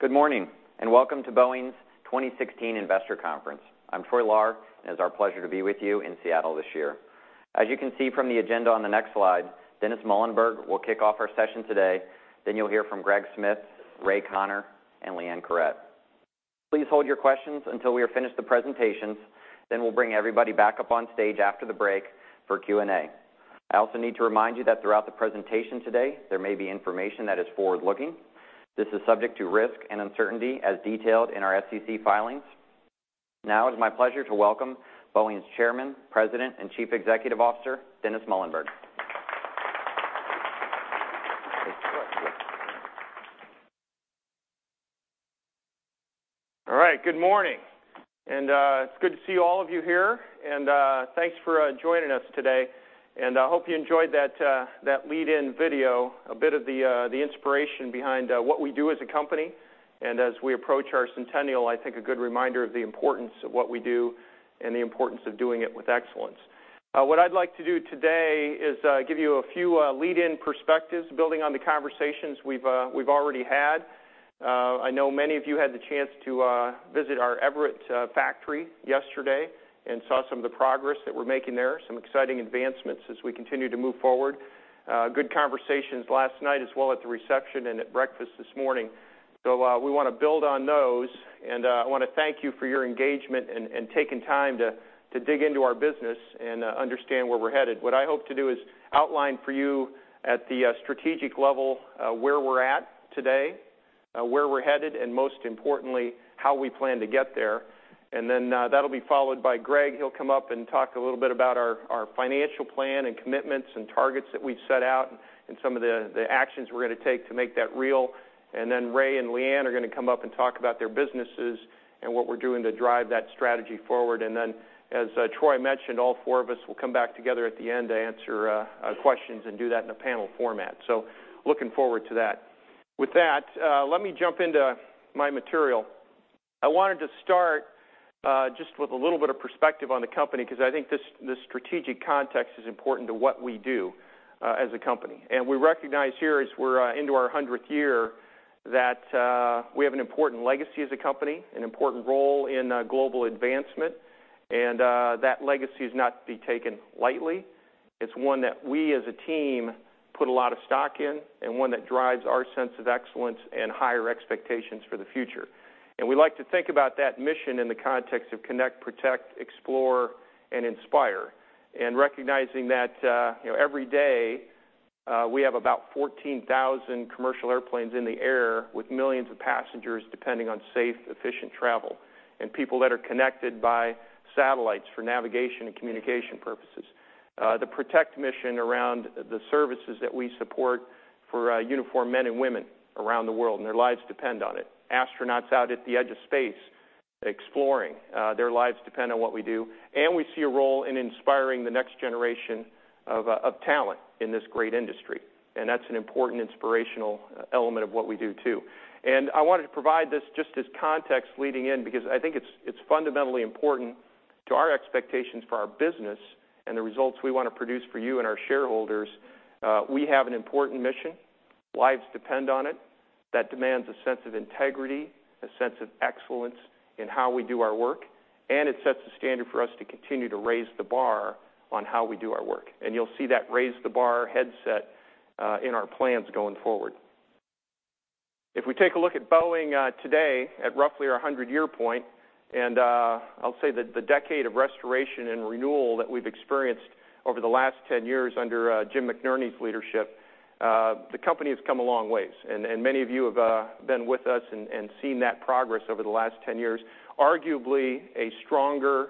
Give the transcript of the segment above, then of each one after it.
Good morning, welcome to The Boeing Company's 2016 Investor Conference. I'm Troy Lahr, it is our pleasure to be with you in Seattle this year. As you can see from the agenda on the next slide, Dennis Muilenburg will kick off our session today, you'll hear from Greg Smith, Ray Conner, and Leanne Caret. Please hold your questions until we are finished the presentations, we'll bring everybody back up on stage after the break for Q&A. I also need to remind you that throughout the presentation today, there may be information that is forward-looking. This is subject to risk and uncertainty as detailed in our SEC filings. Now it's my pleasure to welcome The Boeing Company's Chairman, President, and Chief Executive Officer, Dennis Muilenburg. All right. Good morning, it's good to see all of you here. Thanks for joining us today, I hope you enjoyed that lead-in video, a bit of the inspiration behind what we do as a company. As we approach our centennial, I think a good reminder of the importance of what we do and the importance of doing it with excellence. What I'd like to do today is give you a few lead-in perspectives, building on the conversations we've already had. I know many of you had the chance to visit our Everett factory yesterday and saw some of the progress that we're making there, some exciting advancements as we continue to move forward. Good conversations last night as well at the reception and at breakfast this morning. We want to build on those, I want to thank you for your engagement and taking time to dig into our business and understand where we're headed. What I hope to do is outline for you, at the strategic level, where we're at today, where we're headed, and most importantly, how we plan to get there. That'll be followed by Greg. He'll come up and talk a little bit about our financial plan and commitments and targets that we've set out, some of the actions we're going to take to make that real. Ray and Leanne are going to come up and talk about their businesses and what we're doing to drive that strategy forward. As Troy mentioned, all four of us will come back together at the end to answer questions and do that in a panel format. Looking forward to that. With that, let me jump into my material. I wanted to start just with a little bit of perspective on The Boeing Company, because I think the strategic context is important to what we do as a company. We recognize here, as we're into our 100th year, that we have an important legacy as a company, an important role in global advancement, that legacy is not to be taken lightly. It's one that we, as a team, put a lot of stock in one that drives our sense of excellence and higher expectations for the future. We like to think about that mission in the context of connect, protect, explore, and inspire. Recognizing that every day, we have about 14,000 commercial airplanes in the air with millions of passengers depending on safe, efficient travel, and people that are connected by satellites for navigation and communication purposes. The protect mission around the services that we support for uniformed men and women around the world, their lives depend on it. Astronauts out at the edge of space, exploring. Their lives depend on what we do. We see a role in inspiring the next generation of talent in this great industry, and that's an important inspirational element of what we do, too. I wanted to provide this just as context leading in, because I think it's fundamentally important to our expectations for our business and the results we want to produce for you and our shareholders. We have an important mission. Lives depend on it. That demands a sense of integrity, a sense of excellence in how we do our work, and it sets a standard for us to continue to raise the bar on how we do our work. You'll see that raise the bar headset in our plans going forward. If we take a look at Boeing today, at roughly our 100-year point, I'll say that the decade of restoration and renewal that we've experienced over the last 10 years under Jim McNerney's leadership, the company has come a long ways. Many of you have been with us and seen that progress over the last 10 years. Arguably, a stronger,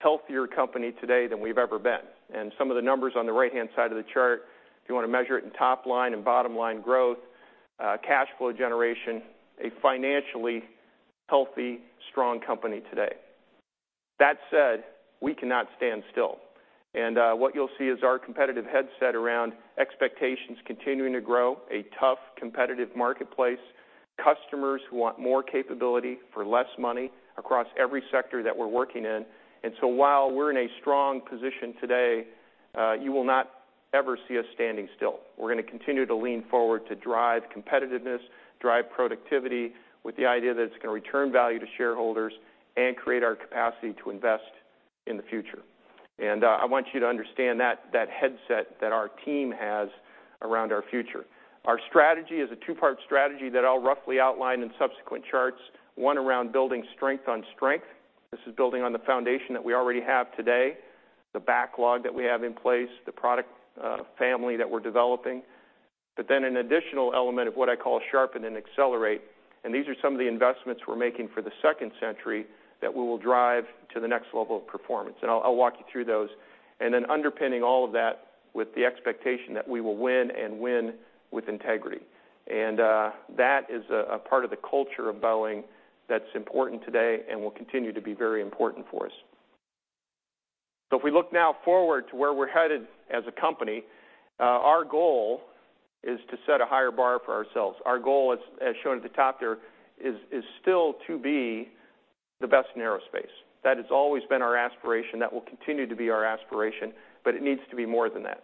healthier company today than we've ever been. Some of the numbers on the right-hand side of the chart, if you want to measure it in top-line and bottom-line growth, cash flow generation, a financially healthy, strong company today. That said, we cannot stand still. What you'll see is our competitive headset around expectations continuing to grow, a tough, competitive marketplace, customers who want more capability for less money across every sector that we're working in. While we're in a strong position today, you will not ever see us standing still. We're going to continue to lean forward to drive competitiveness, drive productivity, with the idea that it's going to return value to shareholders and create our capacity to invest in the future. I want you to understand that headset that our team has around our future. Our strategy is a two-part strategy that I'll roughly outline in subsequent charts, one around building strength on strength. This is building on the foundation that we already have today, the backlog that we have in place, the product family that we're developing. An additional element of what I call sharpen and accelerate, and these are some of the investments we're making for the second century that we will drive to the next level of performance. I'll walk you through those. Underpinning all of that with the expectation that we will win and win with integrity. That is a part of the culture of Boeing that's important today and will continue to be very important for us. If we look now forward to where we're headed as a company, our goal is to set a higher bar for ourselves. Our goal, as shown at the top there, is still to be The best in aerospace. That has always been our aspiration. That will continue to be our aspiration, but it needs to be more than that.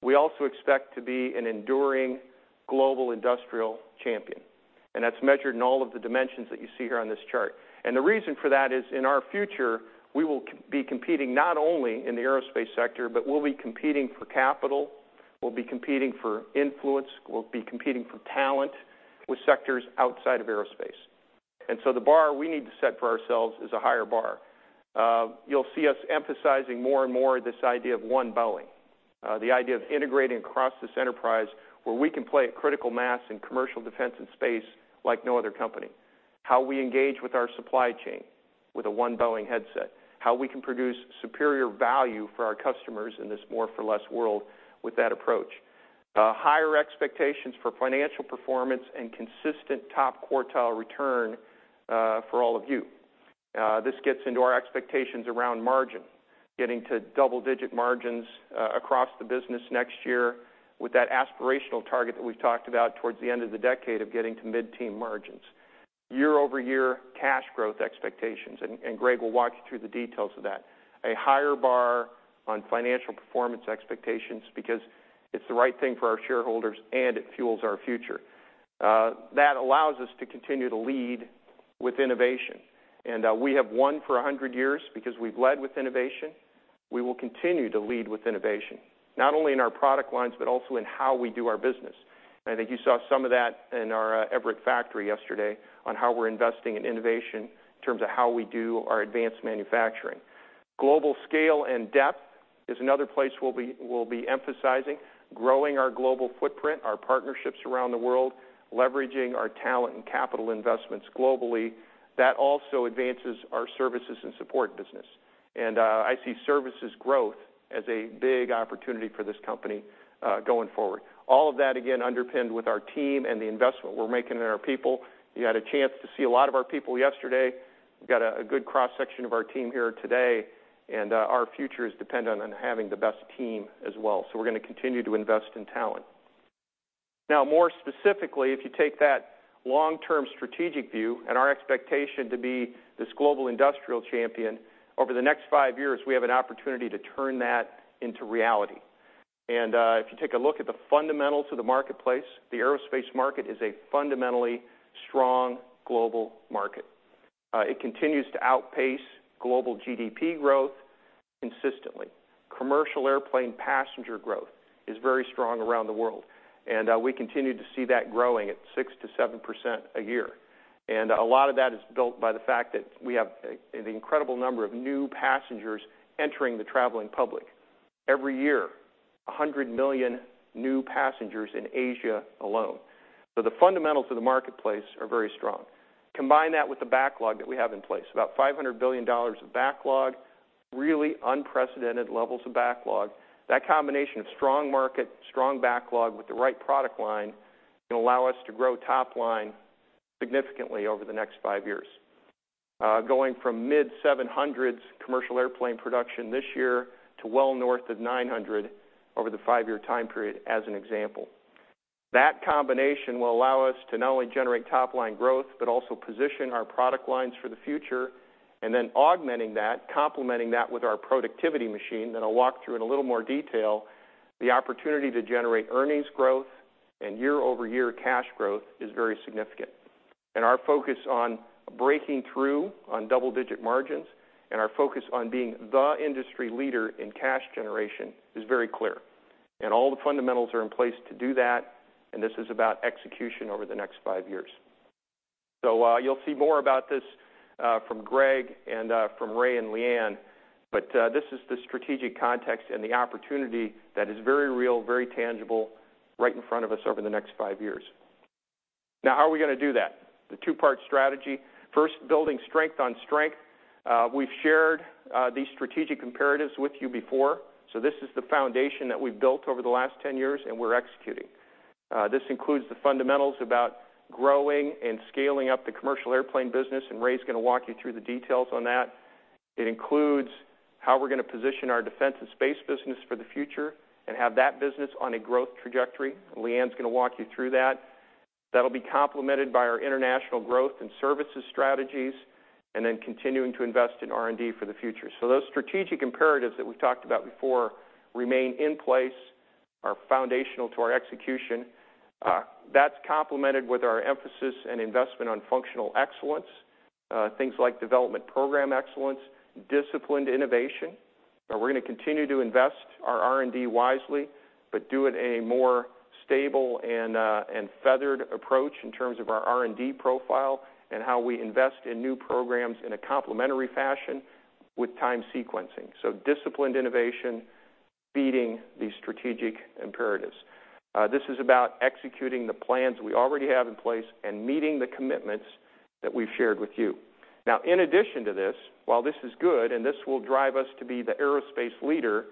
We also expect to be an enduring global industrial champion, and that's measured in all of the dimensions that you see here on this chart. The reason for that is, in our future, we will be competing not only in the aerospace sector, but we'll be competing for capital, we'll be competing for influence, we'll be competing for talent with sectors outside of aerospace. The bar we need to set for ourselves is a higher bar. You'll see us emphasizing more and more this idea of One Boeing, the idea of integrating across this enterprise where we can play a critical mass in commercial defense and space like no other company. How we engage with our supply chain with a One Boeing headset. How we can produce superior value for our customers in this more for less world with that approach. Higher expectations for financial performance and consistent top quartile return for all of you. This gets into our expectations around margin, getting to double-digit margins across the business next year with that aspirational target that we've talked about towards the end of the decade of getting to mid-teen margins. Year-over-year cash growth expectations, and Greg Smith will walk you through the details of that. A higher bar on financial performance expectations because it's the right thing for our shareholders, and it fuels our future. That allows us to continue to lead with innovation, and we have won for 100 years because we've led with innovation. We will continue to lead with innovation, not only in our product lines, but also in how we do our business. I think you saw some of that in our Everett factory yesterday on how we're investing in innovation in terms of how we do our advanced manufacturing. Global scale and depth is another place we'll be emphasizing, growing our global footprint, our partnerships around the world, leveraging our talent and capital investments globally. That also advances our services and support business. I see services growth as a big opportunity for this company going forward. All of that, again, underpinned with our team and the investment we're making in our people. You had a chance to see a lot of our people yesterday. We've got a good cross-section of our team here today, and our future is dependent on having the best team as well. We're going to continue to invest in talent. Now, more specifically, if you take that long-term strategic view and our expectation to be this global industrial champion, over the next 5 years, we have an opportunity to turn that into reality. If you take a look at the fundamentals of the marketplace, the aerospace market is a fundamentally strong global market. It continues to outpace global GDP growth consistently. Commercial airplane passenger growth is very strong around the world, and we continue to see that growing at 6%-7% a year. A lot of that is built by the fact that we have an incredible number of new passengers entering the traveling public. Every year, 100 million new passengers in Asia alone. The fundamentals of the marketplace are very strong. Combine that with the backlog that we have in place, about $500 billion of backlog, really unprecedented levels of backlog. That combination of strong market, strong backlog with the right product line can allow us to grow top-line significantly over the next 5 years. Going from mid-700s commercial airplane production this year to well north of 900 over the 5-year time period, as an example. That combination will allow us to not only generate top-line growth, but also position our product lines for the future, then augmenting that, complementing that with our productivity machine that I'll walk through in a little more detail, the opportunity to generate earnings growth and year-over-year cash growth is very significant. Our focus on breaking through on double-digit margins and our focus on being the industry leader in cash generation is very clear. All the fundamentals are in place to do that, and this is about execution over the next 5 years. You'll see more about this from Greg and from Ray and Leanne, but this is the strategic context and the opportunity that is very real, very tangible, right in front of us over the next 5 years. How are we going to do that? The 2-part strategy. First, building strength on strength. We've shared these strategic imperatives with you before. This is the foundation that we've built over the last 10 years, and we're executing. This includes the fundamentals about growing and scaling up the commercial airplane business, and Ray's going to walk you through the details on that. It includes how we're going to position our defense and space business for the future and have that business on a growth trajectory. Leanne's going to walk you through that. That'll be complemented by our international growth and services strategies, then continuing to invest in R&D for the future. Those strategic imperatives that we've talked about before remain in place, are foundational to our execution. That's complemented with our emphasis and investment on functional excellence, things like development program excellence, disciplined innovation. We're going to continue to invest our R&D wisely, but do it a more stable and feathered approach in terms of our R&D profile and how we invest in new programs in a complementary fashion with time sequencing. Disciplined innovation feeding these strategic imperatives. This is about executing the plans we already have in place and meeting the commitments that we've shared with you. In addition to this, while this is good and this will drive us to be the aerospace leader,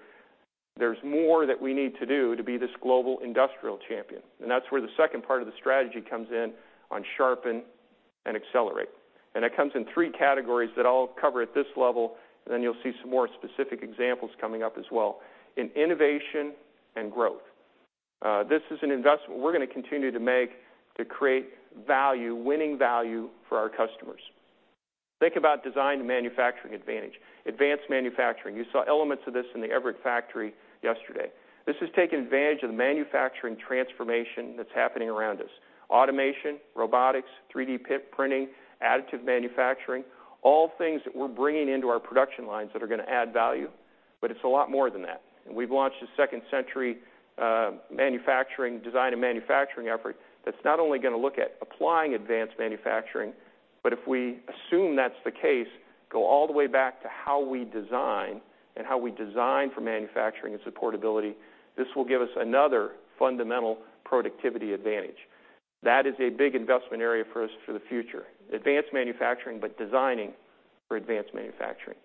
there's more that we need to do to be this global industrial champion, and that's where the second part of the strategy comes in on sharpen and accelerate. That comes in 3 categories that I'll cover at this level, then you'll see some more specific examples coming up as well. In innovation and growth. This is an investment we're going to continue to make to create winning value for our customers. Think about design to manufacturing advantage. Advanced manufacturing. You saw elements of this in the Everett factory yesterday. This has taken advantage of the manufacturing transformation that's happening around us. Automation, robotics, 3D printing, additive manufacturing, all things that we're bringing into our production lines that are going to add value, but it's a lot more than that. We've launched a second-century design and manufacturing effort that's not only going to look at applying advanced manufacturing, but if we assume that's the case, go all the way back to how we design, and how we design for manufacturing and supportability. This will give us another fundamental productivity advantage. That is a big investment area for us for the future. Advanced manufacturing, but designing for advanced manufacturing.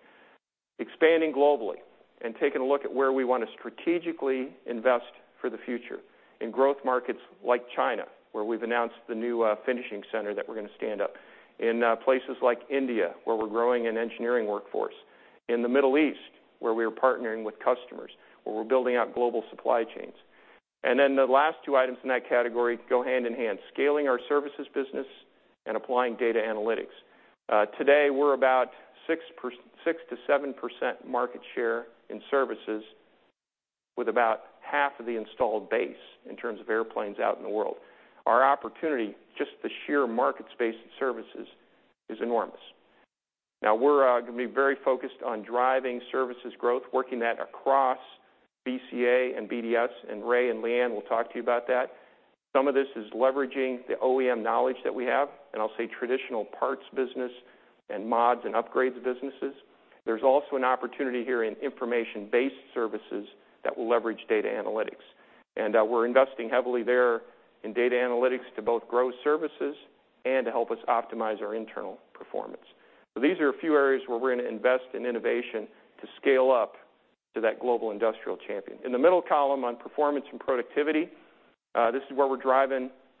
Expanding globally and taking a look at where we want to strategically invest for the future. In growth markets like China, where we've announced the new finishing center that we're going to stand up. In places like India, where we're growing an engineering workforce. In the Middle East, where we are partnering with customers, where we're building out global supply chains. The last two items in that category go hand in hand, scaling our services business and applying data analytics. Today, we're about 6%-7% market share in services with about half of the installed base in terms of airplanes out in the world. Our opportunity, just the sheer market space in services, is enormous. Now, we're going to be very focused on driving services growth, working that across BCA and BDS, and Ray and Leanne will talk to you about that. Some of this is leveraging the OEM knowledge that we have, and I'll say traditional parts business, and mods and upgrades businesses. There's also an opportunity here in information-based services that will leverage data analytics. We're investing heavily there in data analytics to both grow services and to help us optimize our internal performance. These are a few areas where we're going to invest in innovation to scale up to that global industrial champion. In the middle column on performance and productivity, this is where we're driving a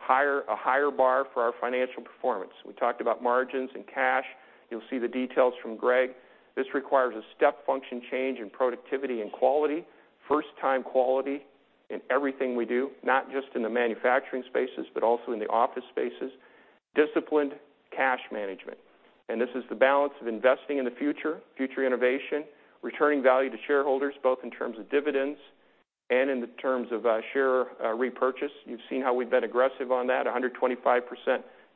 higher bar for our financial performance. We talked about margins and cash. You'll see the details from Greg. This requires a step function change in productivity and quality, first-time quality in everything we do, not just in the manufacturing spaces, but also in the office spaces. Disciplined cash management. This is the balance of investing in the future innovation, returning value to shareholders, both in terms of dividends and in the terms of share repurchase. You've seen how we've been aggressive on that, 125%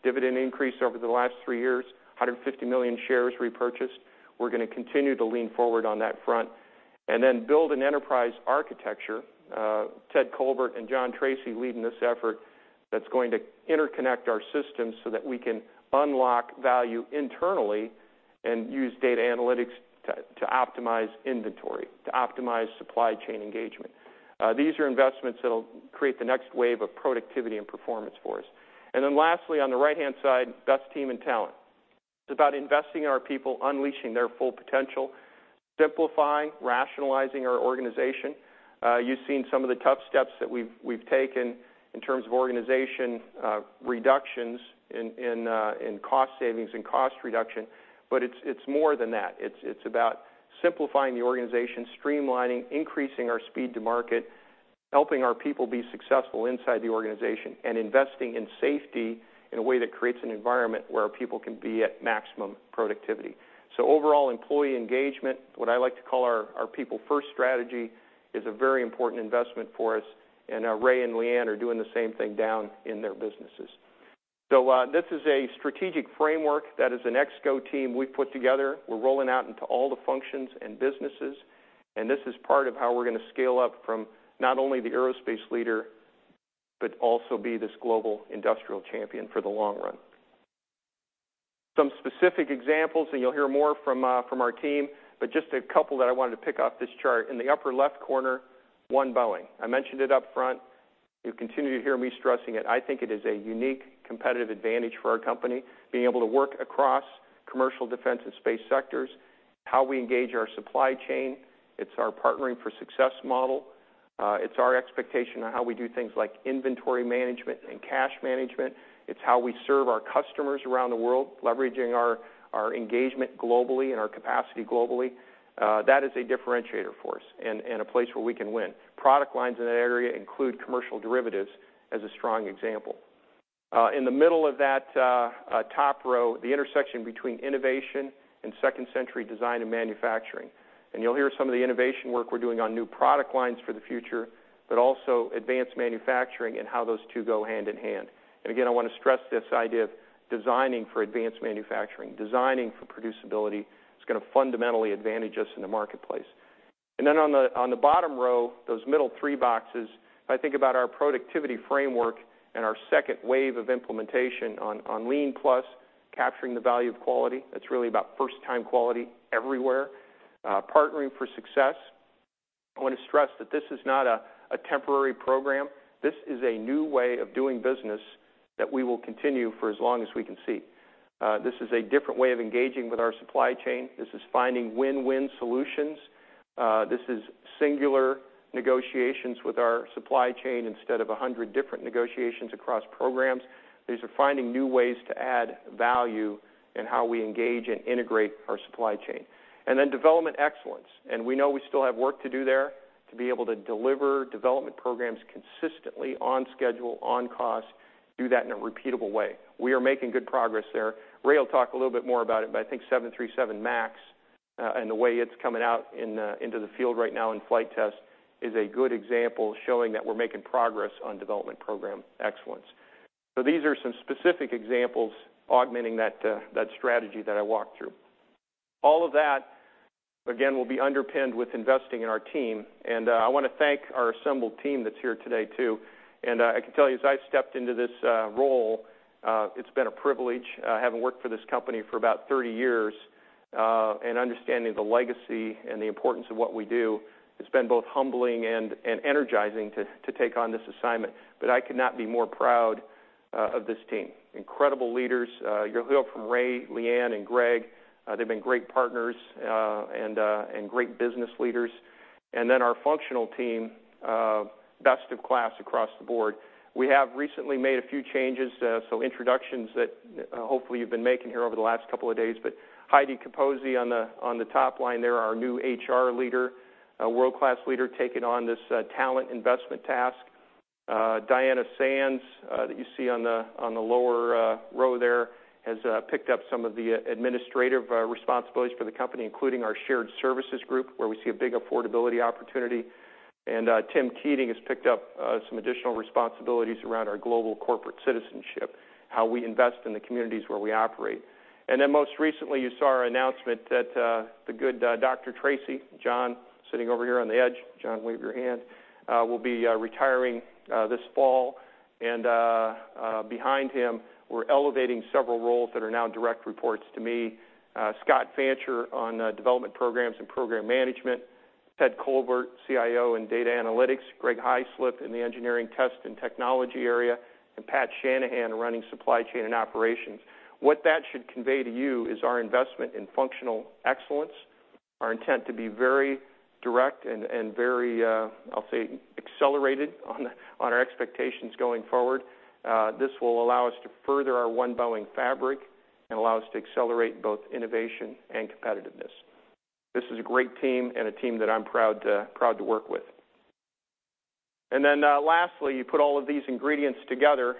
dividend increase over the last three years, 150 million shares repurchased. We're going to continue to lean forward on that front. Build an enterprise architecture, Ted Colbert and John Tracy leading this effort, that's going to interconnect our systems so that we can unlock value internally and use data analytics to optimize inventory, to optimize supply chain engagement. These are investments that'll create the next wave of productivity and performance for us. Lastly, on the right-hand side, best team and talent. It's about investing in our people, unleashing their full potential, simplifying, rationalizing our organization. You've seen some of the tough steps that we've taken in terms of organization reductions in cost savings and cost reduction, but it's more than that. It's about simplifying the organization, streamlining, increasing our speed to market, helping our people be successful inside the organization, and investing in safety in a way that creates an environment where our people can be at maximum productivity. Overall, employee engagement, what I like to call our people first strategy, is a very important investment for us, and Ray and Leanne are doing the same thing down in their businesses. This is a strategic framework that as an ExCo team, we've put together. We're rolling out into all the functions and businesses, and this is part of how we're going to scale up from not only the aerospace leader, but also be this global industrial champion for the long run. Some specific examples, and you'll hear more from our team, but just a couple that I wanted to pick off this chart. In the upper left corner, One Boeing. I mentioned it up front. You'll continue to hear me stressing it. I think it is a unique competitive advantage for our company, being able to work across commercial, defense, and space sectors. How we engage our supply chain. It's our Partnering for Success model. It's our expectation on how we do things like inventory management and cash management. It's how we serve our customers around the world, leveraging our engagement globally and our capacity globally. That is a differentiator for us and a place where we can win. Product lines in that area include commercial derivatives as a strong example. In the middle of that top row, the intersection between innovation and second-century design and manufacturing. You'll hear some of the innovation work we're doing on new product lines for the future, but also advanced manufacturing and how those two go hand in hand. Again, I want to stress this idea of designing for advanced manufacturing, designing for producibility. It's going to fundamentally advantage us in the marketplace. On the bottom row, those middle three boxes, I think about our productivity framework and our second wave of implementation on Lean+, Capturing the Value of Quality. That's really about first-time quality everywhere. Partnering for Success. I want to stress that this is not a temporary program. This is a new way of doing business that we will continue for as long as we can see. This is a different way of engaging with our supply chain. This is finding win-win solutions. This is singular negotiations with our supply chain instead of 100 different negotiations across programs. These are finding new ways to add value in how we engage and integrate our supply chain. Development excellence. We know we still have work to do there to be able to deliver development programs consistently on schedule, on cost, do that in a repeatable way. We are making good progress there. Ray will talk a little bit more about it, but I think 737 MAX, and the way it's coming out into the field right now in flight tests, is a good example showing that we're making progress on development program excellence. These are some specific examples augmenting that strategy that I walked through. All of that, again, will be underpinned with investing in our team, and I want to thank our assembled team that's here today, too. I can tell you, as I've stepped into this role, it's been a privilege. Having worked for this company for about 30 years, and understanding the legacy and the importance of what we do, it's been both humbling and energizing to take on this assignment. I could not be more proud of this team. Incredible leaders. You'll hear from Ray, Leanne, and Greg. They've been great partners and great business leaders. Our functional team, best in class across the board. We have recently made a few changes, so introductions that hopefully you've been making here over the last couple of days. Heidi Capozzi on the top line there, our new HR leader. A world-class leader taking on this talent investment task. Diana Sands, that you see on the lower row there, has picked up some of the administrative responsibilities for the company, including our shared services group, where we see a big affordability opportunity. Tim Keating has picked up some additional responsibilities around our global corporate citizenship, how we invest in the communities where we operate. Most recently, you saw our announcement that the good Dr. Tracy, John, sitting over here on the edge, John, wave your hand, will be retiring this fall. Behind him, we're elevating several roles that are now direct reports to me. Scott Fancher on development programs and program management. Ted Colbert, CIO and data analytics, Greg Hyslop in the engineering test and technology area, and Pat Shanahan running supply chain and operations. What that should convey to you is our investment in functional excellence, our intent to be very direct and very, I'll say, accelerated on our expectations going forward. This will allow us to further our One Boeing fabric and allow us to accelerate both innovation and competitiveness. This is a great team and a team that I'm proud to work with. Lastly, you put all of these ingredients together,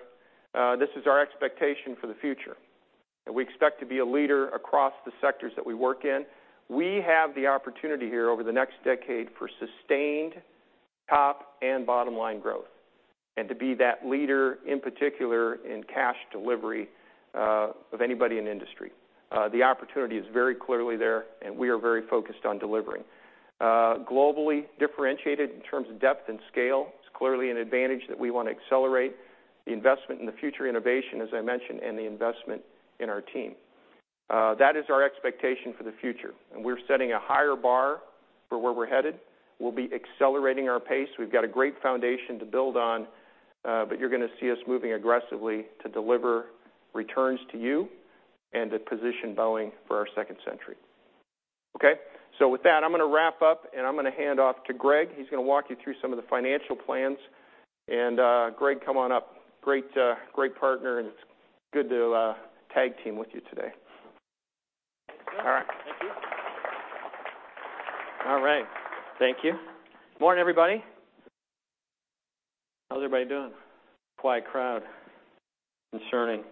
this is our expectation for the future. That we expect to be a leader across the sectors that we work in. We have the opportunity here over the next decade for sustained top and bottom-line growth, and to be that leader, in particular, in cash delivery of anybody in the industry. The opportunity is very clearly there, and we are very focused on delivering. Globally differentiated in terms of depth and scale. It's clearly an advantage that we want to accelerate the investment in the future innovation, as I mentioned, and the investment in our team. That is our expectation for the future, and we're setting a higher bar for where we're headed. We'll be accelerating our pace. We've got a great foundation to build on, but you're going to see us moving aggressively to deliver returns to you and to position Boeing for our second century. Okay. With that, I'm going to wrap up, and I'm going to hand off to Greg. He's going to walk you through some of the financial plans. Greg, come on up. Great partner, and it's good to tag team with you today. Thanks, Dennis. All right. Thank you. All right. Thank you. Morning, everybody. How's everybody doing? Quiet crowd. Concerning.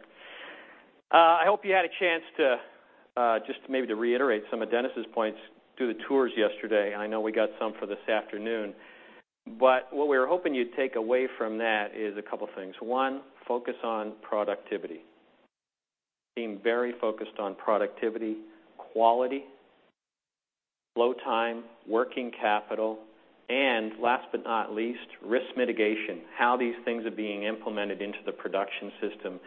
I hope you had a chance to, just maybe to reiterate some of Dennis's points, do the tours yesterday, and I know we got some for this afternoon. What we were hoping you'd take away from that is a couple of things. One, focus on productivity. Being very focused on productivity, quality, flow time, working capital, and last but not least, risk mitigation. How these things are being implemented into the production system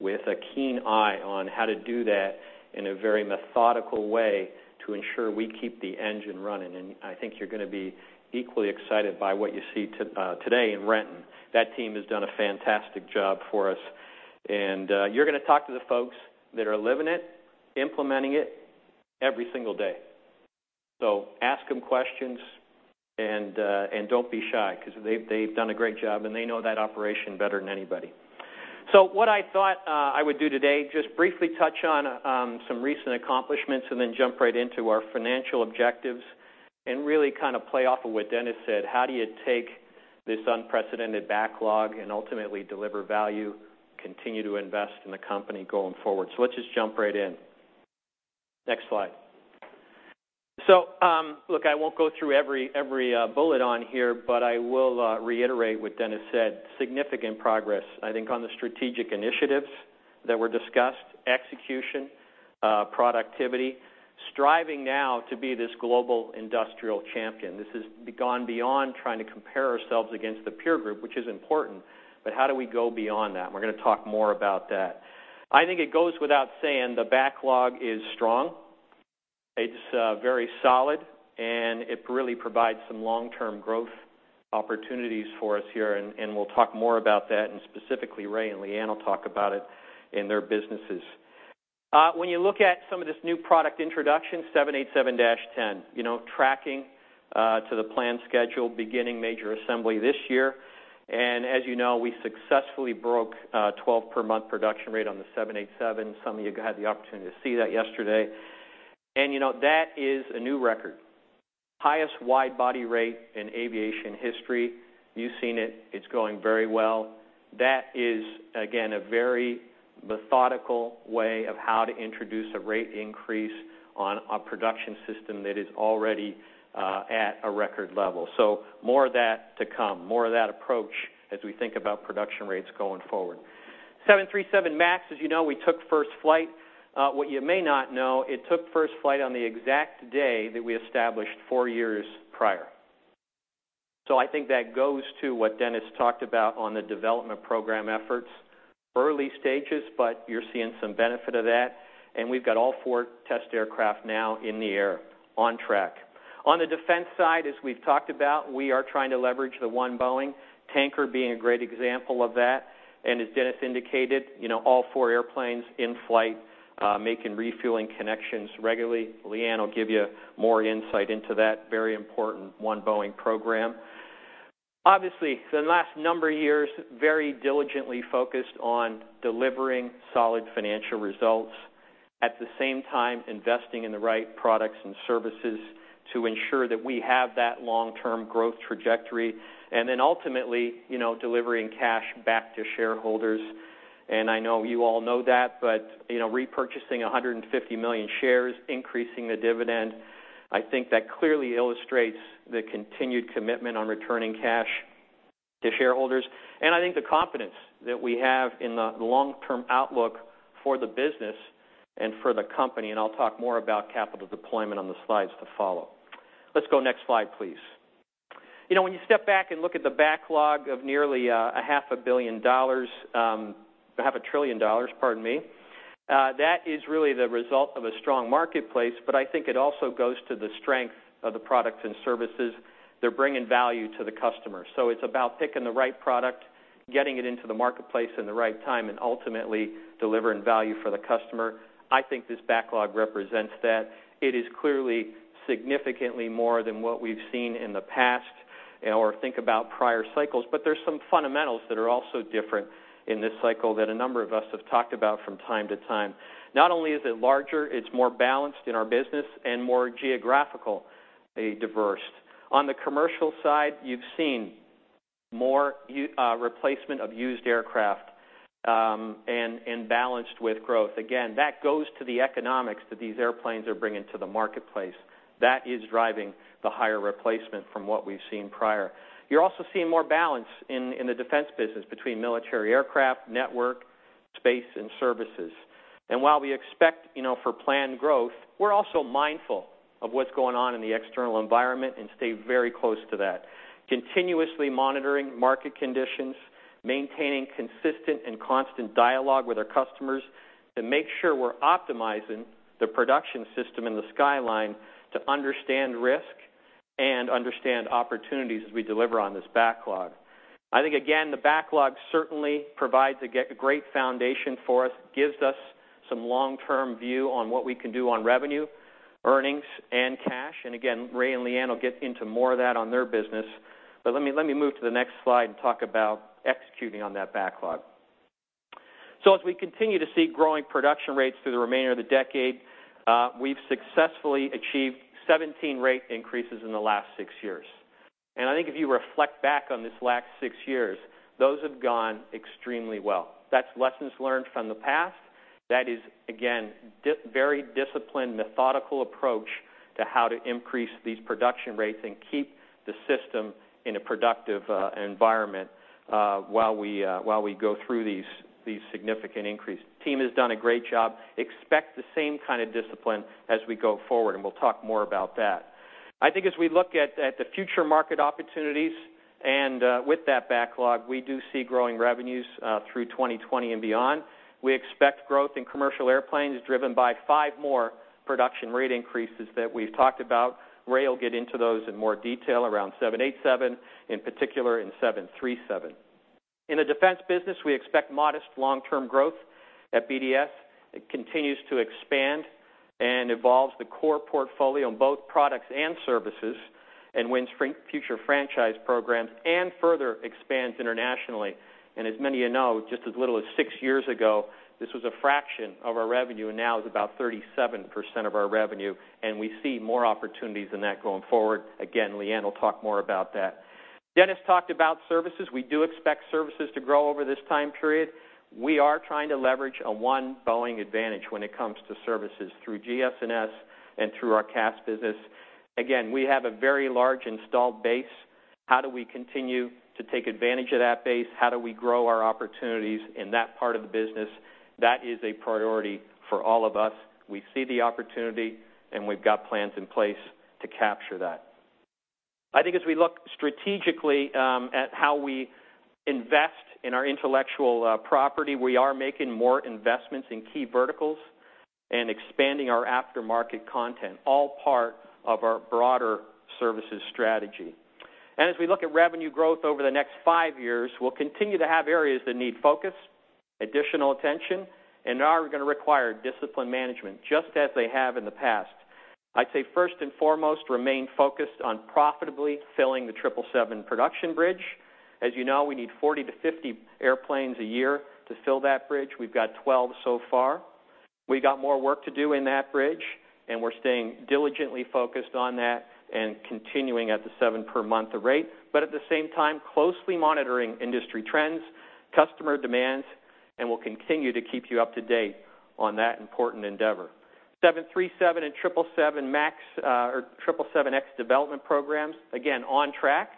with a keen eye on how to do that in a very methodical way to ensure we keep the engine running. I think you're going to be equally excited by what you see today in Renton. That team has done a fantastic job for us, you're going to talk to the folks that are living it, implementing it every single day. Ask them questions and don't be shy, because they've done a great job, and they know that operation better than anybody. What I thought I would do today, just briefly touch on some recent accomplishments and then jump right into our financial objectives and really kind of play off of what Dennis said. How do you take this unprecedented backlog and ultimately deliver value, continue to invest in the company going forward? Let's just jump right in. Next slide. Look, I won't go through every bullet on here, but I will reiterate what Dennis said. Significant progress, I think, on the strategic initiatives that were discussed, execution, productivity, striving now to be this global industrial champion. This has gone beyond trying to compare ourselves against the peer group, which is important, but how do we go beyond that? We're going to talk more about that. I think it goes without saying the backlog is strong. It's very solid, it really provides some long-term growth opportunities for us here, we'll talk more about that, and specifically Ray and Leanne will talk about it in their businesses. When you look at some of this new product introduction, 787-10. Tracking to the plan schedule, beginning major assembly this year. As you know, we successfully broke 12 per month production rate on the 787. Some of you had the opportunity to see that yesterday. That is a new record. Highest wide-body rate in aviation history. You've seen it. It's going very well. That is, again, a very methodical way of how to introduce a rate increase on a production system that is already at a record level. More of that to come, more of that approach as we think about production rates going forward. 737 MAX, as you know, we took first flight. What you may not know, it took first flight on the exact day that we established four years prior. I think that goes to what Dennis talked about on the development program efforts. Early stages, but you're seeing some benefit of that. We've got all four test aircraft now in the air, on track. On the defense side, as we've talked about, we are trying to leverage the One Boeing, tanker being a great example of that. As Dennis indicated, all four airplanes in flight, making refueling connections regularly. Leanne will give you more insight into that very important One Boeing program. Obviously, the last number of years, very diligently focused on delivering solid financial results, at the same time, investing in the right products and services to ensure that we have that long-term growth trajectory, ultimately, delivering cash back to shareholders. I know you all know that, but repurchasing 150 million shares, increasing the dividend, I think that clearly illustrates the continued commitment on returning cash to shareholders. I think the confidence that we have in the long-term outlook for the business and for the company, I'll talk more about capital deployment on the slides to follow. Let's go next slide, please. When you step back and look at the backlog of nearly a half a trillion dollars, that is really the result of a strong marketplace, I think it also goes to the strength of the products and services that are bringing value to the customer. It's about picking the right product, getting it into the marketplace in the right time, ultimately delivering value for the customer. I think this backlog represents that. It is clearly significantly more than what we've seen in the past, or think about prior cycles, there's some fundamentals that are also different in this cycle that a number of us have talked about from time to time. Not only is it larger, it's more balanced in our business and more geographically diverse. On the commercial side, you've seen more replacement of used aircraft and balanced with growth. That goes to the economics that these airplanes are bringing to the marketplace. That is driving the higher replacement from what we've seen prior. You're also seeing more balance in the defense business between military aircraft, network, space, and services. While we expect for planned growth, we're also mindful of what's going on in the external environment and stay very close to that. Continuously monitoring market conditions, maintaining consistent and constant dialogue with our customers to make sure we're optimizing the production system in the skyline to understand risk and understand opportunities as we deliver on this backlog. I think, again, the backlog certainly provides a great foundation for us, gives us some long-term view on what we can do on revenue, earnings, and cash. Ray and Leanne will get into more of that on their business. Let me move to the next slide and talk about executing on that backlog. As we continue to see growing production rates through the remainder of the decade, we've successfully achieved 17 rate increases in the last six years. I think if you reflect back on these last six years, those have gone extremely well. That's lessons learned from the past. That is, again, very disciplined, methodical approach to how to increase these production rates and keep the system in a productive environment while we go through these significant increases. Team has done a great job. Expect the same kind of discipline as we go forward, and we'll talk more about that. I think as we look at the future market opportunities and with that backlog, we do see growing revenues through 2020 and beyond. We expect growth in commercial airplanes driven by five more production rate increases that we've talked about. Ray will get into those in more detail around 787, in particular in 737. In the defense business, we expect modest long-term growth at BDS. It continues to expand and evolves the core portfolio in both products and services, and wins future franchise programs and further expands internationally. As many of you know, just as little as six years ago, this was a fraction of our revenue, and now is about 37% of our revenue, and we see more opportunities in that going forward. Leanne will talk more about that. Dennis talked about services. We do expect services to grow over this time period. We are trying to leverage a One Boeing advantage when it comes to services through GS&S and through our CAS business. We have a very large installed base. How do we continue to take advantage of that base? How do we grow our opportunities in that part of the business? That is a priority for all of us. We see the opportunity, and we've got plans in place to capture that. I think as we look strategically at how we invest in our intellectual property, we are making more investments in key verticals and expanding our aftermarket content, all part of our broader services strategy. As we look at revenue growth over the next five years, we'll continue to have areas that need focus, additional attention, and are going to require discipline management, just as they have in the past. I'd say first and foremost, remain focused on profitably filling the 777 production bridge. As you know, we need 40 to 50 airplanes a year to fill that bridge. We've got 12 so far. We got more work to do in that bridge, and we're staying diligently focused on that and continuing at the seven per month rate, but at the same time, closely monitoring industry trends, customer demands, and we'll continue to keep you up to date on that important endeavor. 737 and 777X development programs, again, on track,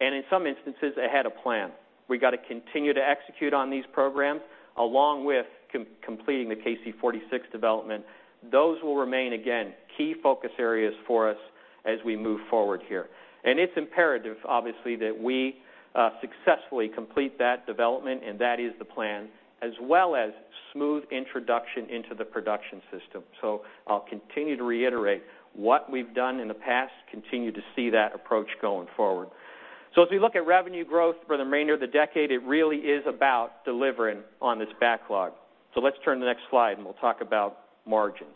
and in some instances, ahead of plan. We got to continue to execute on these programs along with completing the KC-46 development. Those will remain, again, key focus areas for us as we move forward here. It's imperative, obviously, that we successfully complete that development, and that is the plan, as well as smooth introduction into the production system. I'll continue to reiterate what we've done in the past, continue to see that approach going forward. As we look at revenue growth for the remainder of the decade, it really is about delivering on this backlog. Let's turn to the next slide, and we'll talk about margins.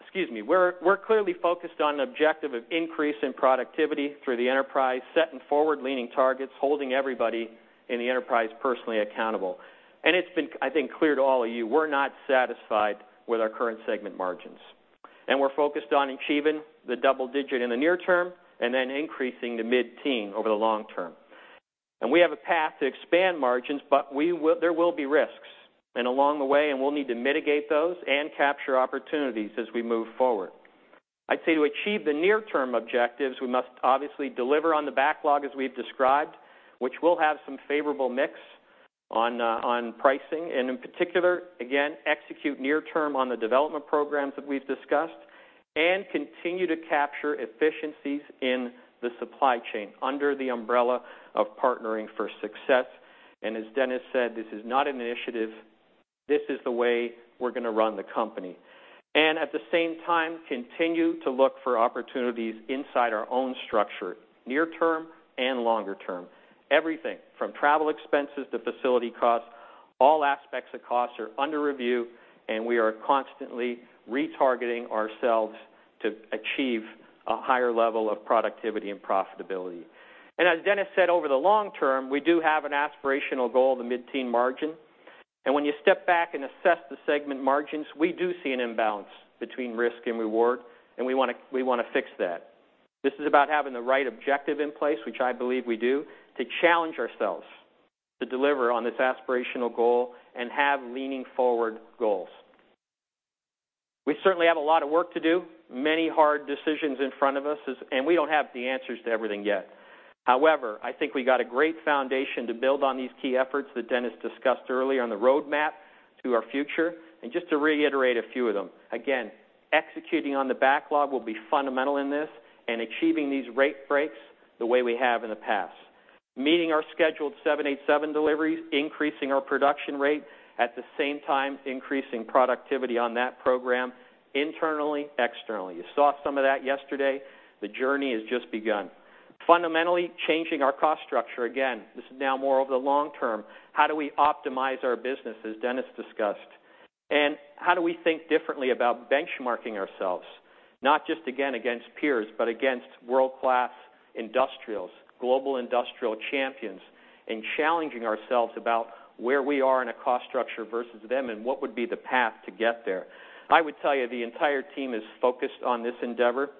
Excuse me. We're clearly focused on the objective of increase in productivity through the enterprise, setting forward-leaning targets, holding everybody in the enterprise personally accountable. It's been, I think, clear to all of you, we're not satisfied with our current segment margins. We're focused on achieving the double digit in the near term, and then increasing to mid-teen over the long term. We have a path to expand margins, but there will be risks. Along the way, we'll need to mitigate those and capture opportunities as we move forward. I'd say to achieve the near-term objectives, we must obviously deliver on the backlog as we've described, which will have some favorable mix on pricing, and in particular, again, execute near term on the development programs that we've discussed and continue to capture efficiencies in the supply chain under the umbrella of Partnering for Success. As Dennis said, this is not an initiative. This is the way we're going to run the company. At the same time, continue to look for opportunities inside our own structure, near term and longer term. Everything from travel expenses to facility costs, all aspects of costs are under review, and we are constantly retargeting ourselves to achieve a higher level of productivity and profitability. As Dennis said, over the long term, we do have an aspirational goal of the mid-teen margin. When you step back and assess the segment margins, we do see an imbalance between risk and reward, and we want to fix that. This is about having the right objective in place, which I believe we do, to challenge ourselves to deliver on this aspirational goal and have leaning forward goals. We certainly have a lot of work to do, many hard decisions in front of us, and we don't have the answers to everything yet. However, I think we got a great foundation to build on these key efforts that Dennis discussed earlier on the roadmap to our future, and just to reiterate a few of them. Again, executing on the backlog will be fundamental in this and achieving these rate breaks the way we have in the past. Meeting our scheduled 787 deliveries, increasing our production rate, at the same time, increasing productivity on that program internally, externally. You saw some of that yesterday. The journey has just begun. Fundamentally changing our cost structure. Again, this is now more of the long term. How do we optimize our business, as Dennis discussed, and how do we think differently about benchmarking ourselves, not just, again, against peers, but against world-class industrials, global industrial champions, and challenging ourselves about where we are in a cost structure versus them and what would be the path to get there. I would tell you the entire team is focused on this endeavor.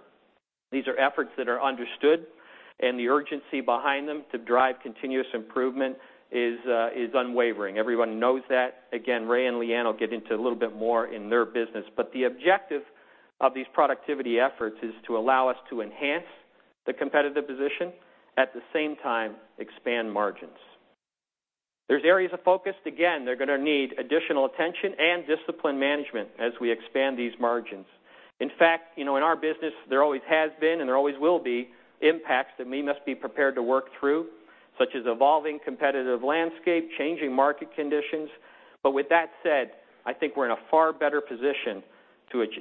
These are efforts that are understood, and the urgency behind them to drive continuous improvement is unwavering. Everyone knows that. Again, Ray and Leanne will get into a little bit more in their business. The objective of these productivity efforts is to allow us to enhance the competitive position, at the same time, expand margins. There's areas of focus. Again, they're going to need additional attention and discipline management as we expand these margins. In fact, in our business, there always has been and there always will be impacts that we must be prepared to work through, such as evolving competitive landscape, changing market conditions. With that said, I think we're in a far better position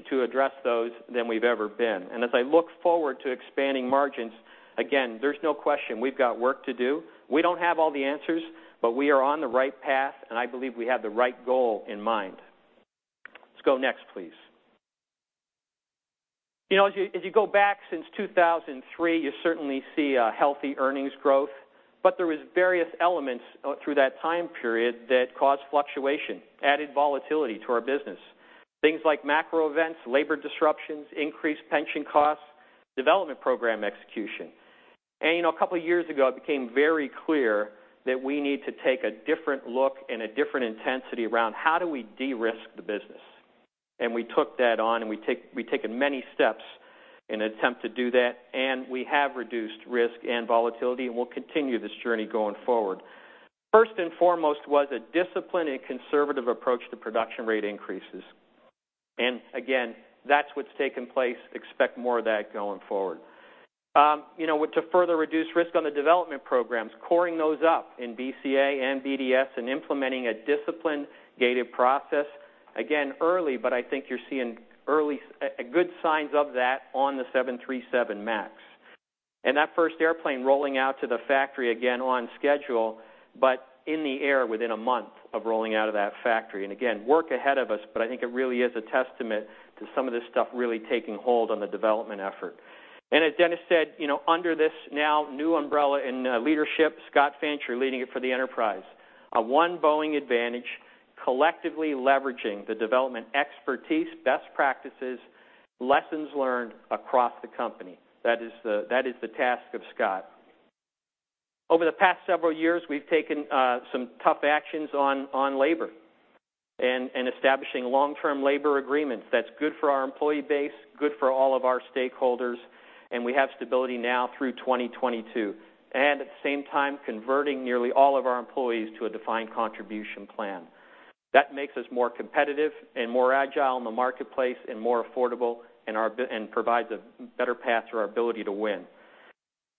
to address those than we've ever been, and as I look forward to expanding margins, again, there's no question we've got work to do. We don't have all the answers, but we are on the right path, and I believe we have the right goal in mind. Let's go next, please. As you go back since 2003, you certainly see a healthy earnings growth, there was various elements through that time period that caused fluctuation, added volatility to our business. Things like macro events, labor disruptions, increased pension costs, development program execution. A couple of years ago, it became very clear that we need to take a different look and a different intensity around how do we de-risk the business. We took that on, and we've taken many steps in an attempt to do that, and we have reduced risk and volatility, and we'll continue this journey going forward. First and foremost was a disciplined and conservative approach to production rate increases. Again, that's what's taken place. Expect more of that going forward. To further reduce risk on the development programs, covering those up in BCA and BDS and implementing a disciplined gated process, again, early, but I think you're seeing good signs of that on the 737 MAX. That first airplane rolling out to the factory, again, on schedule, but in the air within a month of rolling out of that factory. Again, work ahead of us, but I think it really is a testament to some of this stuff really taking hold on the development effort. As Dennis said, under this now new umbrella in leadership, Scott Fancher leading it for the enterprise, a One Boeing advantage, collectively leveraging the development expertise, best practices, lessons learned across the company. That is the task of Scott. Over the past several years, we've taken some tough actions on labor and establishing long-term labor agreements that's good for our employee base, good for all of our stakeholders, and we have stability now through 2022. At the same time, converting nearly all of our employees to a defined contribution plan. That makes us more competitive and more agile in the marketplace and more affordable, and provides a better path for our ability to win.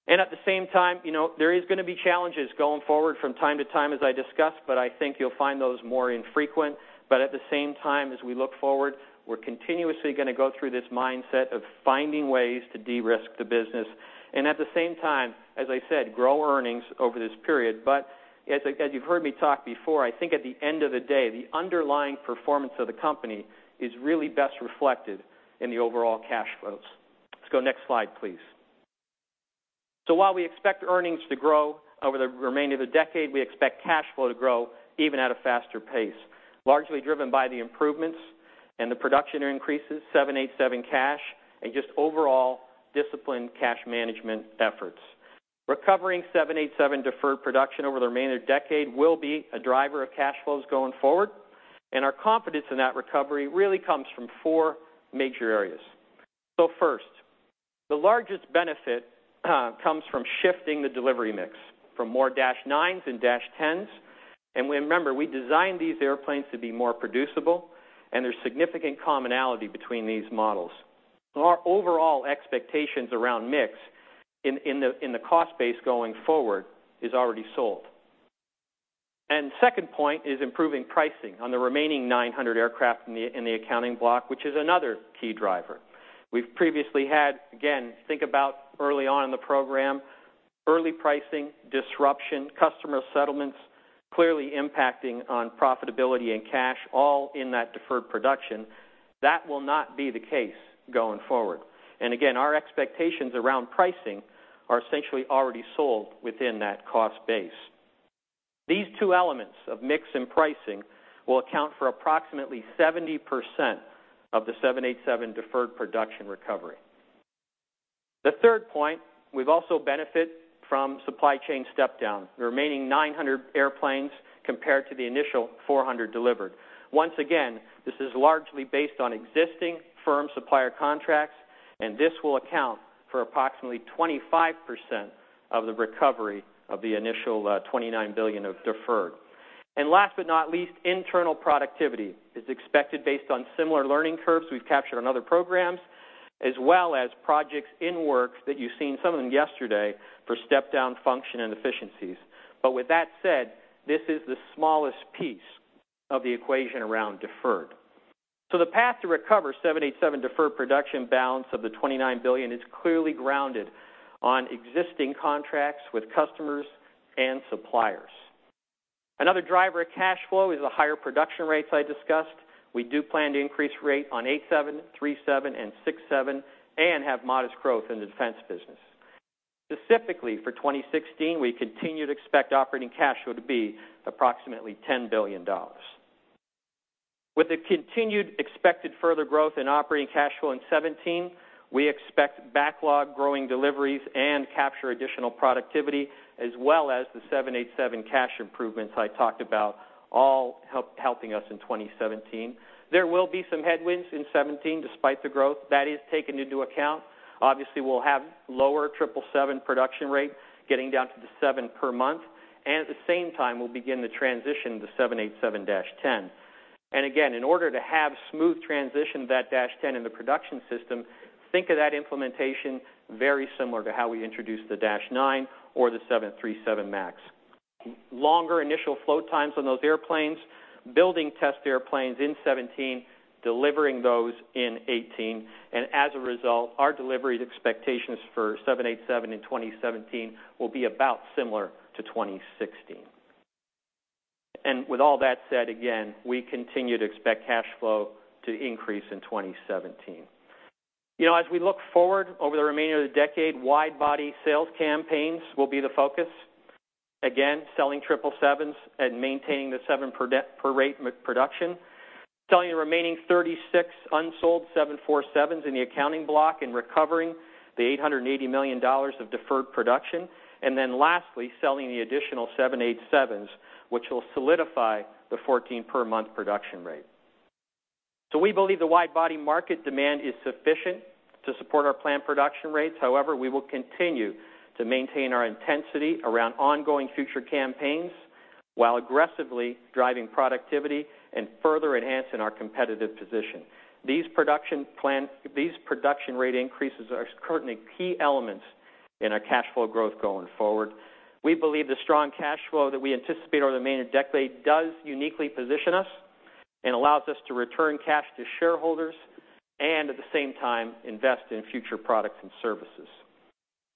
At the same time, there is going to be challenges going forward from time to time, as I discussed, but I think you'll find those more infrequent. At the same time, as we look forward, we're continuously going to go through this mindset of finding ways to de-risk the business, and at the same time, as I said, grow earnings over this period. As you've heard me talk before, I think at the end of the day, the underlying performance of the company is really best reflected in the overall cash flows. Let's go next slide, please. While we expect earnings to grow over the remainder of the decade, we expect cash flow to grow even at a faster pace, largely driven by the improvements and the production increases, 787 cash, and just overall disciplined cash management efforts. Recovering 787 deferred production over the remainder of the decade will be a driver of cash flows going forward, and our confidence in that recovery really comes from four major areas. First, the largest benefit comes from shifting the delivery mix from more -9s and -10s. Remember, we designed these airplanes to be more producible, and there's significant commonality between these models. Our overall expectations around mix in the cost base going forward is already sold. Second point is improving pricing on the remaining 900 aircraft in the accounting block, which is another key driver. We've previously had, again, think about early on in the program, early pricing, disruption, customer settlements, clearly impacting on profitability and cash, all in that deferred production. That will not be the case going forward. Again, our expectations around pricing are essentially already sold within that cost base. These two elements of mix and pricing will account for approximately 70% of the 787 deferred production recovery. The third point, we've also benefit from supply chain step-down, the remaining 900 airplanes compared to the initial 400 delivered. Once again, this is largely based on existing firm supplier contracts, and this will account for approximately 25% of the recovery of the initial $29 billion of deferred. Last but not least, internal productivity is expected based on similar learning curves we've captured on other programs, as well as projects in work that you've seen, some of them yesterday, for step-down function and efficiencies. With that said, this is the smallest piece of the equation around deferred. The path to recover 787 deferred production balance of the $29 billion is clearly grounded on existing contracts with customers and suppliers. Another driver of cash flow is the higher production rates I discussed. We do plan to increase rate on 87, 37, and 67, and have modest growth in the defense business. Specifically for 2016, we continue to expect operating cash flow to be approximately $10 billion. With the continued expected further growth in operating cash flow in 2017, we expect backlog growing deliveries and capture additional productivity, as well as the 787 cash improvements I talked about, all helping us in 2017. There will be some headwinds in 2017 despite the growth. That is taken into account. Obviously, we'll have lower 777 production rate, getting down to the seven per month, at the same time, we'll begin the transition to 787-10. Again, in order to have smooth transition of that -10 in the production system, think of that implementation very similar to how we introduced the -9 or the 737 MAX. Longer initial flow times on those airplanes, building test airplanes in 2017, delivering those in 2018, and as a result, our delivery expectations for 787 in 2017 will be about similar to 2016. With all that said, again, we continue to expect cash flow to increase in 2017. As we look forward over the remainder of the decade, wide-body sales campaigns will be the focus. Again, selling 777s and maintaining the seven per rate production, selling the remaining 36 unsold 747s in the accounting block and recovering the $880 million of deferred production. Lastly, selling the additional 787s, which will solidify the 14 per month production rate. We believe the wide-body market demand is sufficient to support our planned production rates. However, we will continue to maintain our intensity around ongoing future campaigns. While aggressively driving productivity and further enhancing our competitive position. These production rate increases are certainly key elements in our cash flow growth going forward.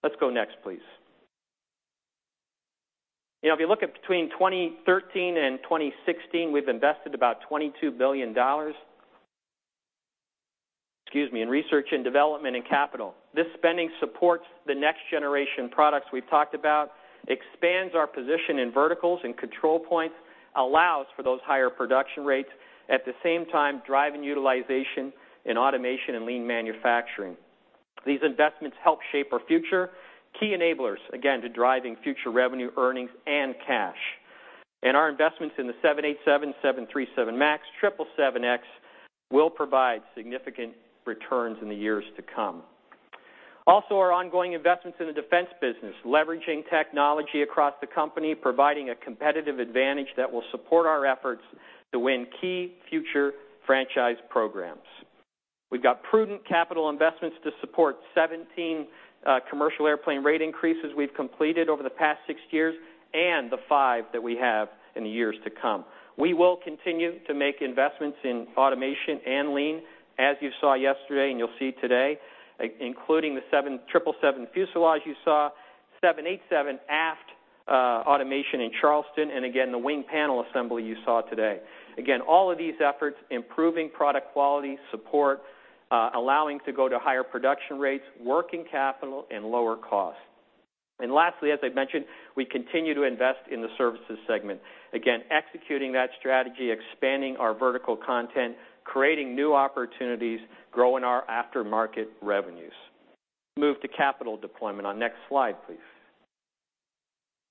Also, our ongoing investments in the defense business, leveraging technology across the company, providing a competitive advantage that will support our efforts to win key future franchise programs. We've got prudent capital investments to support 17 commercial airplane rate increases we've completed over the past six years, and the five that we have in the years to come. Our ongoing investments in the defense business, leveraging technology across the company, providing a competitive advantage that will support our efforts to win key future franchise programs. We've got prudent capital investments to support 17 commercial airplane rate increases we've completed over the past six years, and the five that we have in the years to come. We will continue to make investments in automation and Lean+, as you saw yesterday and you'll see today, including the 777 fuselage you saw, 787 aft automation in Charleston, again, the wing panel assembly you saw today. All of these efforts, improving product quality, support, allowing to go to higher production rates, working capital, and lower cost. Lastly, as I've mentioned, we continue to invest in the services segment. Executing that strategy, expanding our vertical content, creating new opportunities, growing our aftermarket revenues. Move to capital deployment on next slide, please.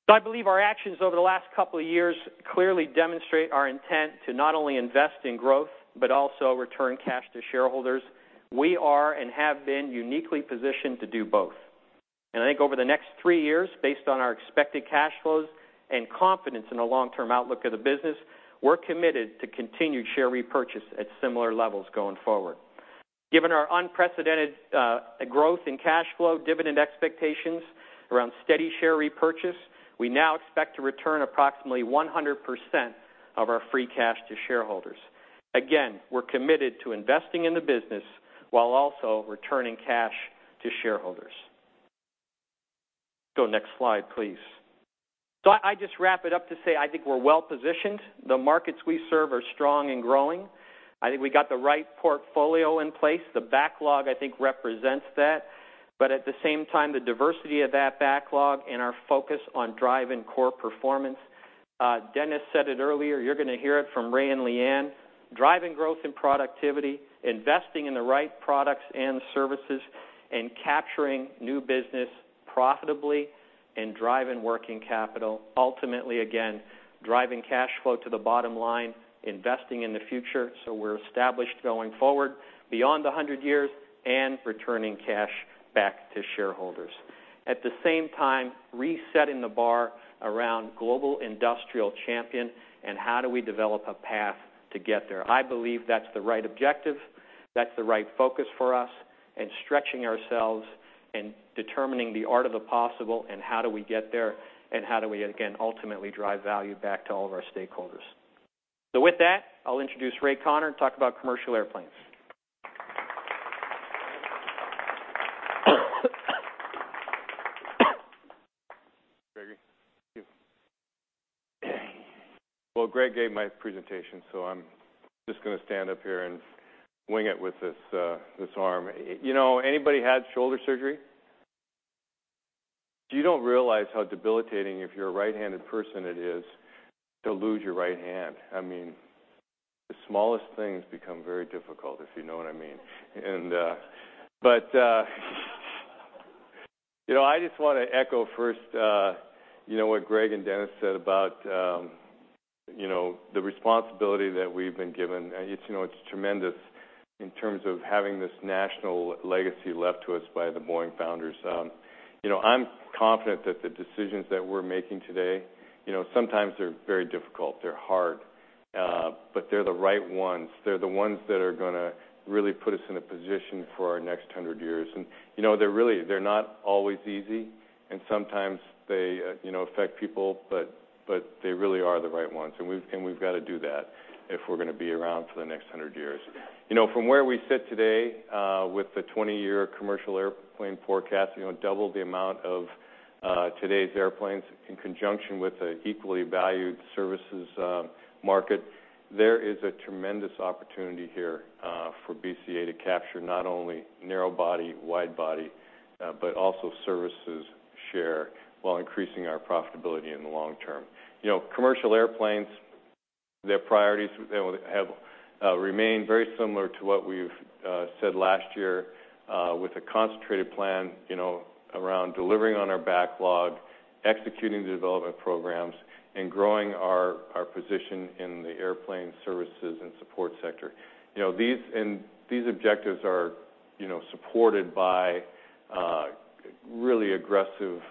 I believe our actions over the last couple of years clearly demonstrate our intent to not only invest in growth, but also return cash to shareholders. We are, and have been, uniquely positioned to do both. I think over the next three years, based on our expected cash flows and confidence in the long-term outlook of the business, we're committed to continued share repurchase at similar levels going forward. Given our unprecedented growth in cash flow, dividend expectations around steady share repurchase, we now expect to return approximately 100% of our free cash to shareholders. Again, we're committed to investing in the business while also returning cash to shareholders. Go next slide, please. I just wrap it up to say I think we're well-positioned. The markets we serve are strong and growing. I think we got the right portfolio in place. The backlog, I think, represents that. At the same time, the diversity of that backlog and our focus on driving core performance. Dennis said it earlier, you're going to hear it from Ray and Leanne, driving growth in productivity, investing in the right products and services, capturing new business profitably, and driving working capital. Ultimately, again, driving cash flow to the bottom line, investing in the future, so we're established going forward beyond 100 years, returning cash back to shareholders. At the same time, resetting the bar around global industrial champion, how do we develop a path to get there? I believe that's the right objective, that's the right focus for us, stretching ourselves and determining the art of the possible, how do we get there, and how do we, again, ultimately drive value back to all of our stakeholders. With that, I'll introduce Ray Conner to talk about commercial airplanes. Gregory, thank you. Greg gave my presentation, so I'm just going to stand up here and wing it with this arm. Anybody had shoulder surgery? You don't realize how debilitating, if you're a right-handed person, it is to lose your right hand. I mean, the smallest things become very difficult, if you know what I mean. I just want to echo first, what Greg and Dennis said about the responsibility that we've been given. It's tremendous in terms of having this national legacy left to us by the Boeing founders. I'm confident that the decisions that we're making today, sometimes they're very difficult, they're hard, but they're the right ones. They're the ones that are going to really put us in a position for our next 100 years. They're not always easy, and sometimes they affect people, but they really are the right ones. We've got to do that if we're going to be around for the next 100 years. From where we sit today, with the 20-year commercial airplane forecast, double the amount of today's airplanes, in conjunction with an equally valued services market. There is a tremendous opportunity here for BCA to capture not only narrow-body, wide-body, but also services share, while increasing our profitability in the long term. Commercial Airplanes, their priorities have remained very similar to what we've said last year, with a concentrated plan around delivering on our backlog, executing the development programs, and growing our position in the airplane services and support sector. These objectives are supported by really aggressive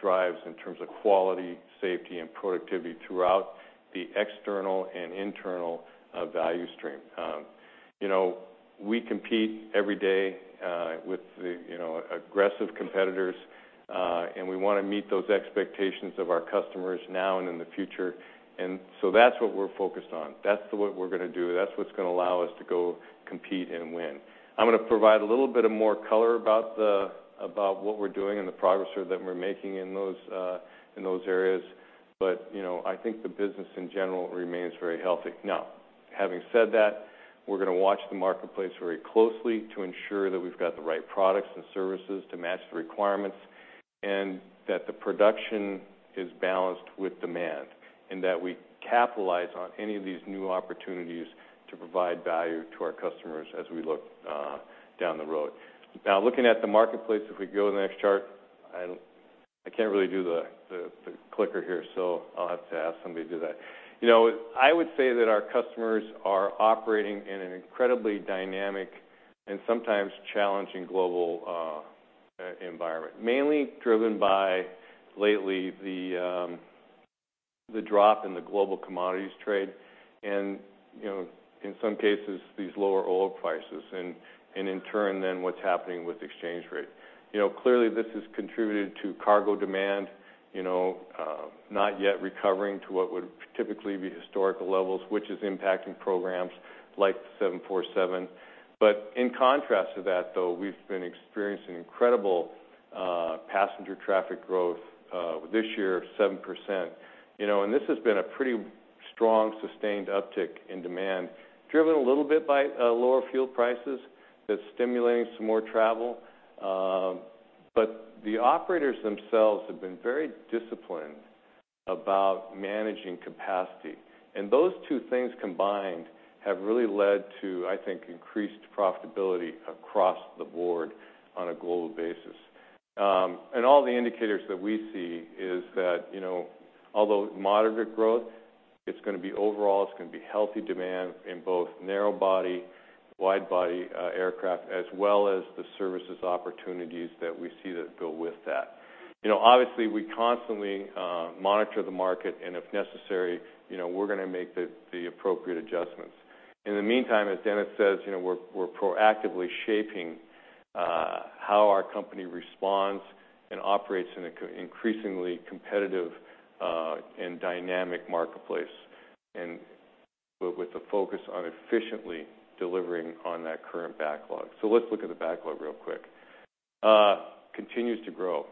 drives in terms of quality, safety, and productivity throughout the external and internal value stream. We compete every day with aggressive competitors, we want to meet those expectations of our customers now and in the future. That's what we're focused on. That's what we're going to do. That's what's going to allow us to go compete and win. I'm going to provide a little bit of more color about what we're doing and the progress that we're making in those areas. I think the business, in general, remains very healthy. Having said that, we're going to watch the marketplace very closely to ensure that we've got the right products and services to match the requirements, that the production is balanced with demand, and that we capitalize on any of these new opportunities to provide value to our customers as we look down the road. Looking at the marketplace, if we go to the next chart. I can't really do the clicker here, I'll have to have somebody do that. I would say that our customers are operating in an incredibly dynamic and sometimes challenging global environment, mainly driven by, lately, the drop in the global commodities trade and, in some cases, these lower oil prices and, in turn then, what's happening with exchange rate. Clearly, this has contributed to cargo demand, not yet recovering to what would typically be historical levels, which is impacting programs like the 747. In contrast to that, though, we've been experiencing incredible passenger traffic growth. This year, 7%. This has been a pretty strong, sustained uptick in demand, driven a little bit by lower fuel prices that's stimulating some more travel. The operators themselves have been very disciplined about managing capacity. Those two things combined have really led to, I think, increased profitability across the board on a global basis. All the indicators that we see is that although moderate growth, it's going to be overall, it's going to be healthy demand in both narrow-body, wide-body aircraft, as well as the services opportunities that we see that go with that. Obviously, we constantly monitor the market, and if necessary, we're going to make the appropriate adjustments. In the meantime, as Dennis says, we're proactively shaping how our company responds and operates in an increasingly competitive, and dynamic marketplace, but with the focus on efficiently delivering on that current backlog. Let's look at the backlog real quick. Continues to grow.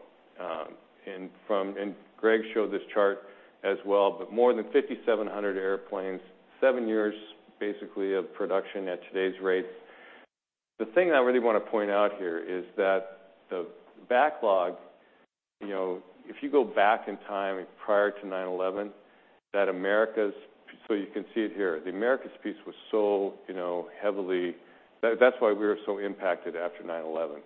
Greg showed this chart as well, but more than 5,700 airplanes, seven years, basically, of production at today's rates. The thing that I really want to point out here is that the backlog, if you go back in time prior to 9/11, you can see it here. The Americas piece was so heavily. That's why we were so impacted after 9/11,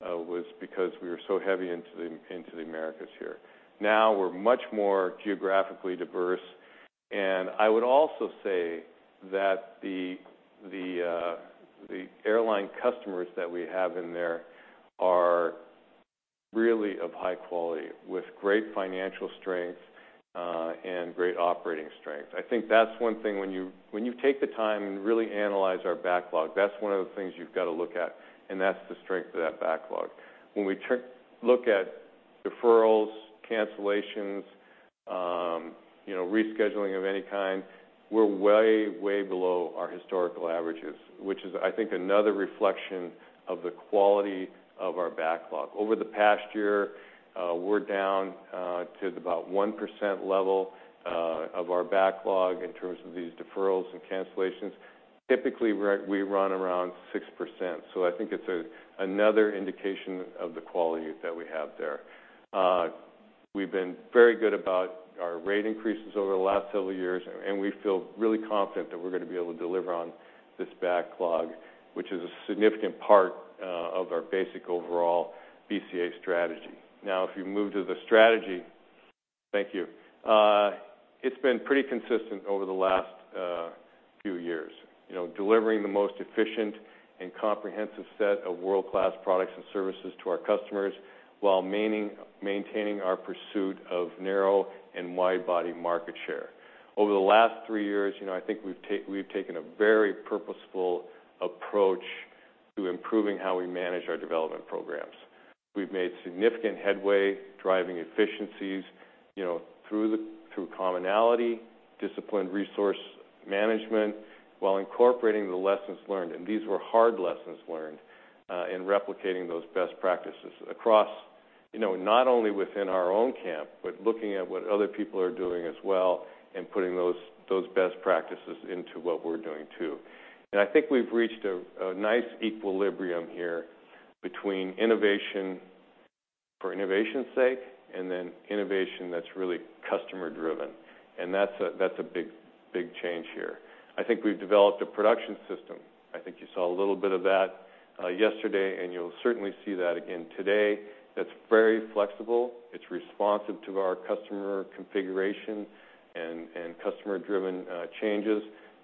was because we were so heavy into the Americas here. Now we're much more geographically diverse, and I would also say that the airline customers that we have in there are really of high quality with great financial strength, and great operating strength. I think that's one thing when you take the time and really analyze our backlog, that's one of the things you've got to look at, and that's the strength of that backlog. When we look at deferrals, cancellations, rescheduling of any kind, we're way below our historical averages, which is, I think, another reflection of the quality of our backlog. Over the past year, we're down to about 1% level of our backlog in terms of these deferrals and cancellations. Typically, we run around 6%, I think it's another indication of the quality that we have there. We've been very good about our rate increases over the last several years, and we feel really confident that we're going to be able to deliver on this backlog, which is a significant part of our basic overall BCA strategy. If you move to the strategy, thank you. It's been pretty consistent over the last few years. Delivering the most efficient and comprehensive set of world-class products and services to our customers while maintaining our pursuit of narrow and wide body market share. Over the last three years, I think we've taken a very purposeful approach to improving how we manage our development programs. We've made significant headway driving efficiencies, through commonality, disciplined resource management, while incorporating the lessons learned. These were hard lessons learned, in replicating those best practices across, not only within our own camp, but looking at what other people are doing as well and putting those best practices into what we're doing, too. I think we've reached a nice equilibrium here between innovation for innovation's sake and then innovation that's really customer driven. That's a big change here. I think we've developed a production system. I think you saw a little bit of that yesterday. You'll certainly see that again today, that's very flexible. It's responsive to our customer configuration and customer-driven changes.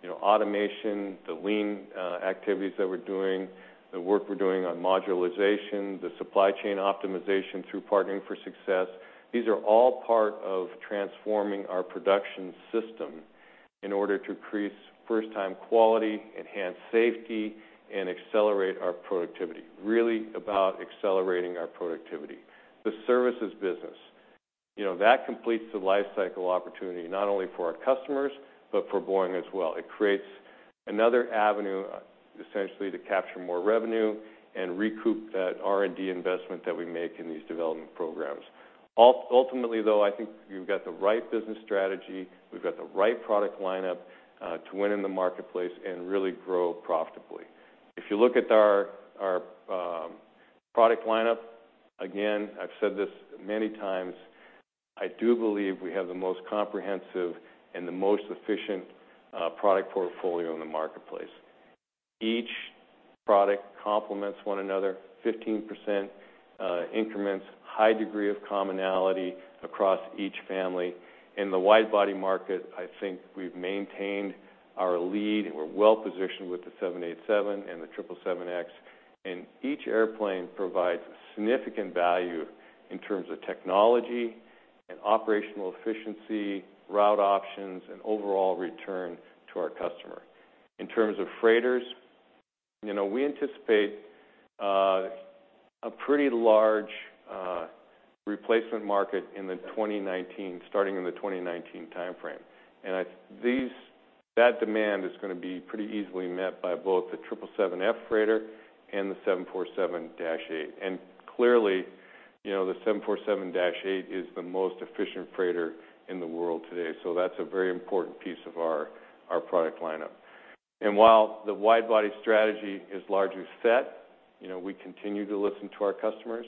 Automation, the Lean activities that we're doing, the work we're doing on modularization, the supply chain optimization through Partnering for Success, these are all part of transforming our production system in order to increase first-time quality, enhance safety, and accelerate our productivity, really about accelerating our productivity. The services business that completes the life cycle opportunity not only for our customers, but for Boeing as well. It creates another avenue, essentially, to capture more revenue and recoup that R&D investment that we make in these development programs. Ultimately, though, I think we've got the right business strategy, we've got the right product lineup to win in the marketplace and really grow profitably. If you look at our product lineup, again, I've said this many times, I do believe we have the most comprehensive and the most efficient product portfolio in the marketplace. Each product complements one another, 15% increments, high degree of commonality across each family. In the wide-body market, I think we've maintained our lead, and we're well positioned with the 787 and the 777X, and each airplane provides significant value in terms of technology and operational efficiency, route options, and overall return to our customer. In terms of freighters, we anticipate a pretty large replacement market starting in the 2019 timeframe. That demand is going to be pretty easily met by both the 777F freighter and the 747-8. Clearly, the 747-8 is the most efficient freighter in the world today, so that's a very important piece of our product lineup. While the wide-body strategy is largely set, we continue to listen to our customers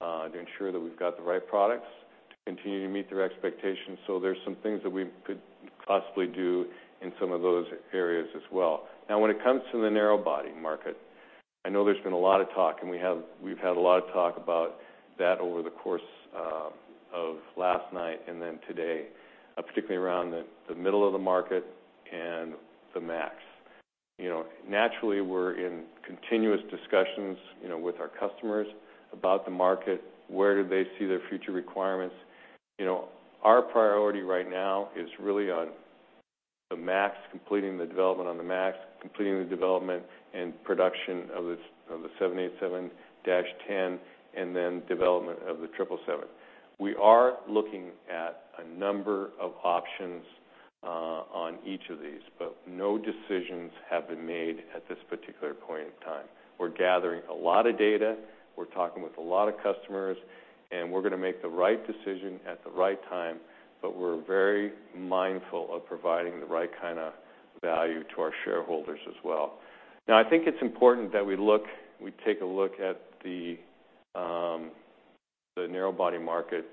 to ensure that we've got the right products to continue to meet their expectations. There's some things that we could possibly do in some of those areas as well. When it comes to the narrow-body market, I know there's been a lot of talk, and we've had a lot of talk about that over the course of last night and then today, particularly around the middle of the market and the MAX. Naturally, we're in continuous discussions with our customers about the market. Where do they see their future requirements? Our priority right now is really on the MAX, completing the development on the MAX, completing the development and production of the 787-10, and then development of the 777. We are looking at a number of options on each of these, no decisions have been made at this particular point in time. We're gathering a lot of data, we're talking with a lot of customers, we're going to make the right decision at the right time, we're very mindful of providing the right kind of value to our shareholders as well. I think it's important that we take a look at the narrow-body market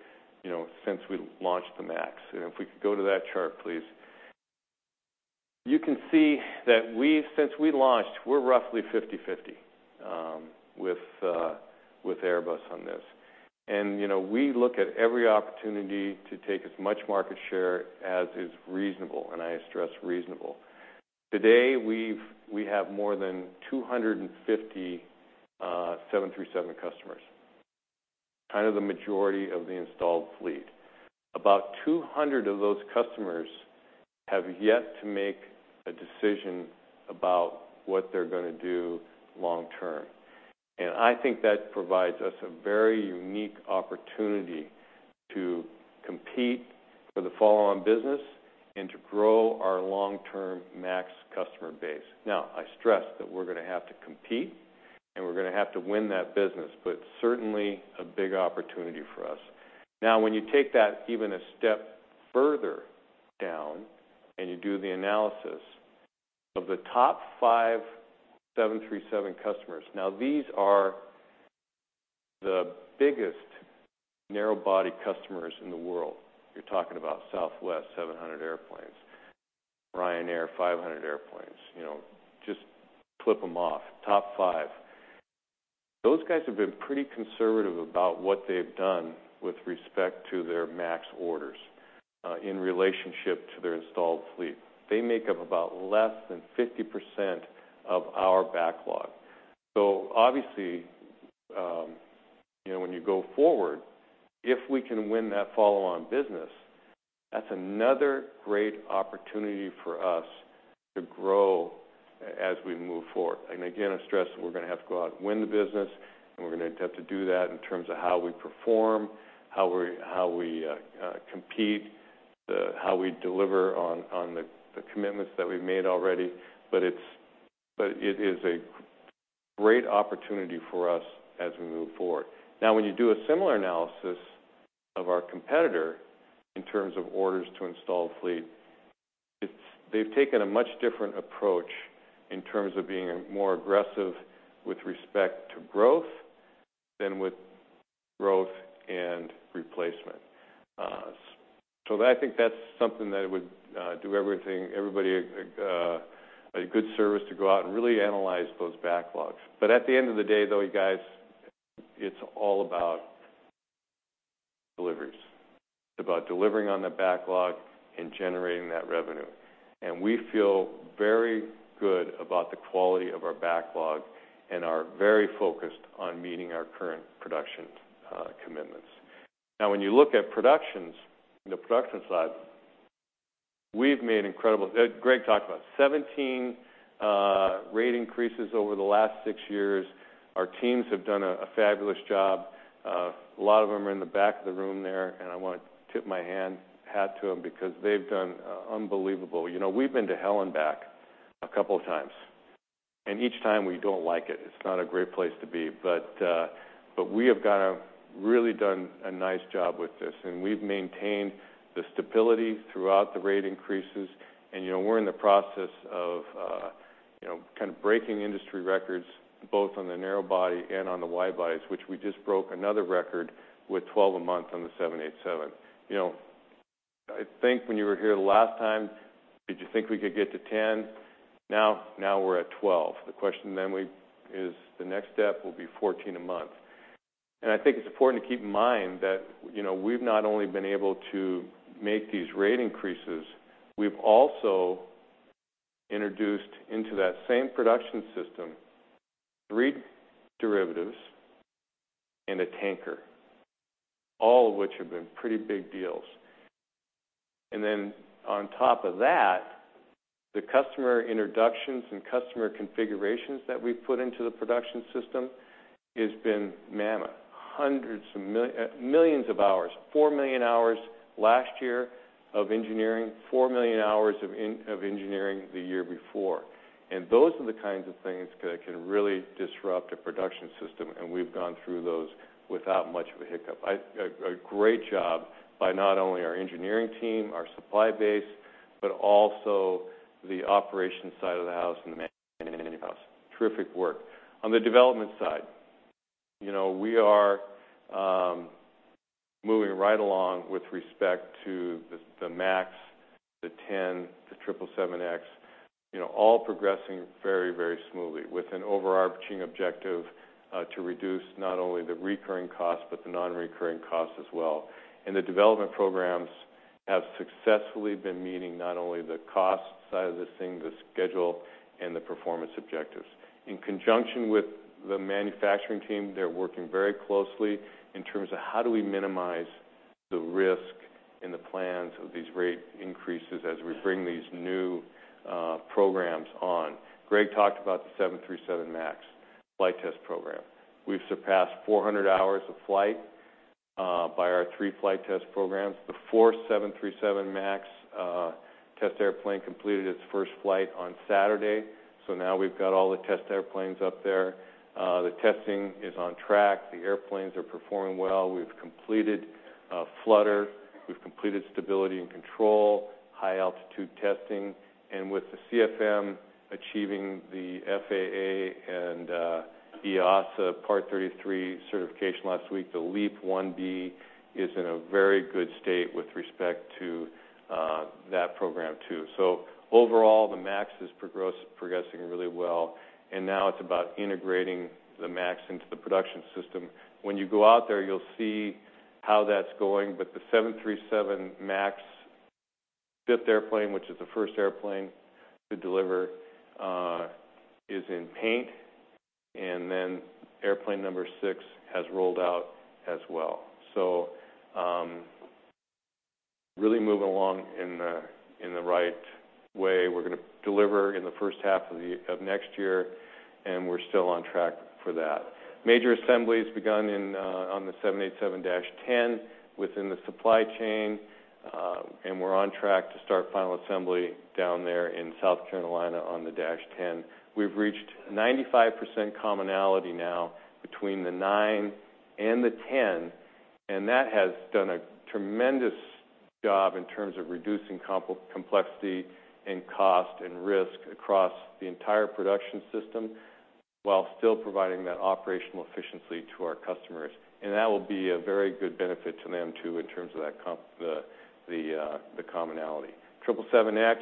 since we launched the MAX. If we could go to that chart, please. You can see that since we launched, we're roughly 50/50 with Airbus on this. We look at every opportunity to take as much market share as is reasonable, and I stress reasonable. Today, we have more than 250 737 customers, kind of the majority of the installed fleet. About 200 of those customers have yet to make a decision about what they're going to do long term. I think that provides us a very unique opportunity to compete for the follow-on business and to grow our long-term MAX customer base. I stress that we're going to have to compete, and we're going to have to win that business, certainly a big opportunity for us. When you take that even a step further down and you do the analysis of the top five 737 customers, these are the biggest narrow-body customers in the world. You're talking about Southwest, 700 airplanes, Ryanair, 500 airplanes. Just clip them off, top five. Those guys have been pretty conservative about what they've done with respect to their MAX orders in relationship to their installed fleet. They make up about less than 50% of our backlog. Obviously, when you go forward, if we can win that follow-on business, that's another great opportunity for us to grow as we move forward. Again, I stress that we're going to have to go out and win the business, and we're going to have to do that in terms of how we perform, how we compete, how we deliver on the commitments that we've made already. It is a great opportunity for us as we move forward. When you do a similar analysis of our competitor in terms of orders to installed fleet, they've taken a much different approach in terms of being more aggressive with respect to growth than with growth and replacement. I think that's something that would do everybody a good service, to go out and really analyze those backlogs. At the end of the day, though, you guys, it's all about deliveries. It's about delivering on the backlog and generating that revenue. We feel very good about the quality of our backlog and are very focused on meeting our current production commitments. When you look at the production slide, we've made incredible. Greg talked about 17 rate increases over the last six years. Our teams have done a fabulous job. A lot of them are in the back of the room there, and I want to tip my hat to them because they've done unbelievable. We've been to hell and back a couple times, and each time, we don't like it. It's not a great place to be. We have really done a nice job with this, and we've maintained the stability throughout the rate increases, and we're in the process of breaking industry records, both on the narrow body and on the wide bodies, which we just broke another record with 12 a month on the 787. I think when you were here the last time, did you think we could get to 10? Now we're at 12. The question then is, the next step will be 14 a month. I think it's important to keep in mind that we've not only been able to make these rate increases, we've also introduced into that same production system three derivatives and a tanker, all of which have been pretty big deals. Then on top of that, the customer introductions and customer configurations that we've put into the production system has been mammoth. Hundreds of millions of hours. Four million hours last year of engineering, four million hours of engineering the year before. Those are the kinds of things that can really disrupt a production system, and we've gone through those without much of a hiccup. A great job by not only our engineering team, our supply base, but also the operations side of the house and the manufacturing house. Terrific work. On the development side, we are moving right along with respect to the MAX, the 10, the 777X. All progressing very smoothly with an overarching objective to reduce not only the recurring costs, but the non-recurring costs as well. The development programs have successfully been meeting not only the cost side of this thing, the schedule, and the performance objectives. In conjunction with the manufacturing team, they're working very closely in terms of how do we minimize the risk in the plans of these rate increases as we bring these new programs on. Greg talked about the 737 MAX flight test program. We've surpassed 400 hours of flight by our three flight test programs. The fourth 737 MAX test airplane completed its first flight on Saturday, now we've got all the test airplanes up there. The testing is on track. The airplanes are performing well. We've completed flutter, we've completed stability and control, high altitude testing. With the CFM achieving the FAA and EASA Part 33 certification last week, the LEAP-1B is in a very good state with respect to that program, too. Overall, the MAX is progressing really well, and now it's about integrating the MAX into the production system. When you go out there, you'll see how that's going, the 737 MAX fifth airplane, which is the first airplane to deliver, is in paint. Airplane number six has rolled out as well. Really moving along in the right way. We're going to deliver in the first half of next year, and we're still on track for that. Major assembly has begun on the 787-10 within the supply chain, and we're on track to start final assembly down there in South Carolina on the dash 10. We've reached 95% commonality now between the nine and the 10, and that has done a tremendous job in terms of reducing complexity, and cost, and risk across the entire production system, while still providing that operational efficiency to our customers. That will be a very good benefit to them, too, in terms of the commonality. 777X,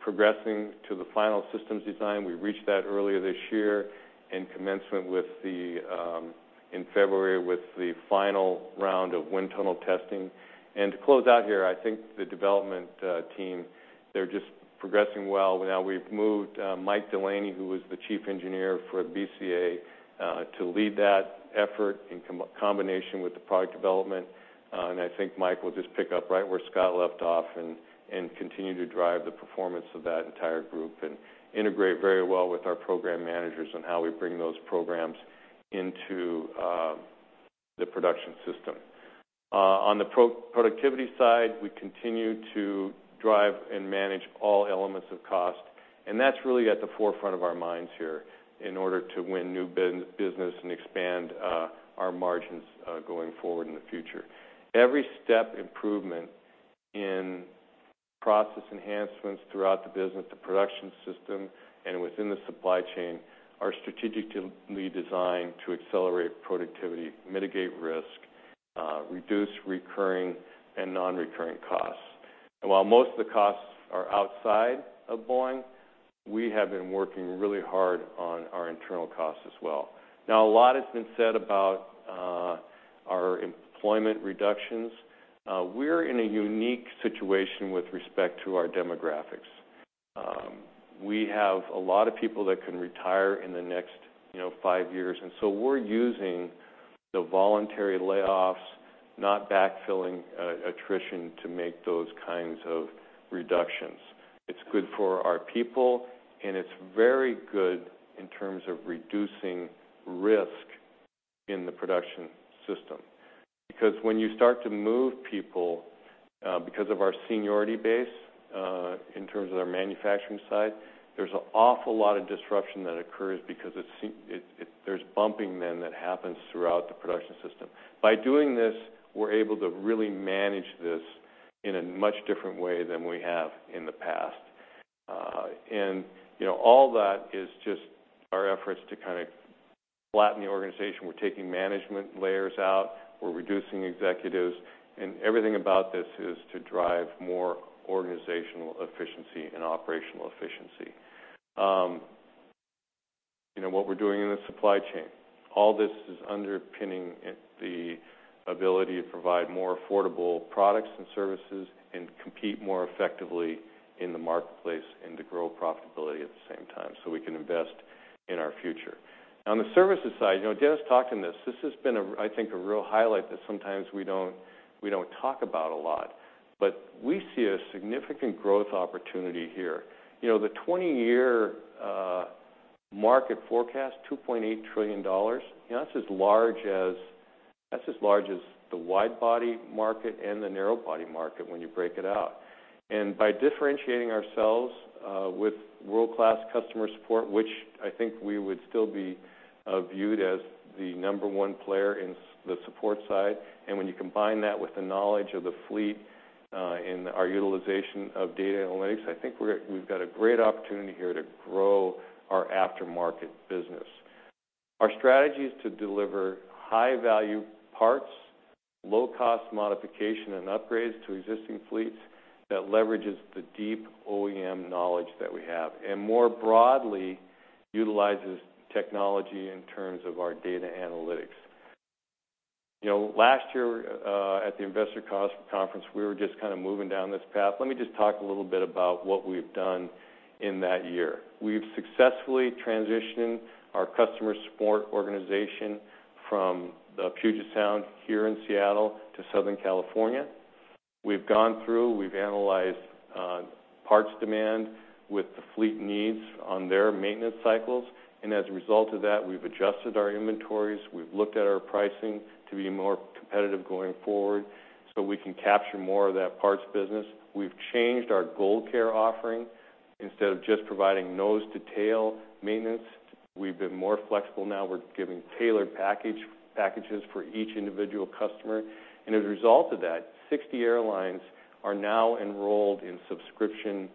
progressing to the final systems design. We reached that earlier this year in February with the final round of wind tunnel testing. To close out here, I think the development team, they're just progressing well. Now we've moved Mike Delaney, who was the chief engineer for BCA, to lead that effort in combination with the product development. I think Mike will just pick up right where Scott left off and continue to drive the performance of that entire group and integrate very well with our program managers on how we bring those programs into the production system. On the productivity side, we continue to drive and manage all elements of cost, and that's really at the forefront of our minds here in order to win new business and expand our margins going forward in the future. Every step improvement in process enhancements throughout the business, the production system, and within the supply chain are strategically designed to accelerate productivity, mitigate risk, reduce recurring and non-recurring costs. While most of the costs are outside of Boeing, we have been working really hard on our internal costs as well. A lot has been said about our employment reductions. We're in a unique situation with respect to our demographics. We have a lot of people that can retire in the next five years, we're using the voluntary layoffs, not backfilling attrition, to make those kinds of reductions. It's good for our people, and it's very good in terms of reducing risk in the production system. Because when you start to move people, because of our seniority base, in terms of our manufacturing side, there's an awful lot of disruption that occurs because there's bumping then that happens throughout the production system. By doing this, we're able to really manage this in a much different way than we have in the past. All that is just our efforts to kind of flatten the organization. We're taking management layers out, we're reducing executives, and everything about this is to drive more organizational efficiency and operational efficiency. What we're doing in the supply chain, all this is underpinning the ability to provide more affordable products and services and compete more effectively in the marketplace, and to grow profitability at the same time so we can invest in our future. On the services side, Dennis talked on this. This has been, I think, a real highlight that sometimes we don't talk about a lot, but we see a significant growth opportunity here. The 20-year market forecast, $2.8 trillion, that's as large as the wide body market and the narrow body market when you break it out. By differentiating ourselves with world-class customer support, which I think we would still be viewed as the number one player in the support side, and when you combine that with the knowledge of the fleet, and our utilization of data analytics, I think we've got a great opportunity here to grow our aftermarket business. Our strategy is to deliver high-value parts, low-cost modification and upgrades to existing fleets that leverages the deep OEM knowledge that we have, and more broadly, utilizes technology in terms of our data analytics. Last year, at the Investor Conference, we were just kind of moving down this path. Let me just talk a little bit about what we've done in that year. We've successfully transitioned our customer support organization from the Puget Sound here in Seattle to Southern California. We've gone through, we've analyzed parts demand with the fleet needs on their maintenance cycles, and as a result of that, we've adjusted our inventories. We've looked at our pricing to be more competitive going forward so we can capture more of that parts business. We've changed our GoldCare offering. Instead of just providing nose to tail maintenance, we've been more flexible now. We're giving tailored packages for each individual customer. As a result of that, 60 airlines are now enrolled in subscription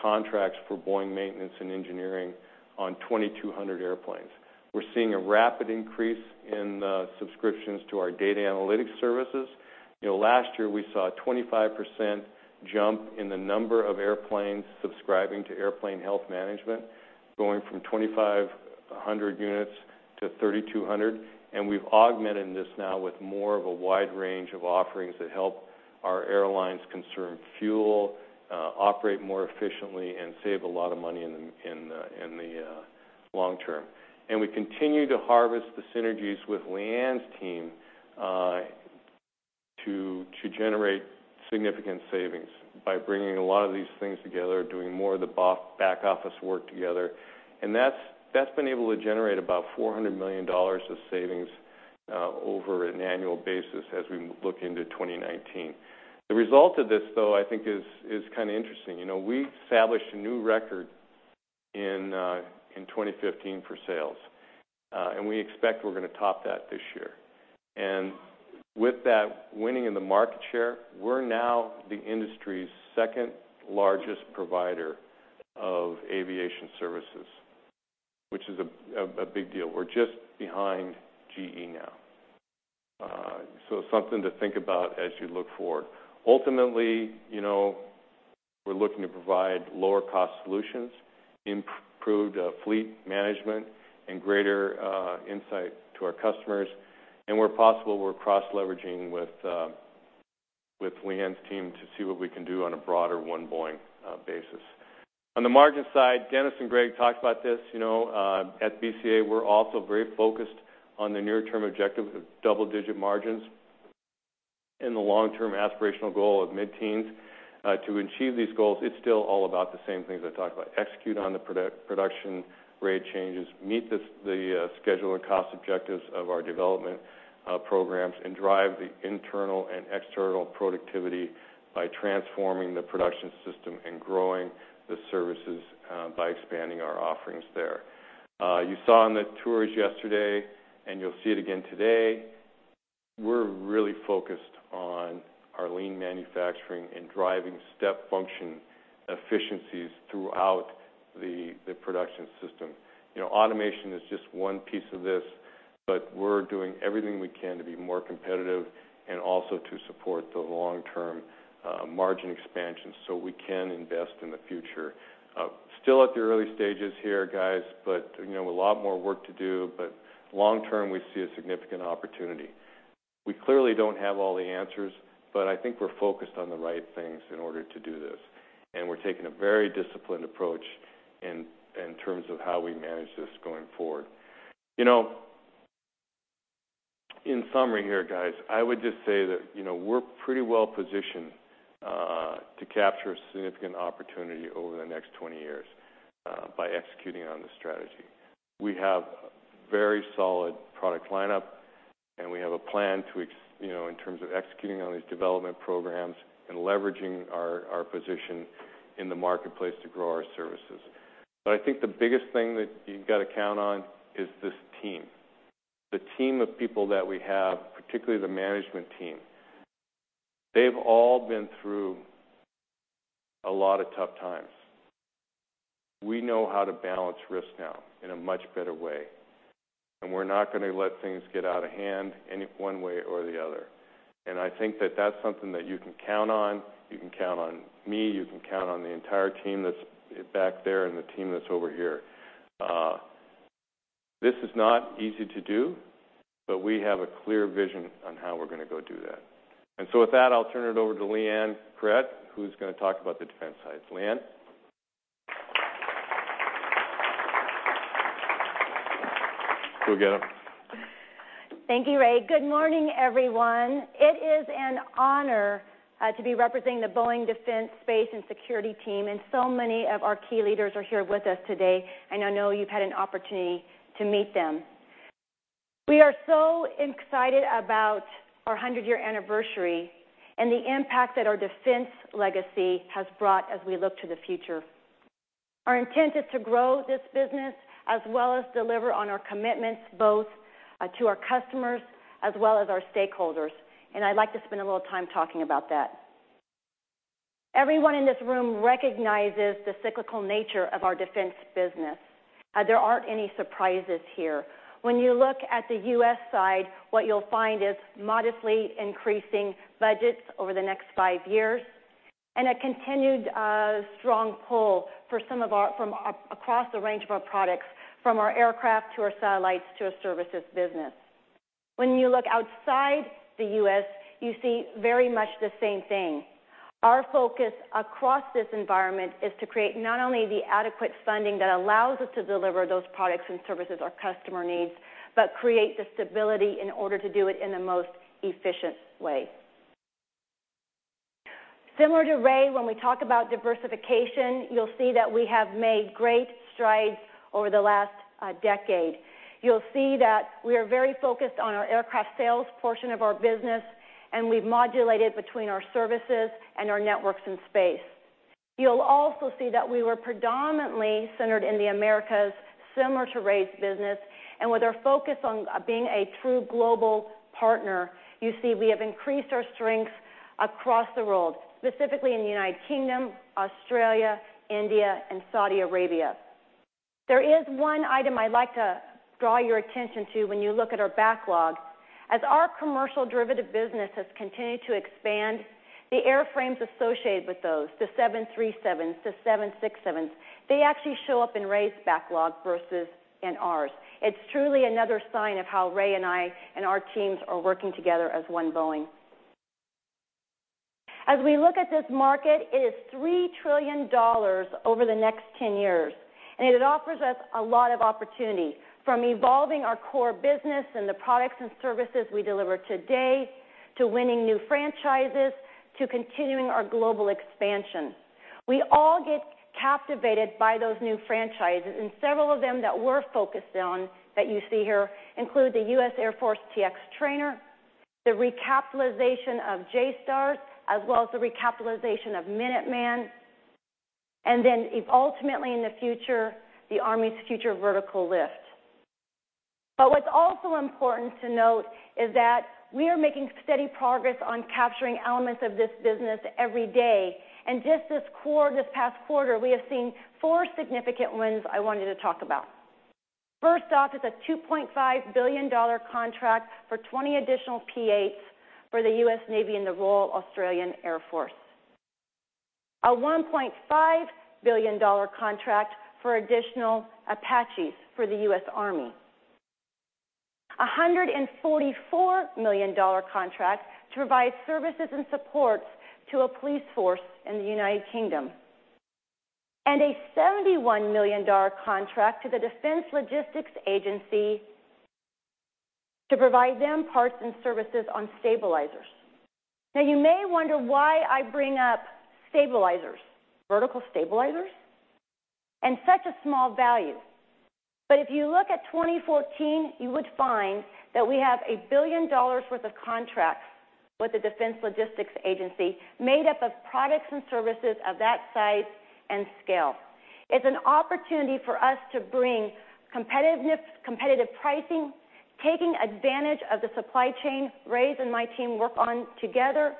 contracts for Boeing maintenance and engineering on 2,200 airplanes. We're seeing a rapid increase in the subscriptions to our data analytics services. Last year, we saw a 25% jump in the number of airplanes subscribing to Airplane Health Management, going from 2,500 units to 3,200. We've augmented this now with more of a wide range of offerings that help our airlines conserve fuel, operate more efficiently, and save a lot of money in the long term. We continue to harvest the synergies with Leanne's team to generate significant savings by bringing a lot of these things together, doing more of the back office work together. That's been able to generate about $400 million of savings over an annual basis as we look into 2019. The result of this, though, I think, is kind of interesting. We established a new record in 2015 for sales. We expect we're going to top that this year. With that winning in the market share, we're now the industry's second-largest provider of aviation services, which is a big deal. We're just behind GE now. Something to think about as you look forward. Ultimately, we're looking to provide lower cost solutions, improved fleet management, and greater insight to our customers. Where possible, we're cross-leveraging with Leanne's team to see what we can do on a broader One Boeing basis. On the margin side, Dennis and Greg talked about this. At BCA, we're also very focused on the near-term objective of double-digit margins and the long-term aspirational goal of mid-teens. To achieve these goals, it's still all about the same things I talked about, execute on the production rate changes, meet the schedule and cost objectives of our development programs, and drive the internal and external productivity by transforming the production system and growing the services by expanding our offerings there. You saw on the tours yesterday, and you'll see it again today. We're really focused on our lean manufacturing and driving step function efficiencies throughout the production system. Automation is just one piece of this, we're doing everything we can to be more competitive and also to support the long-term margin expansion so we can invest in the future. Still at the early stages here, guys, with a lot more work to do, long-term, we see a significant opportunity. We clearly don't have all the answers, I think we're focused on the right things in order to do this, and we're taking a very disciplined approach in terms of how we manage this going forward. In summary here, guys, I would just say that we're pretty well-positioned to capture a significant opportunity over the next 20 years by executing on this strategy. We have very solid product lineup, we have a plan in terms of executing on these development programs and leveraging our position in the marketplace to grow our services. I think the biggest thing that you've got to count on is this team. The team of people that we have, particularly the management team, they've all been through a lot of tough times. We know how to balance risk now in a much better way, we're not going to let things get out of hand one way or the other. I think that that's something that you can count on. You can count on me, you can count on the entire team that's back there and the team that's over here. This is not easy to do, we have a clear vision on how we're going to go do that. With that, I'll turn it over to Leanne Caret, who's going to talk about the defense side. Leanne. Go get them. Thank you, Ray. Good morning, everyone. It is an honor to be representing the Boeing Defense, Space & Security team, and so many of our key leaders are here with us today, and I know you've had an opportunity to meet them. We are so excited about our 100-year anniversary and the impact that our defense legacy has brought as we look to the future. Our intent is to grow this business as well as deliver on our commitments, both to our customers as well as our stakeholders. I'd like to spend a little time talking about that. Everyone in this room recognizes the cyclical nature of our defense business. There aren't any surprises here. When you look at the U.S. side, what you'll find is modestly increasing budgets over the next five years and a continued strong pull from across the range of our products, from our aircraft to our satellites to our services business. When you look outside the U.S., you see very much the same thing. Our focus across this environment is to create not only the adequate funding that allows us to deliver those products and services our customer needs, but create the stability in order to do it in the most efficient way. Similar to Ray, when we talk about diversification, you'll see that we have made great strides over the last decade. You'll see that we are very focused on our aircraft sales portion of our business, and we've modulated between our services and our networks in space. You'll also see that we were predominantly centered in the Americas, similar to Ray's business. With our focus on being a true global partner, you see we have increased our strengths across the world, specifically in the United Kingdom, Australia, India, and Saudi Arabia. There is one item I'd like to draw your attention to when you look at our backlog. As our commercial derivative business has continued to expand, the airframes associated with those, the 737s, the 767s, they actually show up in Ray's backlog versus in ours. It's truly another sign of how Ray and I and our teams are working together as One Boeing. As we look at this market, it is $3 trillion over the next 10 years. It offers us a lot of opportunity, from evolving our core business and the products and services we deliver today, to winning new franchises, to continuing our global expansion. We all get captivated by those new franchises. Several of them that we're focused on that you see here include the U.S. Air Force T-X trainer, the recapitalization of JSTARS, as well as the recapitalization of Minuteman, and then ultimately in the future, the Army's Future Vertical Lift. What's also important to note is that we are making steady progress on capturing elements of this business every day. Just this past quarter, we have seen four significant wins I wanted to talk about. First off is a $2.5 billion contract for 20 additional P-8s for the U.S. Navy and the Royal Australian Air Force. A $1.5 billion contract for additional Apaches for the U.S. Army. $144 million contract to provide services and supports to a police force in the U.K. A $71 million contract to the Defense Logistics Agency to provide them parts and services on stabilizers. You may wonder why I bring up stabilizers. Vertical stabilizers? Such a small value. If you look at 2014, you would find that we have $1 billion worth of contracts with the Defense Logistics Agency, made up of products and services of that size and scale. It's an opportunity for us to bring competitive pricing, taking advantage of the supply chain Ray and my team work on together,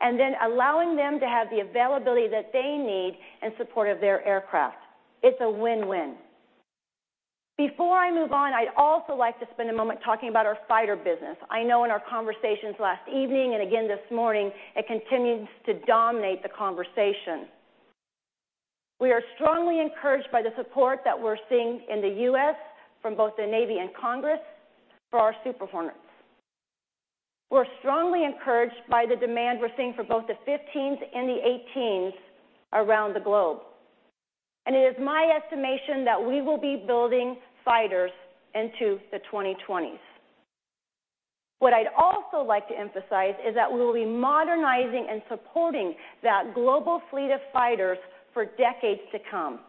and then allowing them to have the availability that they need in support of their aircraft. It's a win-win. Before I move on, I'd also like to spend a moment talking about our fighter business. I know in our conversations last evening and again this morning, it continues to dominate the conversation. We are strongly encouraged by the support that we're seeing in the U.S. from both the Navy and Congress for our Super Hornets. We're strongly encouraged by the demand we're seeing for both the 15s and the 18s around the globe. It is my estimation that we will be building fighters into the 2020s. What I'd also like to emphasize is that we will be modernizing and supporting that global fleet of fighters for decades to come.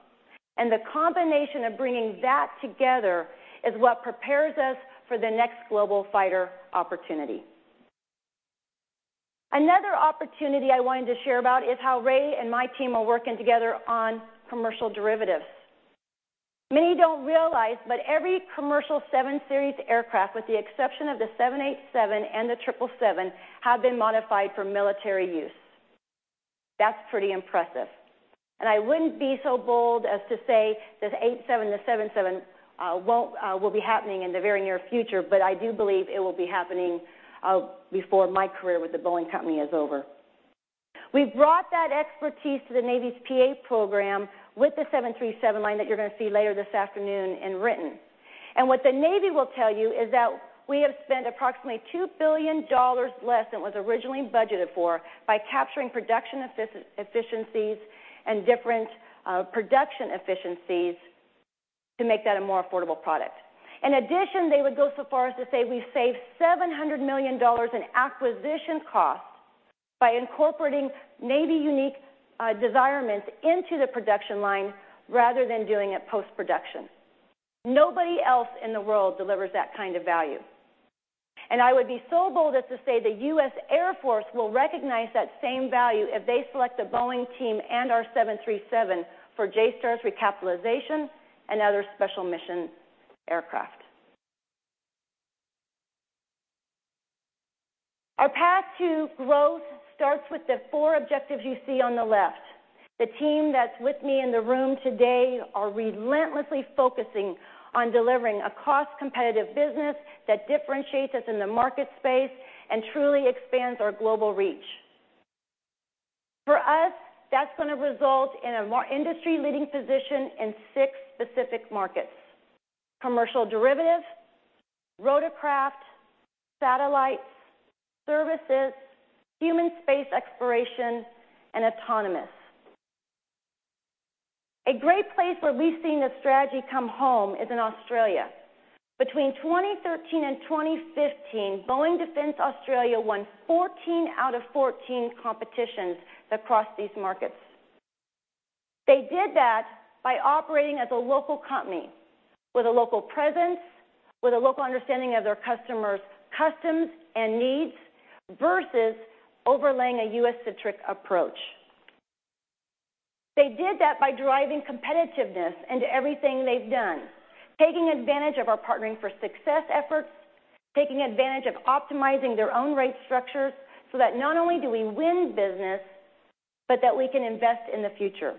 The combination of bringing that together is what prepares us for the next global fighter opportunity. Another opportunity I wanted to share about is how Ray and my team are working together on commercial derivatives. Many don't realize, but every commercial 7-series aircraft, with the exception of the 787 and the 777, have been modified for military use. That's pretty impressive. I wouldn't be so bold as to say the 87, the 77 will be happening in the very near future, but I do believe it will be happening before my career with The Boeing Company is over. We've brought that expertise to the Navy's P-8 program with the 737 line that you're going to see later this afternoon in Renton. What the Navy will tell you is that we have spent approximately $2 billion less than was originally budgeted for by capturing production efficiencies and different production efficiencies to make that a more affordable product. In addition, they would go so far as to say we saved $700 million in acquisition costs by incorporating Navy-unique requirements into the production line rather than doing it post-production. Nobody else in the world delivers that kind of value. I would be so bold as to say the U.S. Air Force will recognize that same value if they select the Boeing team and our 737 for JSTARS recapitalization and other special mission aircraft. Our path to growth starts with the four objectives you see on the left. The team that's with me in the room today are relentlessly focusing on delivering a cost-competitive business that differentiates us in the market space and truly expands our global reach. For us, that's going to result in a more industry-leading position in six specific markets: commercial derivatives, rotorcraft, satellites, services, human space exploration, and autonomous. A great place where we've seen this strategy come home is in Australia. Between 2013 and 2015, Boeing Defense Australia won 14 out of 14 competitions that crossed these markets. They did that by operating as a local company with a local presence, with a local understanding of their customers' customs and needs versus overlaying a U.S.-centric approach. They did that by driving competitiveness into everything they've done, taking advantage of our Partnering for Success efforts, taking advantage of optimizing their own rate structures so that not only do we win business, but that we can invest in the future.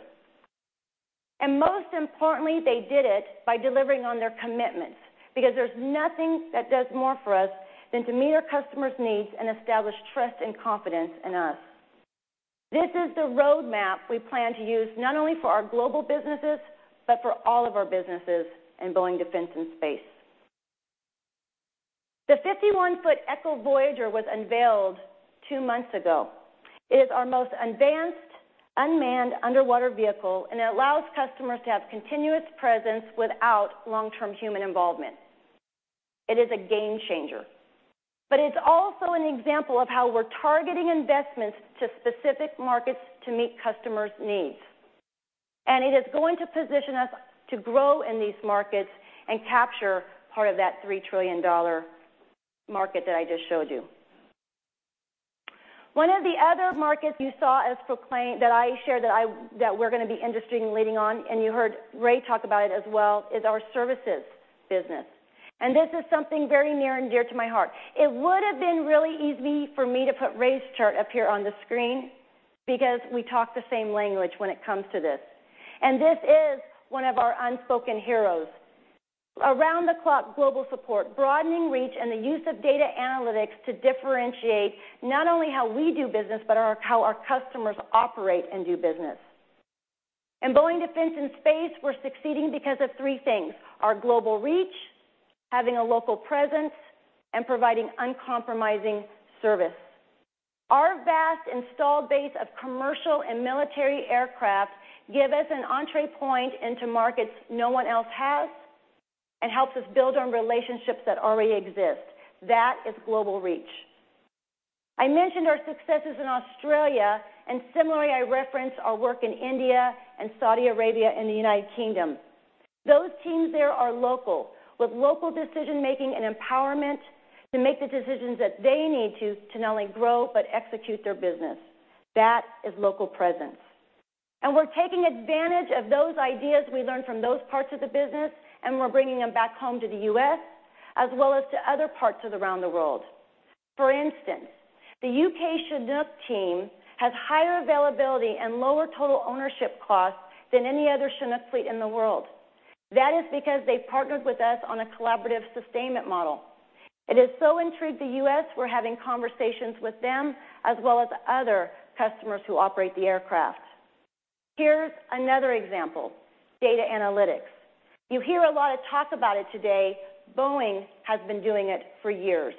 Most importantly, they did it by delivering on their commitments, because there's nothing that does more for us than to meet our customers' needs and establish trust and confidence in us. This is the roadmap we plan to use not only for our global businesses, but for all of our businesses in Boeing Defense and Space. The 51-foot Echo Voyager was unveiled two months ago. It is our most advanced unmanned underwater vehicle, it allows customers to have continuous presence without long-term human involvement. It is a game changer. It's also an example of how we're targeting investments to specific markets to meet customers' needs. It is going to position us to grow in these markets and capture part of that $3 trillion market that I just showed you. One of the other markets you saw that I shared that we're going to be industry and leading on, and you heard Ray talk about it as well, is our services business. This is something very near and dear to my heart. It would have been really easy for me to put Ray's chart up here on the screen because we talk the same language when it comes to this. This is one of our unspoken heroes. Around-the-clock global support, broadening reach, and the use of data analytics to differentiate not only how we do business, but how our customers operate and do business. In Boeing Defense and Space, we're succeeding because of three things, our global reach, having a local presence, and providing uncompromising service. Our vast installed base of commercial and military aircraft give us an entree point into markets no one else has and helps us build on relationships that already exist. That is global reach. I mentioned our successes in Australia. Similarly, I referenced our work in India and Saudi Arabia and the U.K. Those teams there are local, with local decision-making and empowerment to make the decisions that they need to not only grow but execute their business. That is local presence. We're taking advantage of those ideas we learned from those parts of the business, and we're bringing them back home to the U.S., as well as to other parts around the world. For instance, the U.K. Chinook team has higher availability and lower total ownership costs than any other Chinook fleet in the world. That is because they partnered with us on a collaborative sustainment model. It has so intrigued the U.S., we're having conversations with them, as well as other customers who operate the aircraft. Here's another example, data analytics. You hear a lot of talk about it today. Boeing has been doing it for years.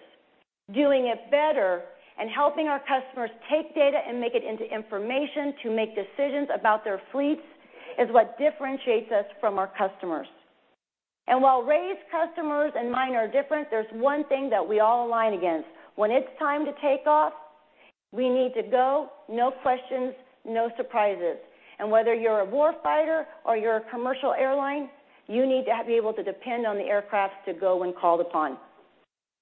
Doing it better and helping our customers take data and make it into information to make decisions about their fleets is what differentiates us from our customers. While Ray's customers and mine are different, there's one thing that we all align against. When it's time to take off, we need to go, no questions, no surprises. Whether you're a war fighter or you're a commercial airline, you need to be able to depend on the aircraft to go when called upon.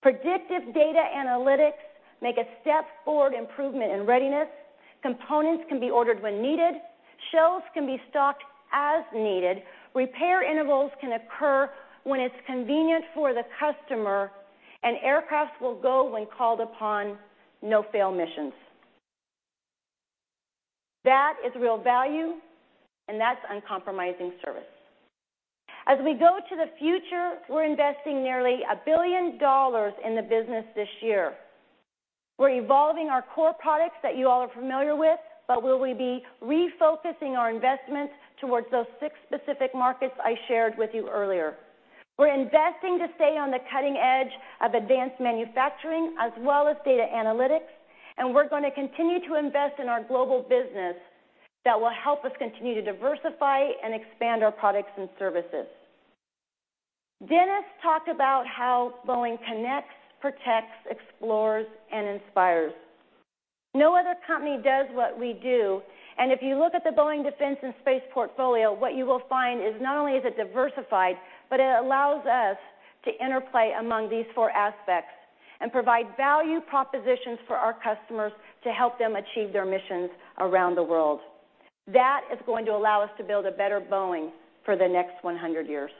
Predictive data analytics make a step-forward improvement in readiness. Components can be ordered when needed. Shelves can be stocked as needed. Repair intervals can occur when it's convenient for the customer, and aircraft will go when called upon, no fail missions. That is real value, and that's uncompromising service. As we go to the future, we're investing nearly $1 billion in the business this year. We're evolving our core products that you all are familiar with, but we will be refocusing our investments towards those six specific markets I shared with you earlier. We're investing to stay on the cutting edge of advanced manufacturing as well as data analytics. We're going to continue to invest in our global business that will help us continue to diversify and expand our products and services. Dennis talked about how Boeing connects, protects, explores, and inspires. No other company does what we do, and if you look at the Boeing Defense and Space portfolio, what you will find is not only is it diversified, but it allows us to interplay among these four aspects and provide value propositions for our customers to help them achieve their missions around the world. That is going to allow us to build a better Boeing for the next 100 years.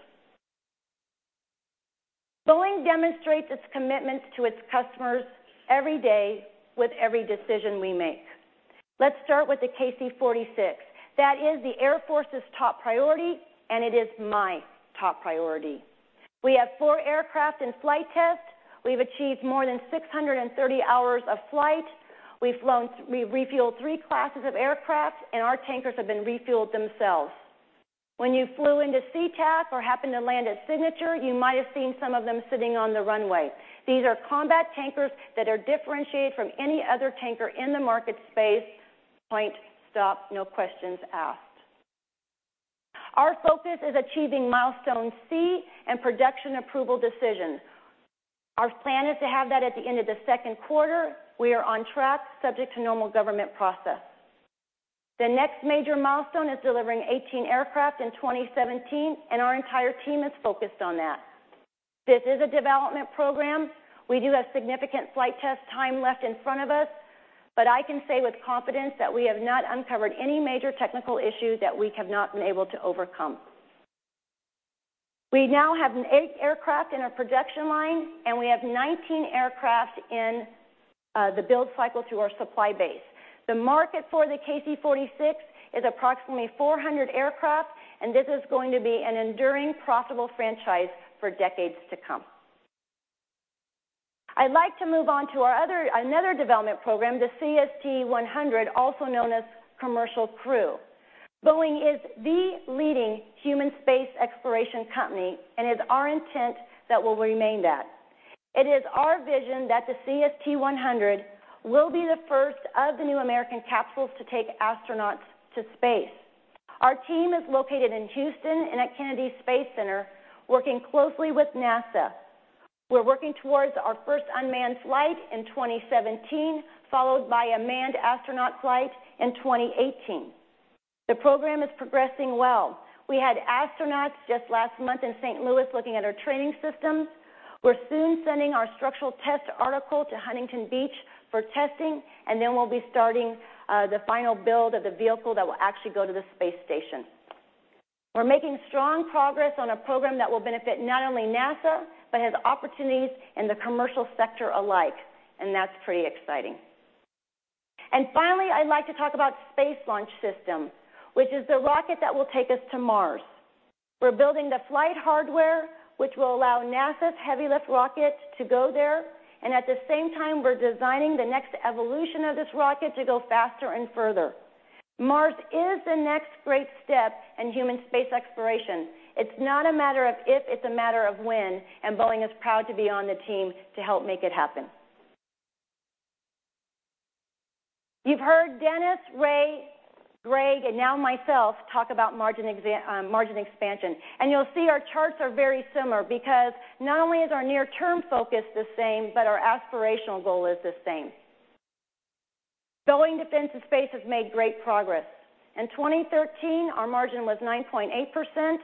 Boeing demonstrates its commitment to its customers every day with every decision we make. Let's start with the KC-46. That is the Air Force's top priority, and it is my top priority. We have four aircraft in flight test. We've achieved more than 630 hours of flight. We've refueled 3 classes of aircraft, and our tankers have been refueled themselves. When you flew into Sea-Tac or happened to land at Signature, you might have seen some of them sitting on the runway. These are combat tankers that are differentiated from any other tanker in the market space, point, stop, no questions asked. Our focus is achieving Milestone C and production approval decisions. Our plan is to have that at the end of the second quarter. We are on track, subject to normal government process. The next major milestone is delivering 18 aircraft in 2017. Our entire team is focused on that. This is a development program. We do have significant flight test time left in front of us, but I can say with confidence that we have not uncovered any major technical issues that we have not been able to overcome. We now have eight aircraft in our production line, and we have 19 aircraft in the build cycle through our supply base. The market for the KC-46 is approximately 400 aircraft, and this is going to be an enduring profitable franchise for decades to come. I'd like to move on to another development program, the CST-100, also known as Commercial Crew. Boeing is the leading human space exploration company, and it's our intent that we'll remain that. It is our vision that the CST-100 will be the first of the new American capsules to take astronauts to space. Our team is located in Houston and at Kennedy Space Center, working closely with NASA. We're working towards our first unmanned flight in 2017, followed by a manned astronaut flight in 2018. The program is progressing well. We had astronauts just last month in St. Louis looking at our training systems. We're soon sending our structural test article to Huntington Beach for testing, and then we'll be starting the final build of the vehicle that will actually go to the space station. We're making strong progress on a program that will benefit not only NASA, but has opportunities in the commercial sector alike, and that's pretty exciting. Finally, I'd like to talk about Space Launch System, which is the rocket that will take us to Mars. We're building the flight hardware, which will allow NASA's heavy lift rocket to go there, and at the same time, we're designing the next evolution of this rocket to go faster and further. Mars is the next great step in human space exploration. It's not a matter of if, it's a matter of when, and Boeing is proud to be on the team to help make it happen. You've heard Dennis, Ray, Greg, and now myself talk about margin expansion. You'll see our charts are very similar because not only is our near-term focus the same, but our aspirational goal is the same. Boeing Defense and Space has made great progress. In 2013, our margin was 9.8%.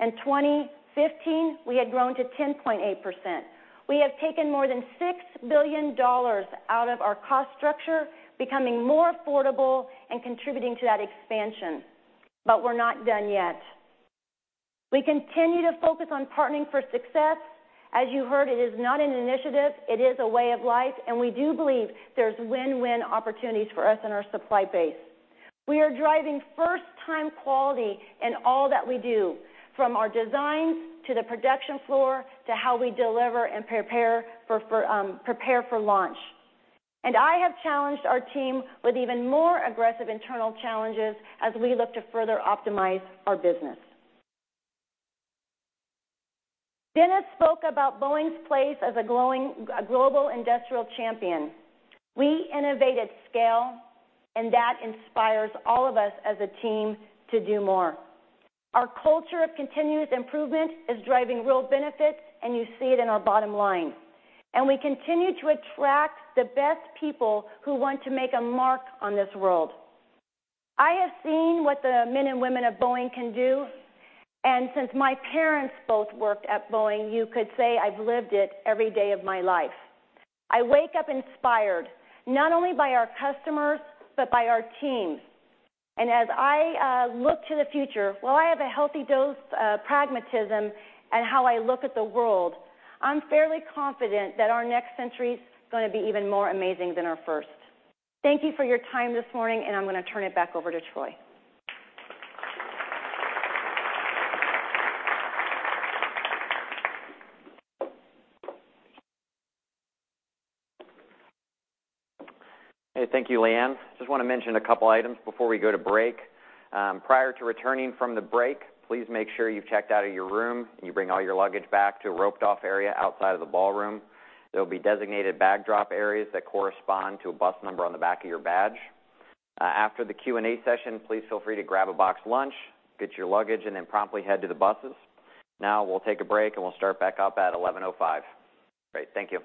In 2015, we had grown to 10.8%. We have taken more than $6 billion out of our cost structure, becoming more affordable and contributing to that expansion, but we're not done yet. We continue to focus on Partnering for Success. As you heard, it is not an initiative. It is a way of life, and we do believe there's win-win opportunities for us in our supply base. We are driving first-time quality in all that we do, from our designs to the production floor, to how we deliver and prepare for launch. I have challenged our team with even more aggressive internal challenges as we look to further optimize our business. Dennis spoke about Boeing's place as a global industrial champion. We innovate at scale, and that inspires all of us as a team to do more. Our culture of continuous improvement is driving real benefits, and you see it in our bottom line. We continue to attract the best people who want to make a mark on this world. I have seen what the men and women of Boeing can do. Since my parents both worked at Boeing, you could say I've lived it every day of my life. I wake up inspired, not only by our customers, but by our teams. As I look to the future, while I have a healthy dose of pragmatism in how I look at the world, I'm fairly confident that our next century's going to be even more amazing than our first. Thank you for your time this morning. I'm going to turn it back over to Troy. Hey, thank you, Leanne. Just want to mention a couple items before we go to break. Prior to returning from the break, please make sure you've checked out of your room. You bring all your luggage back to a roped-off area outside of the ballroom. There'll be designated bag drop areas that correspond to a bus number on the back of your badge. After the Q&A session, please feel free to grab a boxed lunch, get your luggage. Then promptly head to the buses. Now, we'll take a break. We'll start back up at 11:05 A.M. Great. Thank you.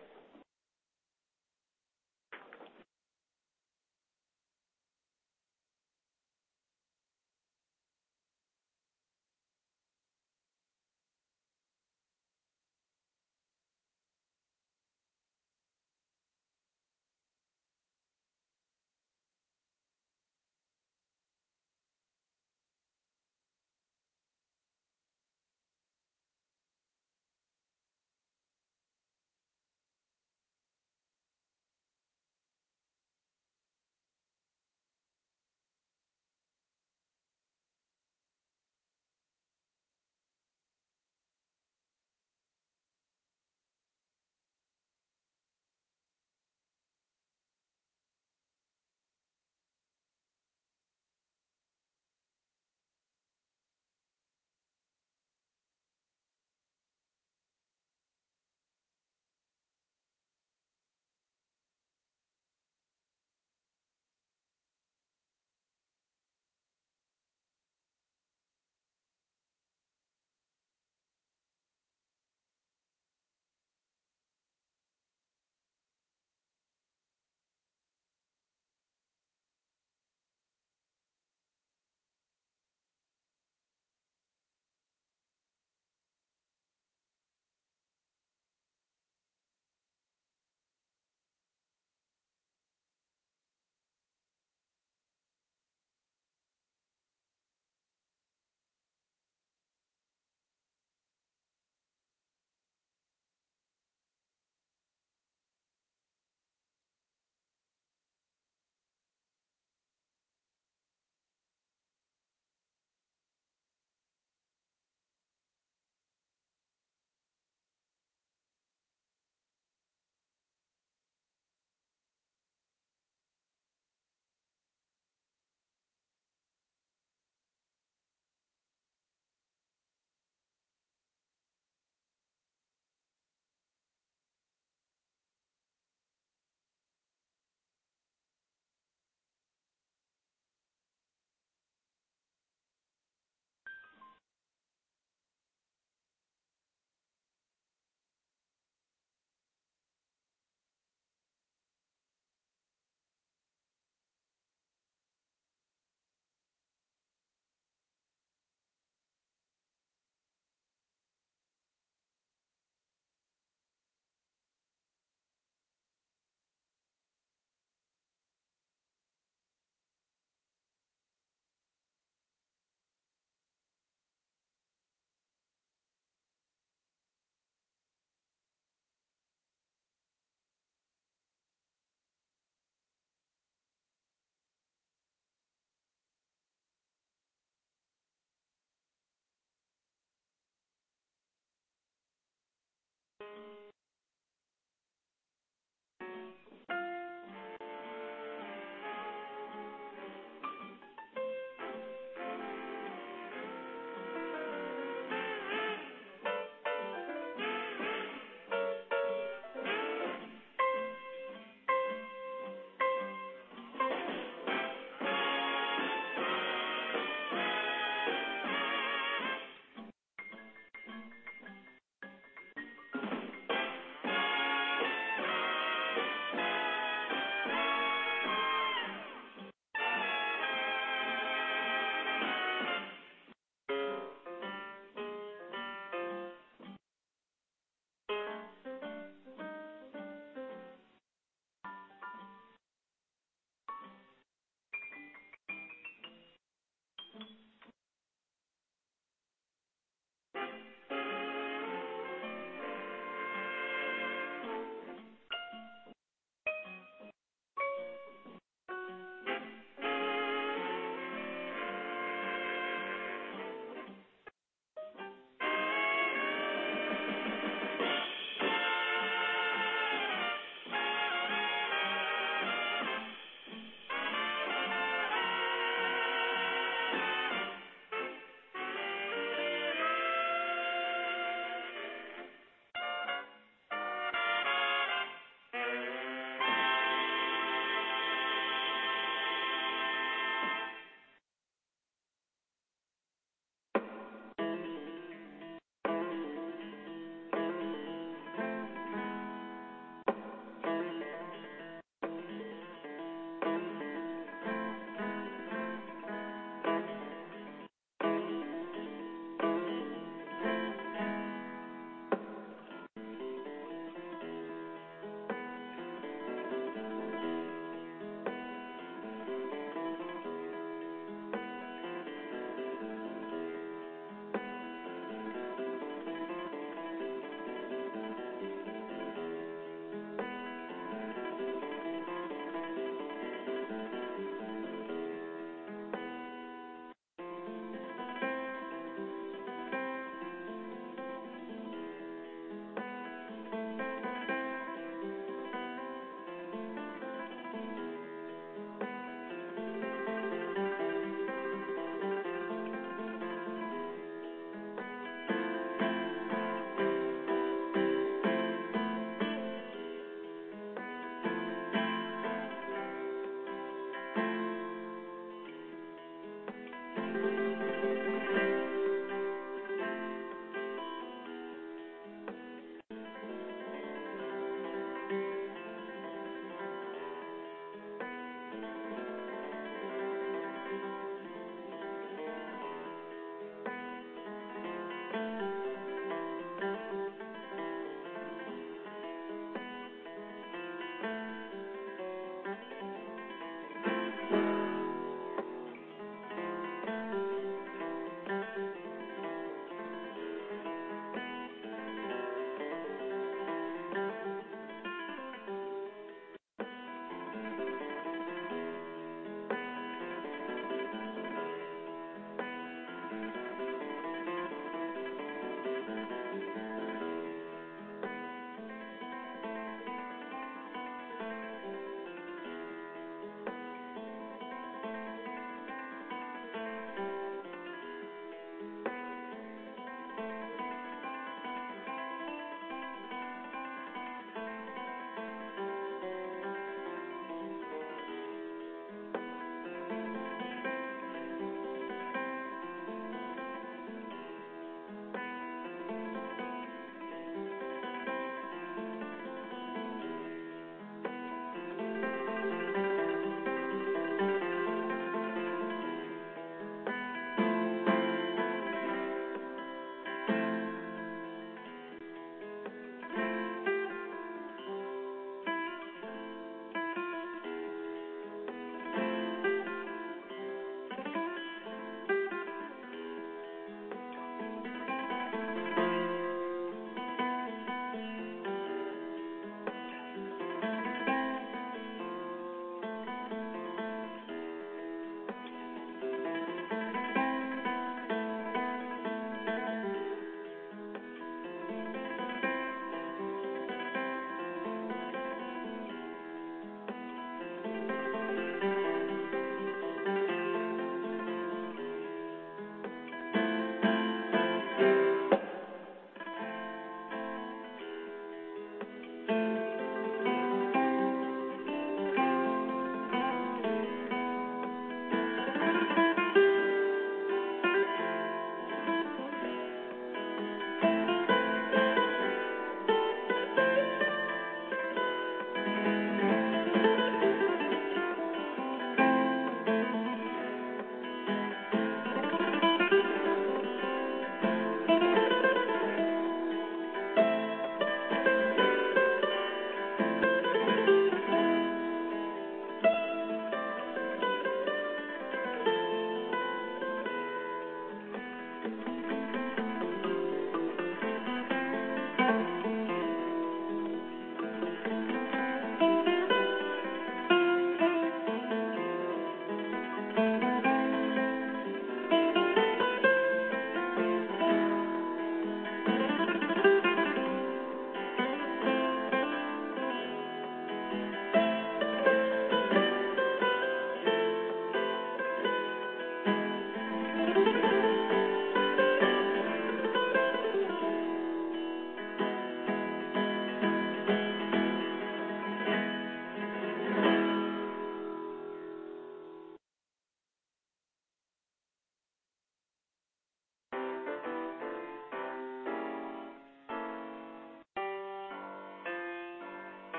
Yes. Okay,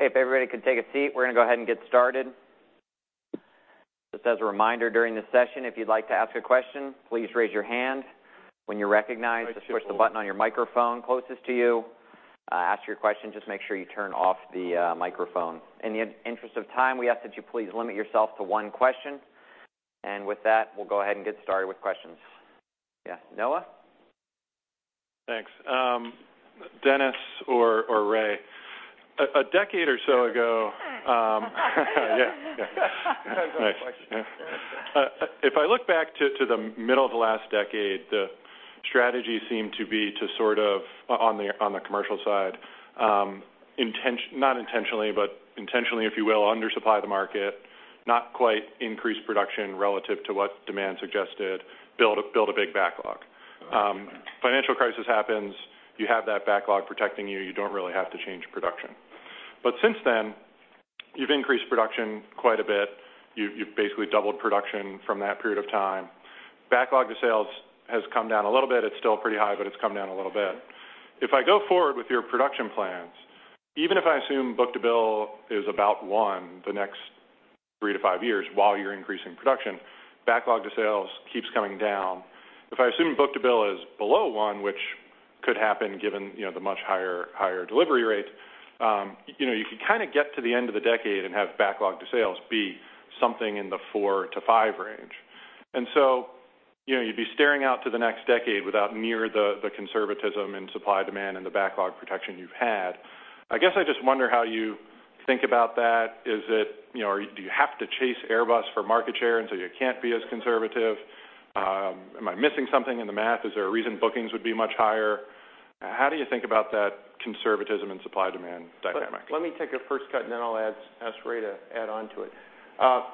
if everybody could take a seat, we're going to go ahead and get started. Just as a reminder, during the session, if you'd like to ask a question, please raise your hand. When you're recognized, just push the button on your microphone closest to you. Ask your question, just make sure you turn off the microphone. In the interest of time, we ask that you please limit yourself to one question. With that, we'll go ahead and get started with questions. Yeah, Noah. Thanks. Dennis or Ray, a decade or so ago, yeah. Depends on the question. If I look back to the middle of the last decade, the strategy seemed to be to sort of, on the commercial side, not intentionally, but intentionally, if you will, under supply the market, not quite increase production relative to what demand suggested, build a big backlog. Financial crisis happens, you have that backlog protecting you don't really have to change production. Since then, you've increased production quite a bit. You've basically doubled production from that period of time. Backlog to sales has come down a little bit. It's still pretty high, but it's come down a little bit. If I go forward with your production plans, even if I assume book-to-bill is about one the next 3 to 5 years while you're increasing production, backlog to sales keeps coming down. If I assume book-to-bill is below one, which could happen given the much higher delivery rates, you could kind of get to the end of the decade and have backlog to sales be something in the 4 to 5 range. You'd be staring out to the next decade without near the conservatism in supply-demand and the backlog protection you've had. I guess I just wonder how you think about that. Do you have to chase Airbus for market share, and so you can't be as conservative? Am I missing something in the math? Is there a reason bookings would be much higher? How do you think about that conservatism and supply-demand dynamic? Let me take a first cut, and then I'll ask Ray to add on to it.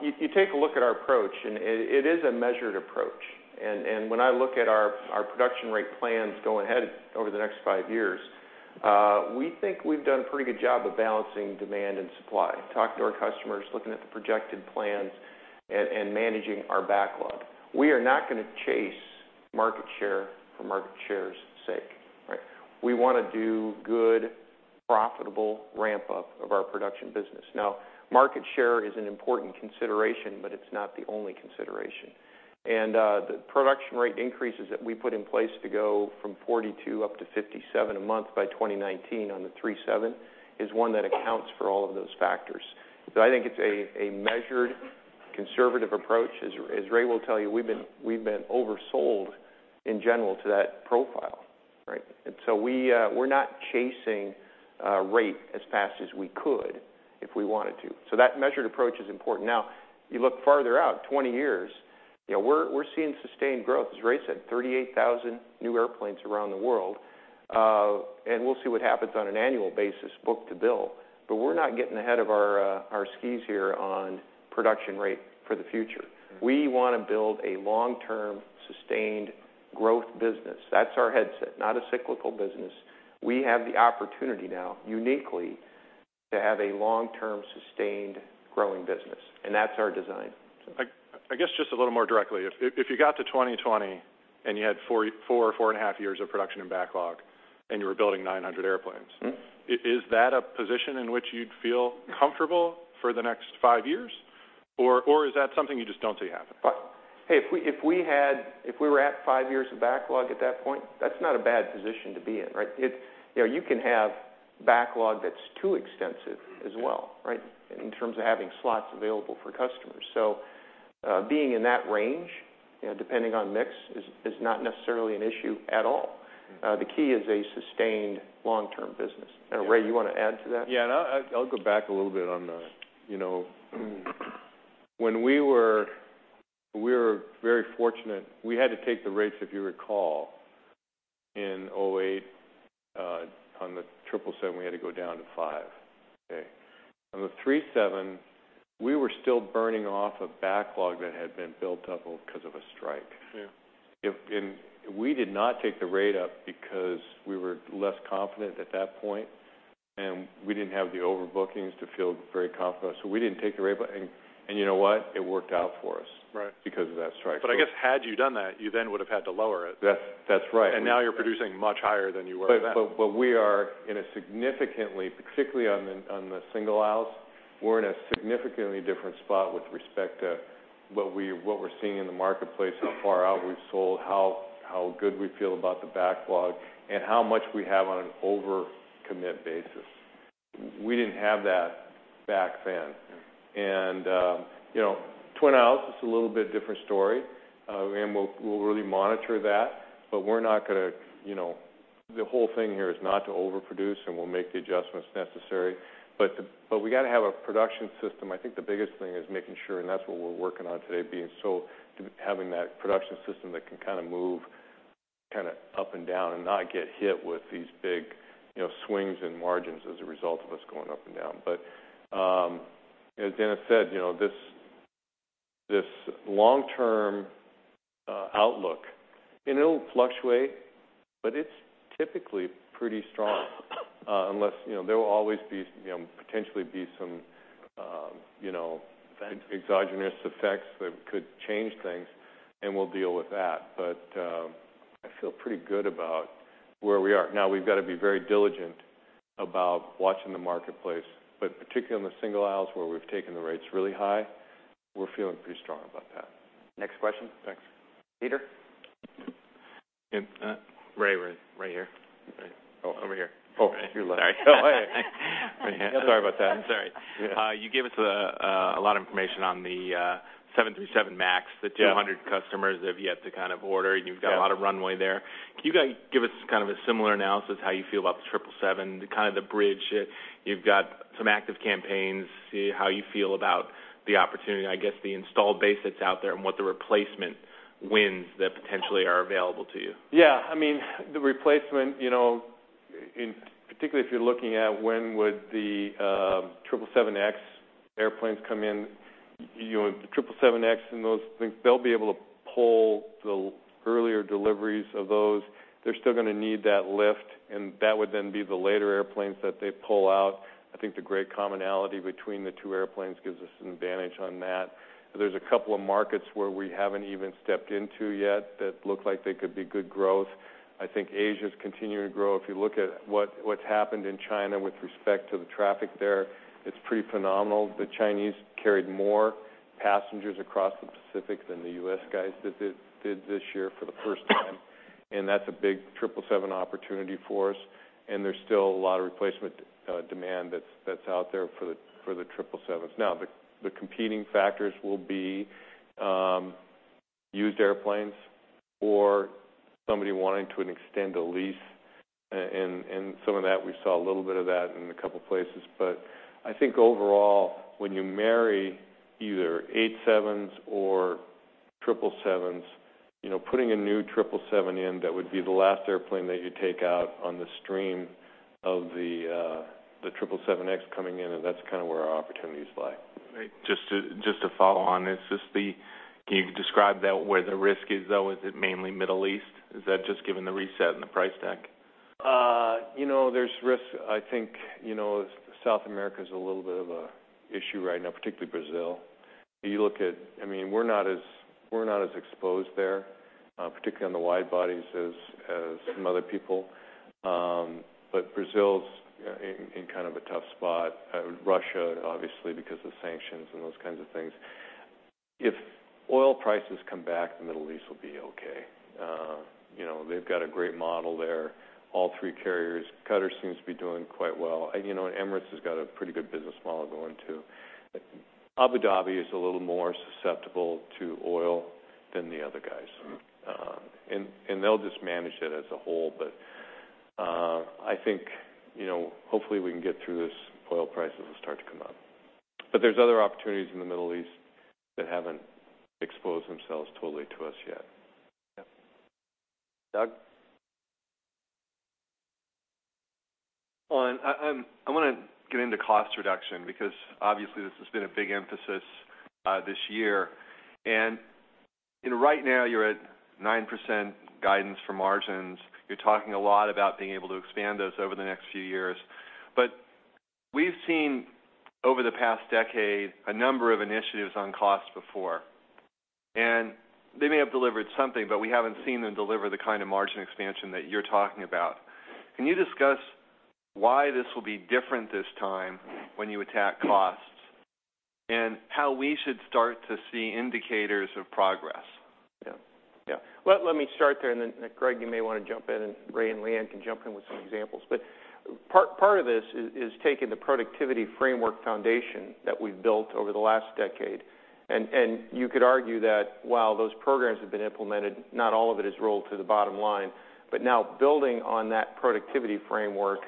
If you take a look at our approach, and it is a measured approach, and when I look at our production rate plans going ahead over the next five years, we think we've done a pretty good job of balancing demand and supply, talking to our customers, looking at the projected plans, and managing our backlog. We are not going to chase market share for market share's sake, right? We want to do good, profitable ramp-up of our production business. Now, market share is an important consideration, it's not the only consideration. The production rate increases that we put in place to go from 42 up to 57 a month by 2019 on the 737 is one that accounts for all of those factors. I think it's a measured, conservative approach. As Ray will tell you, we've been oversold, in general, to that profile, right? We're not chasing rate as fast as we could if we wanted to. That measured approach is important. You look farther out, 20 years, we're seeing sustained growth. As Ray said, 38,000 new airplanes around the world. We'll see what happens on an annual basis, book to bill. We're not getting ahead of our skis here on production rate for the future. We want to build a long-term, sustained growth business. That's our mindset, not a cyclical business. We have the opportunity now, uniquely, to have a long-term, sustained, growing business, and that's our design. I guess, just a little more directly, if you got to 2020 and you had four and a half years of production in backlog and you were building 900 airplanes. Is that a position in which you'd feel comfortable for the next five years? Is that something you just don't see happening? Hey, if we were at five years of backlog at that point, that's not a bad position to be in, right? You can have backlog that's too extensive as well, right, in terms of having slots available for customers. Being in that range, depending on mix, is not necessarily an issue at all. The key is a sustained long-term business. Ray, you want to add to that? Yeah, I'll go back a little bit. We were very fortunate. We had to take the rates, if you recall, in 2008 on the 777, we had to go down to five, okay? On the 737, we were still burning off a backlog that had been built up because of a strike. Yeah. We did not take the rate up because we were less confident at that point, and we didn't have the overbookings to feel very confident. We didn't take the rate, you know what? It worked out for us. Right because of that strike. I guess had you done that, you would've had to lower it. That's right. Now you're producing much higher than you were then. We are in a significantly, particularly on the single aisles, we're in a significantly different spot with respect to what we're seeing in the marketplace, how far out we've sold, how good we feel about the backlog, and how much we have on an over-commit basis. We didn't have that back then. Yeah. Twin aisles, it's a little bit different story. We'll really monitor that, but the whole thing here is not to overproduce, and we'll make the adjustments necessary. We got to have a production system. I think the biggest thing is making sure, and that's what we're working on today, having that production system that can kind of move up and down and not get hit with these big swings in margins as a result of us going up and down. As Dennis said, this long-term outlook, and it'll fluctuate, but it's typically pretty strong. There will always potentially be some exogenous effects that could change things, and we'll deal with that. I feel pretty good about where we are. Now, we've got to be very diligent about watching the marketplace, but particularly on the single-aisle where we've taken the rates really high, we're feeling pretty strong about that. Next question. Thanks. Peter? Ray, right here. Over here. Oh, your left. Sorry. Hey. Sorry about that. I'm sorry. Yeah. You gave us a lot of information on the 737 MAX. Yeah. The 200 customers have yet to kind of order. Yeah. You've got a lot of runway there. Can you guys give us kind of a similar analysis how you feel about the 777, kind of the bridge? You've got some active campaigns, see how you feel about the opportunity, I guess, the installed base that's out there, and what the replacement wins that potentially are available to you. Yeah. The replacement, particularly if you're looking at when would the 777X airplanes come in, the 777X and those things, they'll be able to pull the earlier deliveries of those. They're still going to need that lift, that would then be the later airplanes that they pull out. I think the great commonality between the two airplanes gives us an advantage on that. There's a couple of markets where we haven't even stepped into yet that look like they could be good growth. I think Asia's continuing to grow. If you look at what's happened in China with respect to the traffic there, it's pretty phenomenal. The Chinese carried more passengers across the Pacific than the U.S. guys did this year for the first time, that's a big 777 opportunity for us, there's still a lot of replacement demand that's out there for the 777s. Now, the competing factors will be used airplanes or somebody wanting to extend a lease. Some of that, we saw a little bit of that in a couple places. I think overall, when you marry either 787s or 777s, putting a new 777 in, that would be the last airplane that you'd take out on the stream of the 777X coming in, that's kind of where our opportunities lie. Right. Just to follow on this, can you describe that where the risk is, though? Is it mainly Middle East? Is that just given the reset and the price tag? There's risks. I think South America's a little bit of a issue right now, particularly Brazil. We're not as exposed there, particularly on the wide bodies, as some other people. Brazil's in kind of a tough spot. Russia, obviously because of sanctions and those kinds of things. If oil prices come back, the Middle East will be okay. They've got a great model there. All three carriers. Qatar seems to be doing quite well. Emirates has got a pretty good business model going, too. Abu Dhabi is a little more susceptible to oil than the other guys. They'll just manage it as a whole, I think, hopefully we can get through this, oil prices will start to come up. There's other opportunities in the Middle East that haven't exposed themselves totally to us yet. Yep. Doug? I want to get into cost reduction because obviously this has been a big emphasis this year. Right now you're at 9% guidance for margins. You're talking a lot about being able to expand those over the next few years. We've seen over the past decade a number of initiatives on cost before, and they may have delivered something, but we haven't seen them deliver the kind of margin expansion that you're talking about. Can you discuss why this will be different this time when you attack costs, and how we should start to see indicators of progress? Yeah. Well, let me start there, then Greg, you may want to jump in, Ray and Leanne can jump in with some examples. Part of this is taking the productivity framework foundation that we've built over the last decade, and you could argue that while those programs have been implemented, not all of it has rolled to the bottom line. Now building on that productivity framework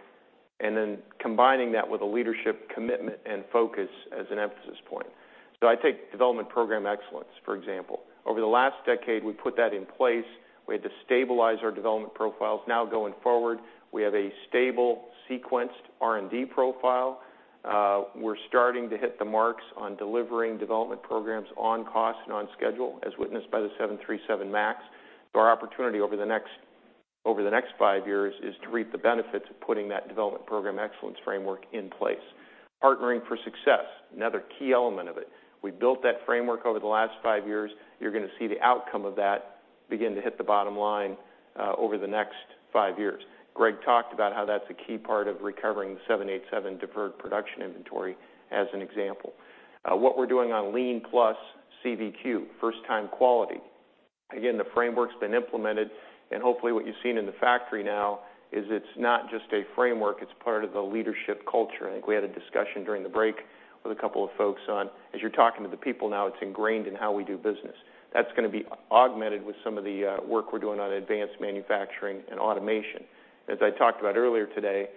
and then combining that with a leadership commitment and focus as an emphasis point. I take Development Program Excellence, for example. Over the last decade, we put that in place. We had to stabilize our development profiles. Going forward, we have a stable sequenced R&D profile. We're starting to hit the marks on delivering development programs on cost and on schedule, as witnessed by the 737 MAX. Our opportunity over the next five years is to reap the benefits of putting that Development Program Excellence framework in place. Partnering for Success, another key element of it. We built that framework over the last five years. You're going to see the outcome of that begin to hit the bottom line over the next five years. Greg talked about how that's a key part of recovering the 787 deferred production inventory, as an example. What we're doing on Lean+CVQ, first-time quality, again, the framework's been implemented, and hopefully what you've seen in the factory now is it's not just a framework, it's part of the leadership culture. I think we had a discussion during the break with a couple of folks on, as you're talking to the people now, it's ingrained in how we do business. That's going to be augmented with some of the work we're doing on advanced manufacturing and automation. As I talked about earlier today,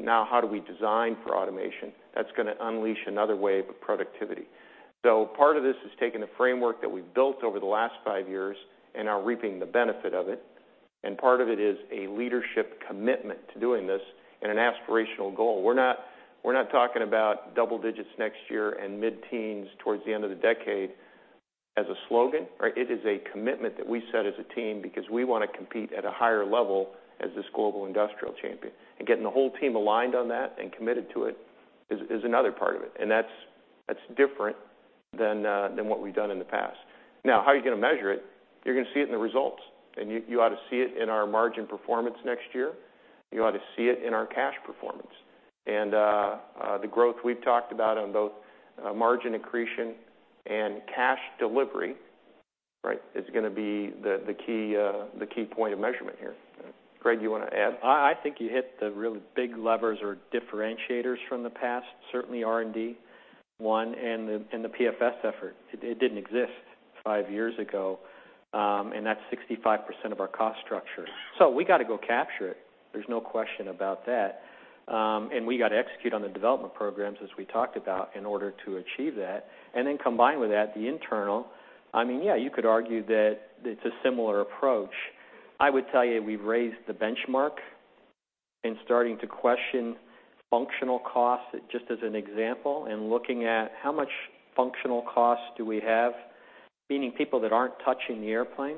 now how do we design for automation? That's going to unleash another wave of productivity. Part of this is taking the framework that we've built over the last five years and are reaping the benefit of it, and part of it is a leadership commitment to doing this and an aspirational goal. We're not talking about double digits next year and mid-teens towards the end of the decade as a slogan. It is a commitment that we set as a team because we want to compete at a higher level as this global industrial champion. Getting the whole team aligned on that and committed to it is another part of it, and that's different than what we've done in the past. How are you going to measure it? You're going to see it in the results, you ought to see it in our margin performance next year. You ought to see it in our cash performance. The growth we've talked about on both margin accretion and cash delivery, is going to be the key point of measurement here. Greg, you want to add? I think you hit the really big levers or differentiators from the past, certainly R&D, one, and the PFS effort. It didn't exist five years ago, and that's 65% of our cost structure. We got to go capture it. There's no question about that. We got to execute on the development programs, as we talked about, in order to achieve that. Combine with that, the internal, you could argue that it's a similar approach. I would tell you, we've raised the benchmark in starting to question functional costs, just as an example, and looking at how much functional costs do we have, meaning people that aren't touching the airplane,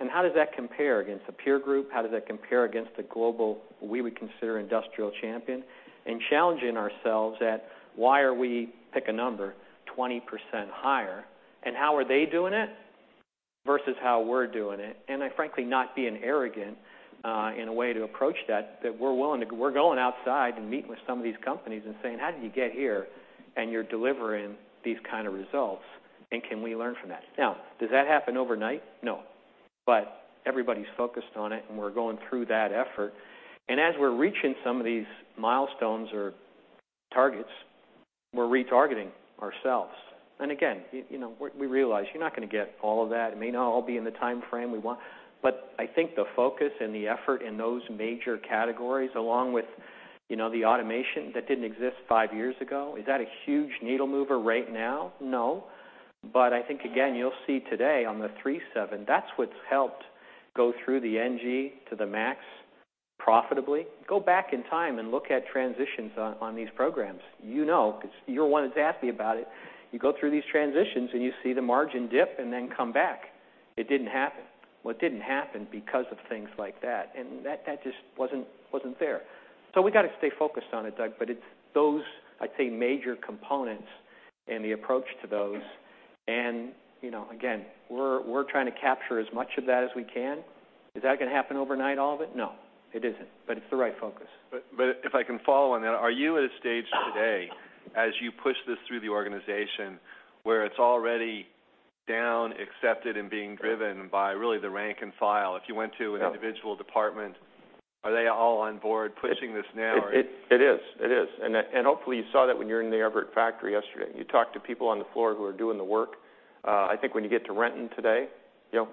and how does that compare against a peer group? How does that compare against a global, we would consider, industrial champion? Challenging ourselves at why are we, pick a number, 20% higher, and how are they doing it versus how we're doing it. Frankly, not being arrogant, in a way to approach that we're willing to go outside and meeting with some of these companies and saying, "How did you get here, and you're delivering these kind of results, and can we learn from that?" Does that happen overnight? No. Everybody's focused on it, and we're going through that effort. As we're reaching some of these milestones or targets, we're retargeting ourselves. Again, we realize you're not going to get all of that. It may not all be in the timeframe we want. I think the focus and the effort in those major categories, along with the automation that didn't exist five years ago, is that a huge needle mover right now? No. I think, again, you'll see today on the 737, that's what's helped go through the NG to the MAX profitably. Go back in time and look at transitions on these programs. You know, because you're one that's asked me about it. You go through these transitions, and you see the margin dip and then come back. It didn't happen. Well, it didn't happen because of things like that, and that just wasn't there. We got to stay focused on it, Doug, but it's those, I'd say, major components and the approach to those. Again, we're trying to capture as much of that as we can. Is that going to happen overnight, all of it? No, it isn't. It's the right focus. If I can follow on that, are you at a stage today, as you push this through the organization, where it's already down, accepted, and being driven by really the rank and file? If you went to an individual department, are they all on board pushing this now? It is. Hopefully you saw that when you were in the Everett factory yesterday. You talked to people on the floor who are doing the work. I think when you get to Renton today,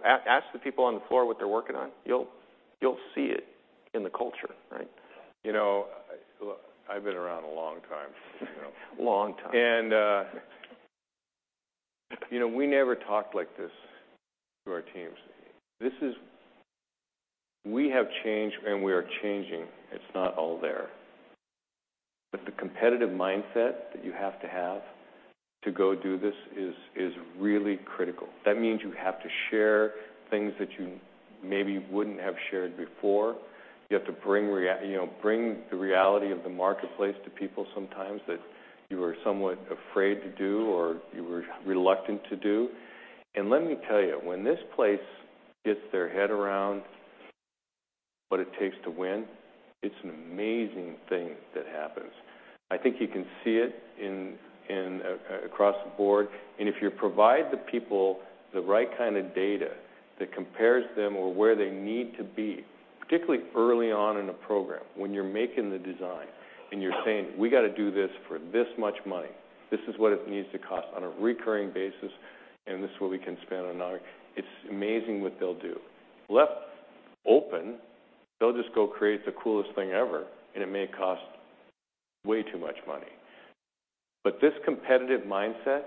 ask the people on the floor what they're working on. You'll see it in the culture, right? Look, I've been around a long time. A long time. We never talked like this to our teams. We have changed, and we are changing. It's not all there. The competitive mindset that you have to have to go do this is really critical. That means you have to share things that you maybe wouldn't have shared before. You have to bring the reality of the marketplace to people sometimes that you were somewhat afraid to do, or you were reluctant to do. Let me tell you, when this place gets their head around what it takes to win, it's an amazing thing that happens. I think you can see it across the board, and if you provide the people the right kind of data that compares them or where they need to be, particularly early on in a program, when you're making the design and you're saying, "We got to do this for this much money. This is what it needs to cost on a recurring basis, and this is what we can spend on our." It's amazing what they'll do. Open, they'll just go create the coolest thing ever, and it may cost way too much money. This competitive mindset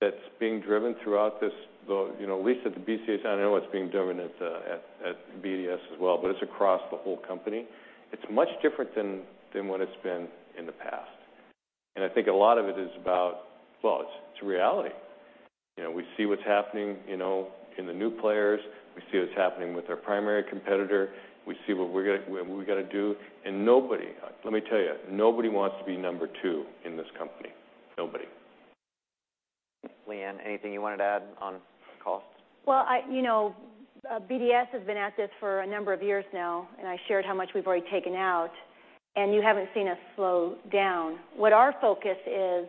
that's being driven throughout this, at least at the BCA, and I know it's being driven at BDS as well, but it's across the whole company. It's much different than what it's been in the past. I think a lot of it is about, well, it's reality. We see what's happening in the new players. We see what's happening with our primary competitor. We see what we've got to do. Nobody, let me tell you, nobody wants to be number two in this company. Nobody. Leanne, anything you wanted to add on costs? Well, BDS has been at this for a number of years now, I shared how much we've already taken out, and you haven't seen us slow down. What our focus is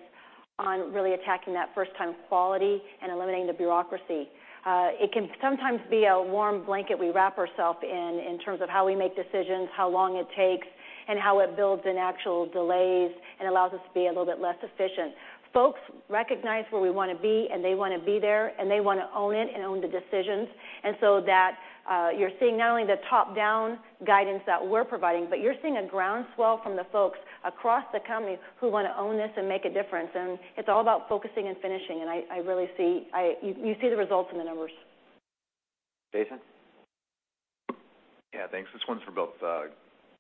on really attacking that first-time quality and eliminating the bureaucracy. It can sometimes be a warm blanket we wrap ourself in terms of how we make decisions, how long it takes, and how it builds in actual delays and allows us to be a little bit less efficient. Folks recognize where we want to be, and they want to be there, and they want to own it and own the decisions. So that you're seeing not only the top-down guidance that we're providing, but you're seeing a ground swell from the folks across the company who want to own this and make a difference, and it's all about focusing and finishing. You see the results in the numbers. Jason? Yeah, thanks. This one's for both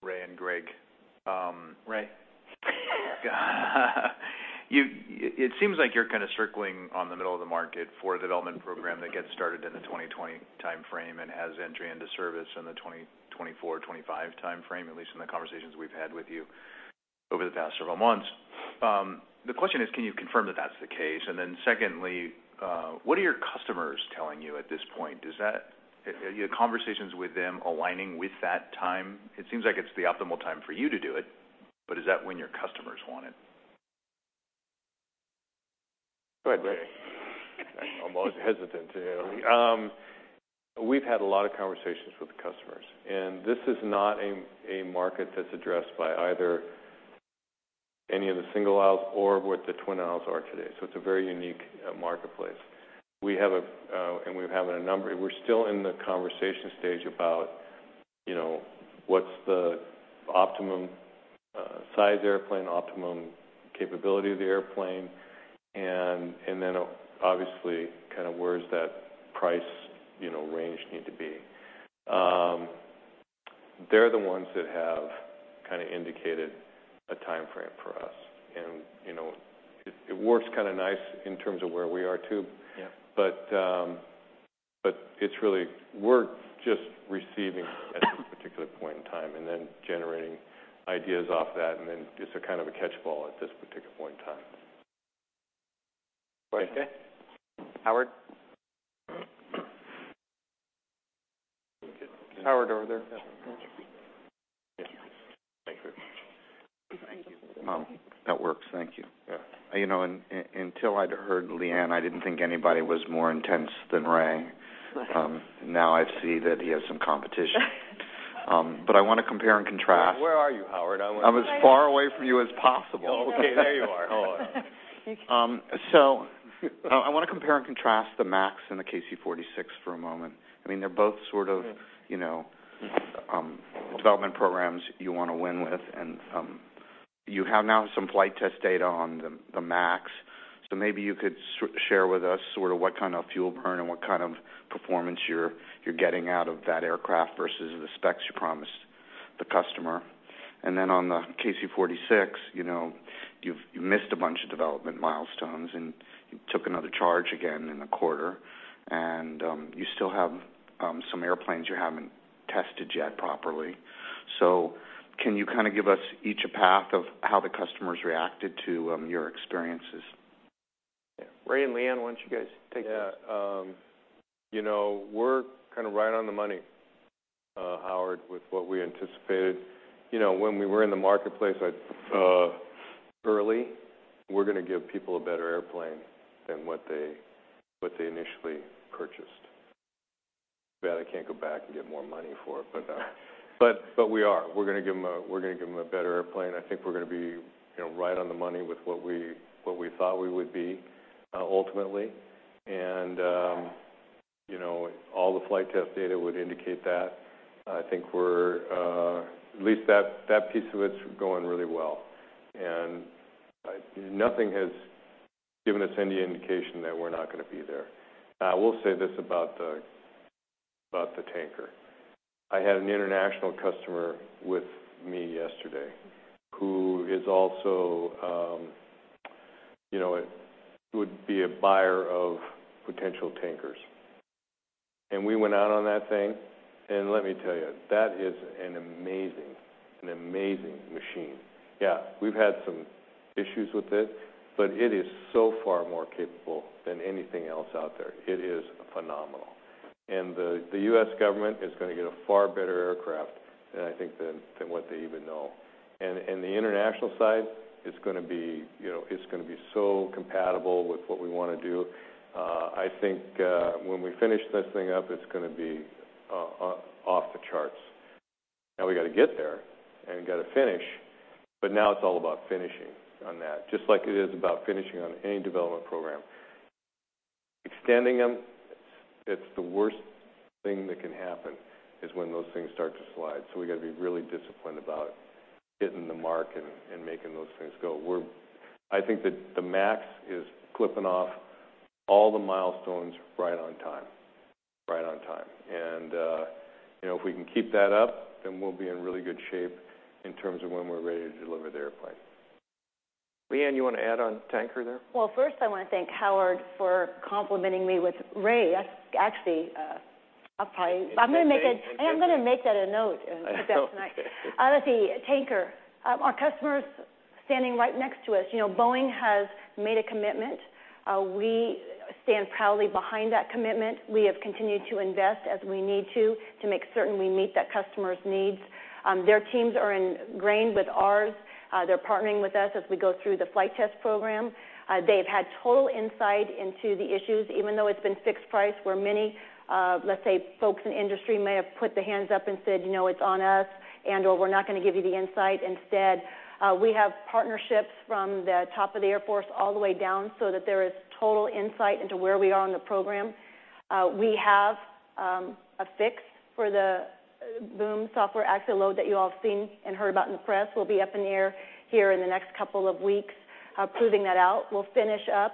Ray and Greg. Ray, it seems like you're kind of circling on the middle of the market for a development program that gets started in the 2020 timeframe and has entry into service in the 2024-25 timeframe, at least in the conversations we've had with you over the past several months. The question is, can you confirm that that's the case? Secondly, what are your customers telling you at this point? Are your conversations with them aligning with that time? It seems like it's the optimal time for you to do it, is that when your customers want it? Go ahead, Ray. We've had a lot of conversations with the customers, this is not a market that's addressed by either any of the single aisle or what the twin aisles are today. It's a very unique marketplace. We're still in the conversation stage about what's the optimum size airplane, optimum capability of the airplane, obviously, kind of where does that price range need to be. They're the ones that have kind of indicated a timeframe for us, it works kind of nice in terms of where we are, too. Yeah. We're just receiving at this particular point in time, generating ideas off that, it's a kind of a catch-all at this particular point in time. Okay. Howard? Howard, over there. Thank you. That works. Thank you. Yeah. Until I'd heard Leanne, I didn't think anybody was more intense than Ray. Now I see that he has some competition. I want to compare and contrast. Where are you, Howard? I'm as far away from you as possible. Okay, there you are. Hold on. I want to compare and contrast the MAX and the KC-46 for a moment. They're both sort of development programs you want to win with, and you have now some flight test data on the MAX. Maybe you could share with us sort of what kind of fuel burn and what kind of performance you're getting out of that aircraft versus the specs you promised the customer. On the KC-46, you've missed a bunch of development milestones, and you took another charge again in the quarter, and you still have some airplanes you haven't tested yet properly. Can you kind of give us each a path of how the customers reacted to your experiences? Ray and Leanne, why don't you guys take this? We're kind of right on the money, Howard, with what we anticipated. When we were in the marketplace early, we're going to give people a better airplane than what they initially purchased. Too bad I can't go back and get more money for it. We are. We're going to give them a better airplane. I think we're going to be right on the money with what we thought we would be, ultimately. All the flight test data would indicate that. I think at least that piece of it's going really well, and nothing has given us any indication that we're not going to be there. I will say this about the tanker. I had an international customer with me yesterday who is also would be a buyer of potential tankers. We went out on that thing, and let me tell you, that is an amazing machine. We've had some issues with it, but it is so far more capable than anything else out there. It is phenomenal. The U.S. government is going to get a far better aircraft, I think, than what they even know. The international side, it's going to be so compatible with what we want to do. I think when we finish this thing up, it's going to be awesome. Now we've got to get there and got to finish, now it's all about finishing on that, just like it is about finishing on any development program. Extending them, it's the worst thing that can happen, is when those things start to slide. We've got to be really disciplined about hitting the mark and making those things go. I think that the MAX is clipping off all the milestones right on time. If we can keep that up, we'll be in really good shape in terms of when we're ready to deliver the airplane. Leanne, you want to add on Tanker there? Well, first, I want to thank Howard for complimenting me with Ray. Actually, I'm going to make that a note. That's nice. Let's see, Tanker. Our customer's standing right next to us. Boeing has made a commitment. We stand proudly behind that commitment. We have continued to invest as we need to make certain we meet that customer's needs. Their teams are ingrained with ours. They're partnering with us as we go through the flight test program. They've had total insight into the issues, even though it's been fixed price, where many, let's say, folks in the industry may have put their hands up and said, "It's on us," and/or, "We're not going to give you the insight." Instead, we have partnerships from the top of the Air Force all the way down so that there is total insight into where we are in the program. We have a fix for the boom software actuator that you all have seen and heard about in the press. We'll be up in the air here in the next couple of weeks proving that out. We'll finish up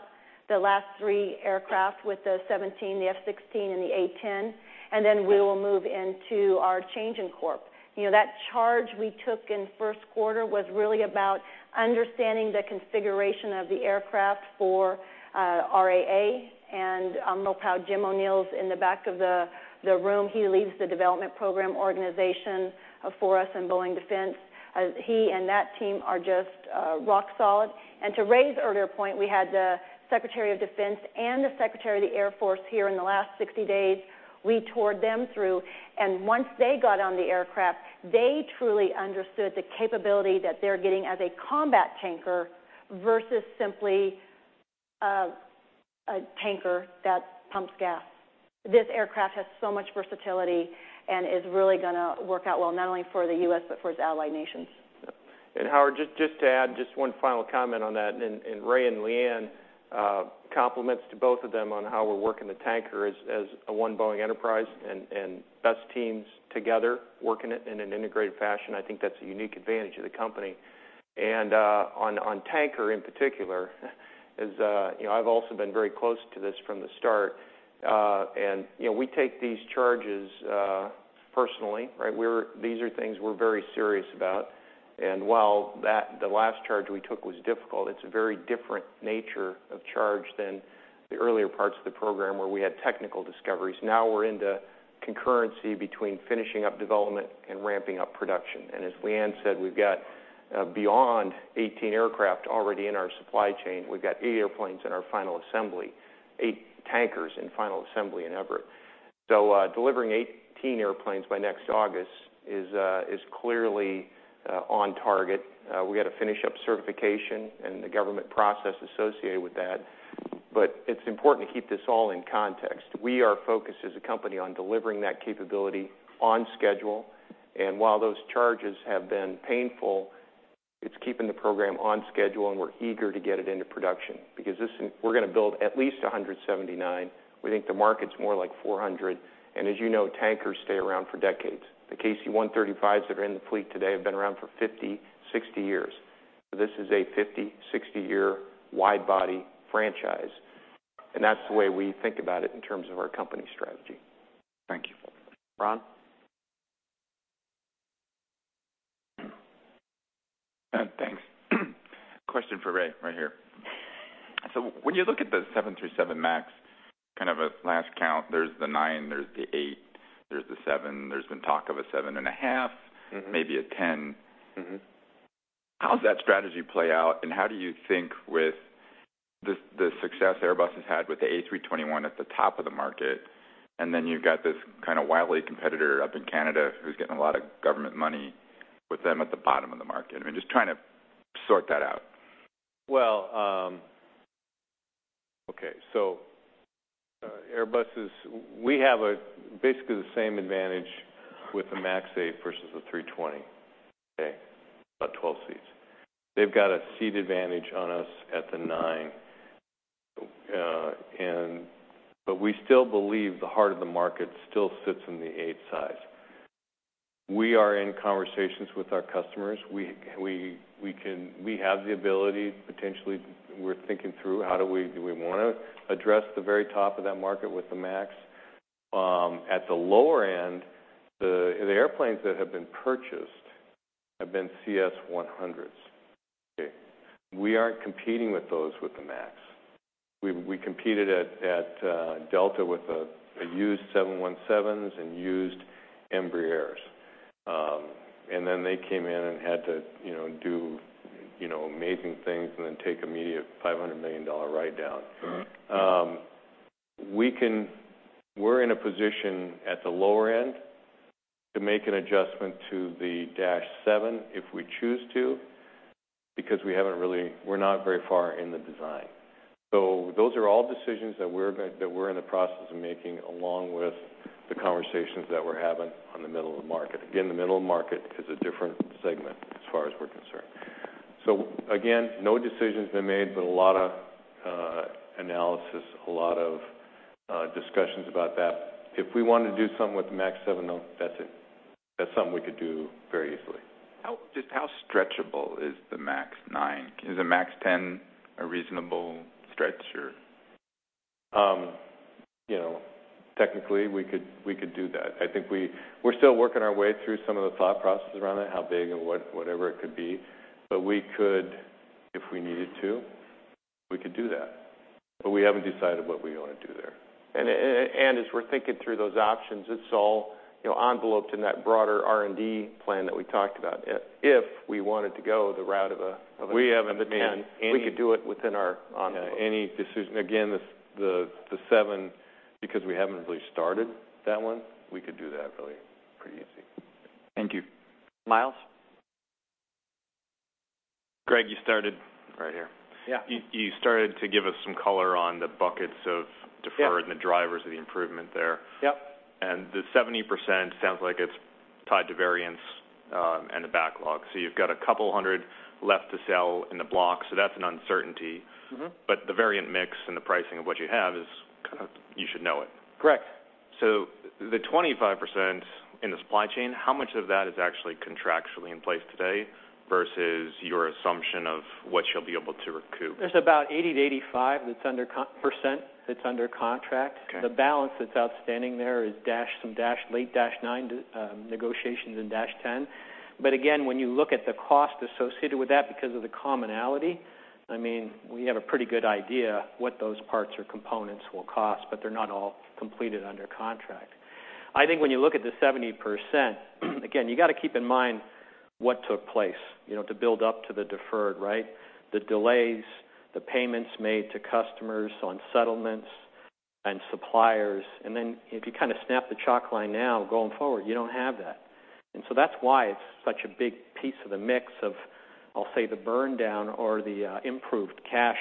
the last three aircraft with the 17, the F-16, and the A-10, we will move into our change in corp. That charge we took in the first quarter was really about understanding the configuration of the aircraft for RAA. I don't know how Jim O'Neill's in the back of the room, he leads the development program organization for us in Boeing Defense. He and that team are just rock solid. To Ray's earlier point, we had the Secretary of Defense and the Secretary of the Air Force here in the last 60 days. We toured them through, once they got on the aircraft, they truly understood the capability that they're getting as a combat tanker versus simply a tanker that pumps gas. This aircraft has so much versatility and is really going to work out well, not only for the U.S., but for its ally nations. Howard, just to add just one final comment on that, Ray and Leanne, compliments to both of them on how we're working the KC-46 Pegasus as a One Boeing enterprise and best teams together, working it in an integrated fashion. I think that's a unique advantage of The Boeing Company. On KC-46 Pegasus, in particular, I've also been very close to this from the start. We take these charges personally, right? These are things we're very serious about. While the last charge we took was difficult, it's a very different nature of charge than the earlier parts of the program where we had technical discoveries. Now we're into concurrency between finishing up development and ramping up production. As Leanne said, we've got beyond 18 aircraft already in our supply chain. We've got eight airplanes in our final assembly, eight KC-46 Pegasus in final assembly in Everett. Delivering 18 airplanes by next August is clearly on target. We got to finish up certification and the government process associated with that. It's important to keep this all in context. We are focused as a company on delivering that capability on schedule. While those charges have been painful, it's keeping the program on schedule, and we're eager to get it into production because we're going to build at least 179. We think the market's more like 400. As you know, KC-46 Pegasus stay around for decades. The KC-135s that are in the fleet today have been around for 50, 60 years. This is a 50, 60-year wide-body franchise, and that's the way we think about it in terms of our company strategy. Thank you. Ron? Thanks. Question for Ray, right here. When you look at the 737 MAX, kind of a last count, there's the 9, there's the 8, there's the 7, there's been talk of a 7 and a half. Maybe a 10. How's that strategy play out, and how do you think with the success Airbus has had with the A321 at the top of the market, and then you've got this kind of wily competitor up in Canada who's getting a lot of government money with them at the bottom of the market? I mean, just trying to sort that out. Well, okay. Airbus, we have basically the same advantage with the MAX 8 versus the A320. Okay? About 12 seats. They've got a seat advantage on us at the 9. But we still believe the heart of the market still sits in the 8 size. We are in conversations with our customers. We have the ability, potentially, we're thinking through, do we want to address the very top of that market with the MAX? At the lower end, the airplanes that have been purchased have been CS100s. Okay? We aren't competing with those with the MAX. We competed at Delta with used 717s and used Embraers. Then they came in and had to do amazing things and then take immediate $500 million write down. We're in a position at the lower end to make an adjustment to the Dash 7 if we choose to. Because we're not very far in the design. Those are all decisions that we're in the process of making, along with the conversations that we're having on the middle of the market. Again, the middle market is a different segment as far as we're concerned. Again, no decisions been made, but a lot of analysis, a lot of discussions about that. If we want to do something with the MAX 7, though, that's it. That's something we could do very easily. Just how stretchable is the MAX 9? Is the MAX 10 a reasonable stretch, or technically, we could do that. I think we're still working our way through some of the thought processes around it, how big and whatever it could be. We could, if we needed to, we could do that. We haven't decided what we want to do there. As we're thinking through those options, it's all enveloped in that broader R&D plan that we talked about. If we wanted to go the route of a 10, we could do it within our envelope. Any decision, again, the seven, because we haven't really started that one, we could do that really pretty easy. Thank you. Myles? Greg, you started right here. Yeah. You started to give us some color on the buckets of deferred- Yeah The drivers of the improvement there. Yep. The 70% sounds like it's tied to variance and the backlog. You've got 200 left to sell in the block, so that's an uncertainty. The variant mix and the pricing of what you have is, kind of, you should know it. Correct. The 25% in the supply chain, how much of that is actually contractually in place today versus your assumption of what you'll be able to recoup? There's about 80%-85% that's under contract. Okay. The balance that's outstanding there is some Dash 8, Dash 9 negotiations, and Dash 10. Again, when you look at the cost associated with that because of the commonality, we have a pretty good idea what those parts or components will cost, but they're not all completed under contract. I think when you look at the 70%, again, you got to keep in mind what took place to build up to the deferred, right? The delays, the payments made to customers on settlements and suppliers, then if you kind of snap the chalk line now, going forward, you don't have that. That's why it's such a big piece of the mix of, I'll say, the burn down or the improved cash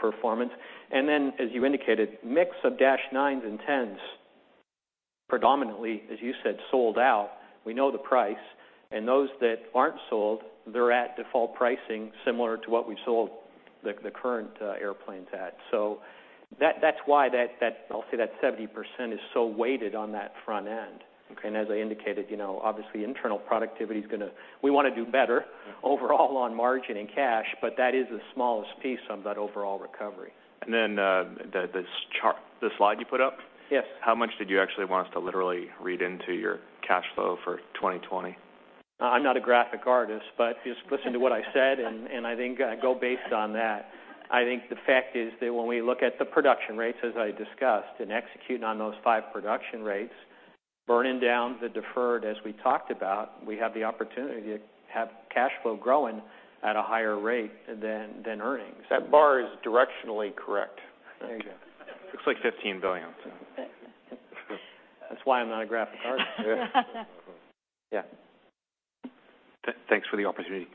performance. Then, as you indicated, mix of Dash 9s and 10s, predominantly, as you said, sold out. We know the price, and those that aren't sold, they're at default pricing similar to what we've sold the current airplanes at. That's why I'll say that 70% is so weighted on that front end. Okay. As I indicated, obviously, internal productivity we want to do better overall on margin and cash, but that is the smallest piece of that overall recovery. The slide you put up. Yes. How much did you actually want us to literally read into your cash flow for 2020? I'm not a graphic artist, but just listen to what I said, and I think go based on that. I think the fact is that when we look at the production rates, as I discussed, and executing on those five production rates, burning down the deferred, as we talked about, we have the opportunity to have cash flow growing at a higher rate than earnings. That bar is directionally correct. There you go. Looks like $15 billion. That's why I'm not a graphic artist. Yeah. Yeah. Thanks for the opportunity.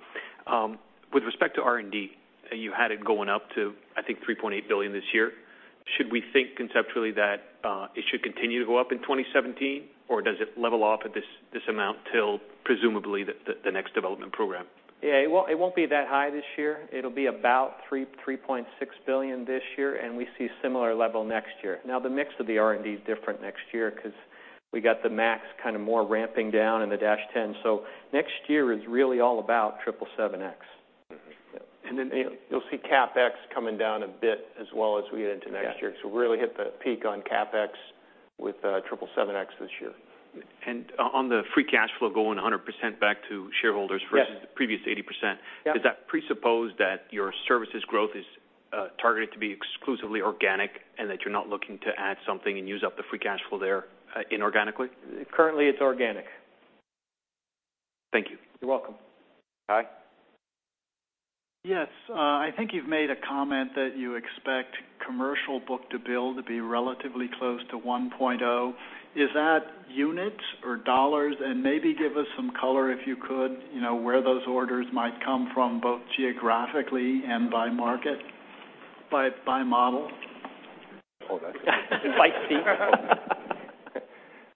With respect to R&D, you had it going up to, I think, $3.8 billion this year. Should we think conceptually that it should continue to go up in 2017, or does it level off at this amount till presumably the next development program? Yeah, it won't be that high this year. It'll be about $3.6 billion this year. We see similar level next year. The mix of the R&D is different next year because we got the MAX kind of more ramping down and the Dash 10. Next year is really all about 777X. You'll see CapEx coming down a bit as well as we get into next year. Yeah. Really hit the peak on CapEx with 777X this year. On the free cash flow going 100% back to shareholders versus Previous 80% Yeah Does that presuppose that your services growth is targeted to be exclusively organic, and that you're not looking to add something and use up the free cash flow there inorganically? Currently, it's organic. Thank you. You're welcome. Guy? Yes. I think you've made a comment that you expect commercial book-to-bill to be relatively close to 1.0. Is that units or dollars? Maybe give us some color, if you could, where those orders might come from, both geographically and by market, by model. Hold on. By seat.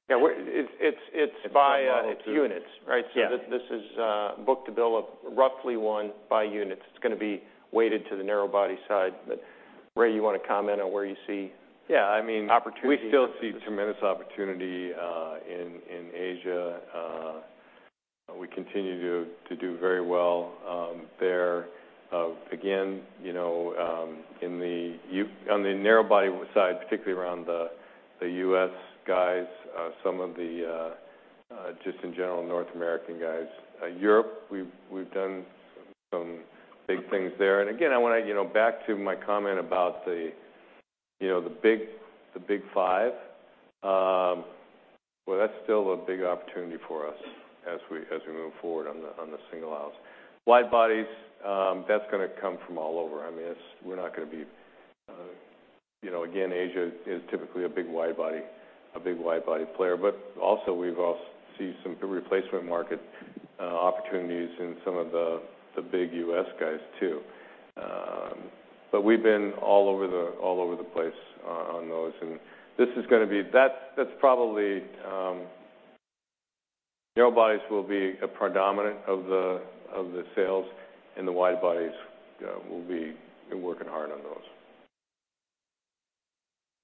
Yeah. It's by units, right? Yeah. This is book-to-bill of roughly one by units. It's going to be weighted to the narrow body side. Ray, you want to comment on Yeah opportunity? We still see tremendous opportunity in Asia. We continue to do very well there. Again, on the narrow body side, particularly around the U.S. guys, some of the just in general North American guys. Europe, we've done some big things there. Again, back to my comment about the big five, well, that's still a big opportunity for us as we move forward on the single aisles. Wide bodies, that's going to come from all over. Again, Asia is typically a big widebody player. Also, we've seen some replacement market opportunities in some of the big U.S. guys, too. We've been all over the place on those. That's probably, narrowbodies will be a predominant of the sales, and the widebodies, we'll be working hard on those.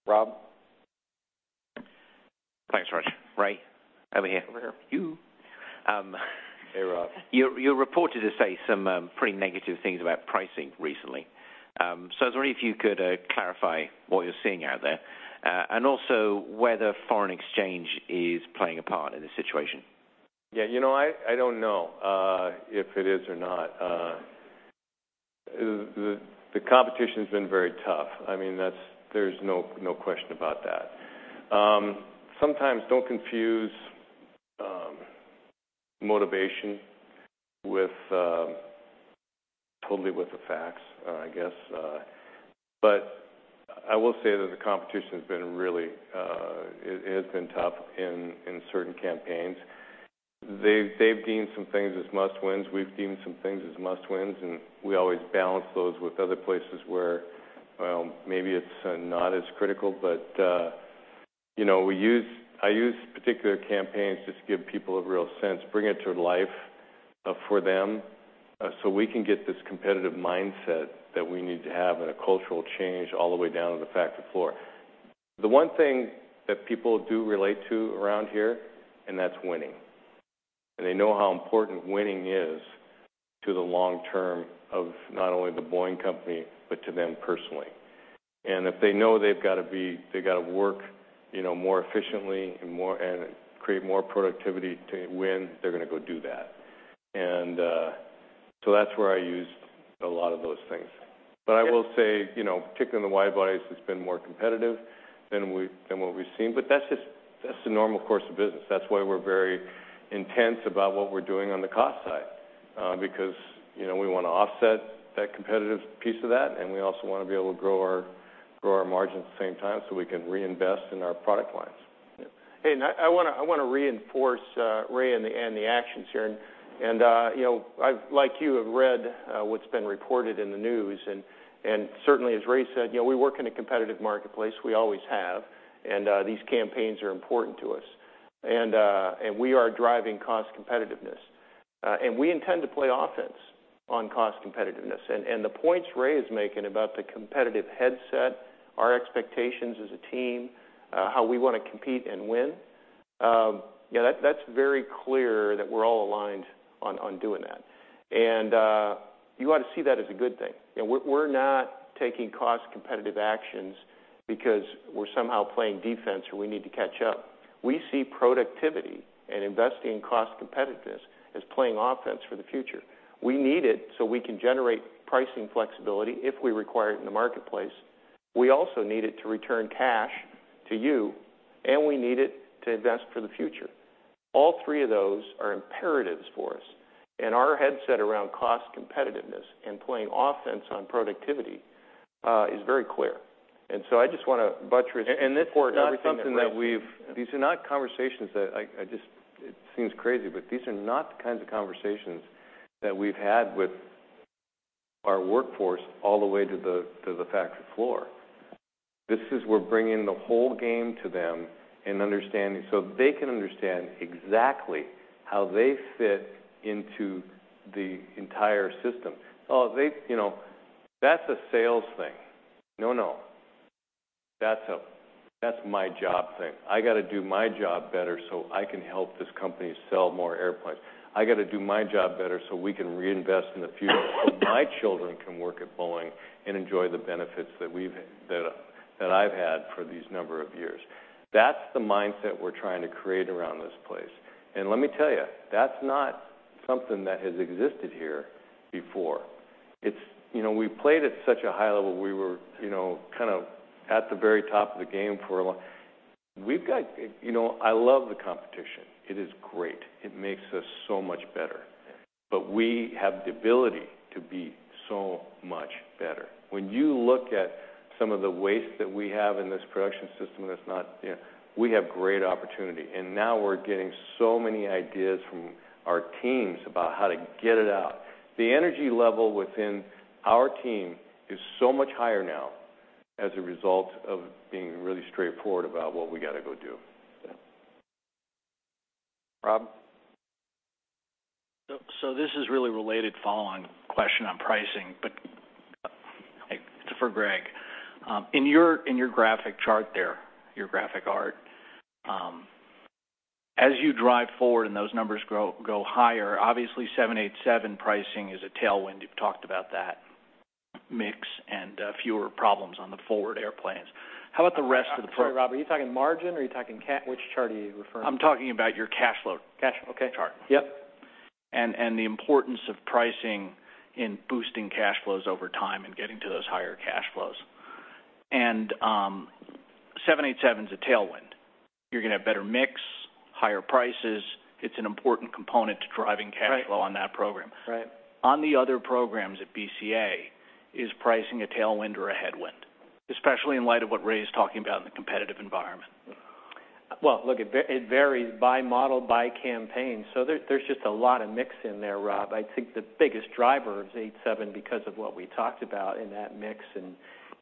Rob? Thanks, Raj. Ray, over here. Over here. You. Hey, Rob. You're reported to say some pretty negative things about pricing recently. I was wondering if you could clarify what you're seeing out there, and also whether foreign exchange is playing a part in this situation. Yeah, I don't know if it is or not. The competition's been very tough. There's no question about that. Sometimes, don't confuse motivation totally with the facts, I guess. I will say that the competition has been tough in certain campaigns. They've deemed some things as must-wins. We've deemed some things as must-wins, and we always balance those with other places where, well, maybe it's not as critical. I use particular campaigns just to give people a real sense, bring it to life for them, so we can get this competitive mindset that we need to have and a cultural change all the way down to the factory floor. The one thing that people do relate to around here, and that's winning. They know how important winning is to the long term of not only The Boeing Company, but to them personally. If they know they've got to work more efficiently and create more productivity to win, they're going to go do that. That's where I used a lot of those things. I will say, particularly in the widebodies, it's been more competitive than what we've seen, but that's the normal course of business. That's why we're very intense about what we're doing on the cost side, because we want to offset that competitive piece of that, and we also want to be able to grow our margins at the same time so we can reinvest in our product lines. Yeah. I want to reinforce, Ray, and the actions here, and I, like you, have read what's been reported in the news, and certainly, as Ray said, we work in a competitive marketplace. We always have, and these campaigns are important to us. We are driving cost competitiveness, and we intend to play offense on cost competitiveness. The points Ray is making about the competitive headset, our expectations as a team, how we want to compete and win, that's very clear that we're all aligned on doing that. You ought to see that as a good thing. We're not taking cost-competitive actions because we're somehow playing defense, or we need to catch up. We see productivity and investing in cost competitiveness as playing offense for the future. We need it so we can generate pricing flexibility if we require it in the marketplace. We also need it to return cash to you, and we need it to invest for the future. All three of those are imperatives for us, and our headset around cost competitiveness and playing offense on productivity, is very clear. I just want to buttress and support everything that Ray said. These are not conversations that, it seems crazy, these are not the kinds of conversations that we've had with our workforce all the way to the factory floor. This is, we're bringing the whole game to them so they can understand exactly how they fit into the entire system. "Oh, that's a sales thing." No, no. That's my job thing. I got to do my job better so I can help this company sell more airplanes. I got to do my job better so we can reinvest in the future, so my children can work at Boeing and enjoy the benefits that I've had for these number of years. That's the mindset we're trying to create around this place. Let me tell you, that's not something that has existed here before. We played at such a high level. We were at the very top of the game. I love the competition. It is great. It makes us so much better. Yeah. We have the ability to be so much better. When you look at some of the waste that we have in this production system, we have great opportunity, now we're getting so many ideas from our teams about how to get it out. The energy level within our team is so much higher now as a result of being really straightforward about what we got to go do. Yeah. Rob? This is really related, follow-on question on pricing, for Greg. In your graphic chart there, your graphic art, as you drive forward and those numbers go higher, obviously, 787 pricing is a tailwind. You've talked about that mix and fewer problems on the forward airplanes. How about the rest of the pro- I'm sorry, Rob, are you talking margin, or are you talking which chart are you referring to? I'm talking about your cash flow. Cash. Okay. Chart. Yep. The importance of pricing in boosting cash flows over time and getting to those higher cash flows. You know, 787's a tailwind. You're going to have better mix, higher prices. It's an important component to driving cash flow. Right on that program. Right. On the other programs at BCA, is pricing a tailwind or a headwind, especially in light of what Ray is talking about in the competitive environment? Well, look, it varies by model, by campaign, so there's just a lot of mix in there, Rob. I think the biggest driver is 87, because of what we talked about in that mix and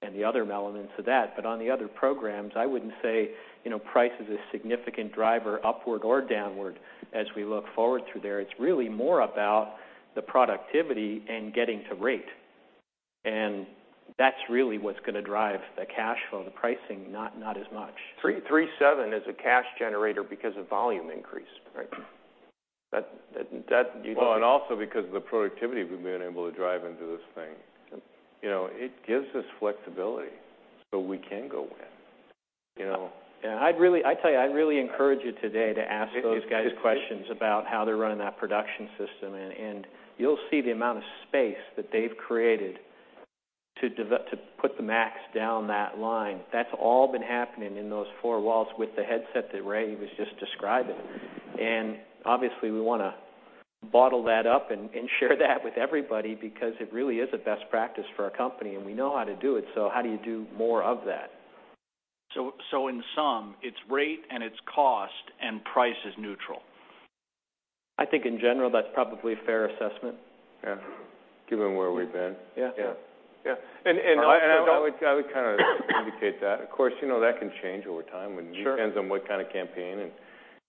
the other elements of that. On the other programs, I wouldn't say price is a significant driver upward or downward as we look forward through there. It's really more about the productivity and getting to rate, and that's really what's going to drive the cash flow. The pricing, not as much. 737 is a cash generator because of volume increase, right? Well, also because of the productivity we've been able to drive into this thing. It gives us flexibility. We can go win. Yeah. I tell you, I'd really encourage you today to ask those guys questions about how they're running that production system. You'll see the amount of space that they've created to put the MAX down that line. That's all been happening in those four walls with the headset that Ray was just describing. Obviously, we want to bottle that up and share that with everybody, because it really is a best practice for our company, and we know how to do it. How do you do more of that? In sum, it's rate and it's cost. Price is neutral. I think in general, that's probably a fair assessment. Yeah. Given where we've been. Yeah. Yeah. Yeah. I would kind of interject that. Of course, that can change over time. Sure It depends on what kind of campaign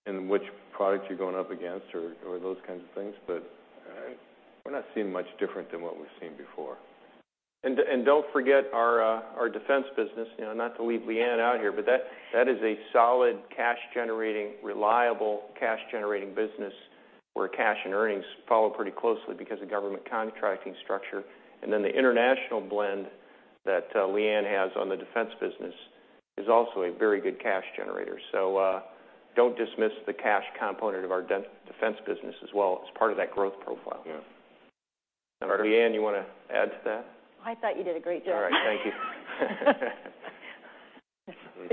and which product you're going up against or those kinds of things. We're not seeing much different than what we've seen before. Don't forget our defense business. Not to leave Leanne out here, but that is a solid, reliable, cash-generating business where cash and earnings follow pretty closely because of government contracting structure. The international blend that Leanne has on the defense business is also a very good cash generator. Don't dismiss the cash component of our defense business as well as part of that growth profile. Yeah. Carter. Leanne, you want to add to that? I thought you did a great job. All right, thank you.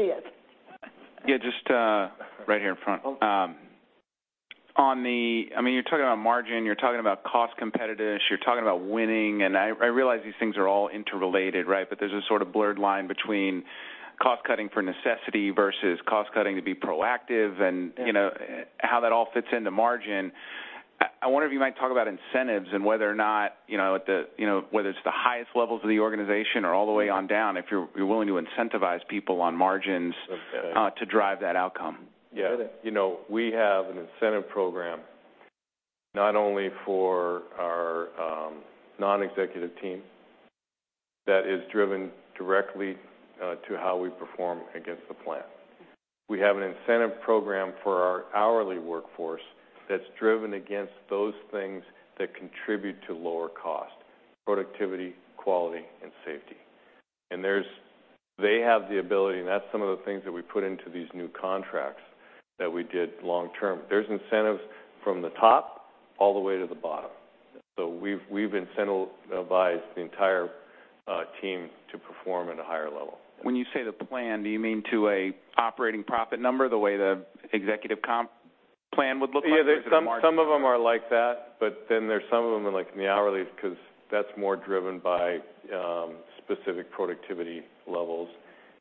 Yes. Yeah, just right here in front. You're talking about margin, you're talking about cost competitiveness, you're talking about winning, and I realize these things are all interrelated, right? There's a sort of blurred line between cost-cutting for necessity versus cost-cutting to be proactive. Yeah How that all fits into margin. I wonder if you might talk about incentives and whether or not, whether it's the highest levels of the organization or all the way on down, if you're willing to incentivize people on margins. Okay To drive that outcome. Yeah. We have an incentive program not only for our non-executive team that is driven directly to how we perform against the plan. We have an incentive program for our hourly workforce that's driven against those things that contribute to lower cost, productivity, quality, and safety. They have the ability, and that's some of the things that we put into these new contracts that we did long-term. There's incentives from the top all the way to the bottom. We've incentivized the entire team to perform at a higher level. When you say the plan, do you mean to a operating profit number, the way the executive comp plan would look like? Or is it a margin? Yeah, some of them are like that, there's some of them in the hourly, because that's more driven by specific productivity levels,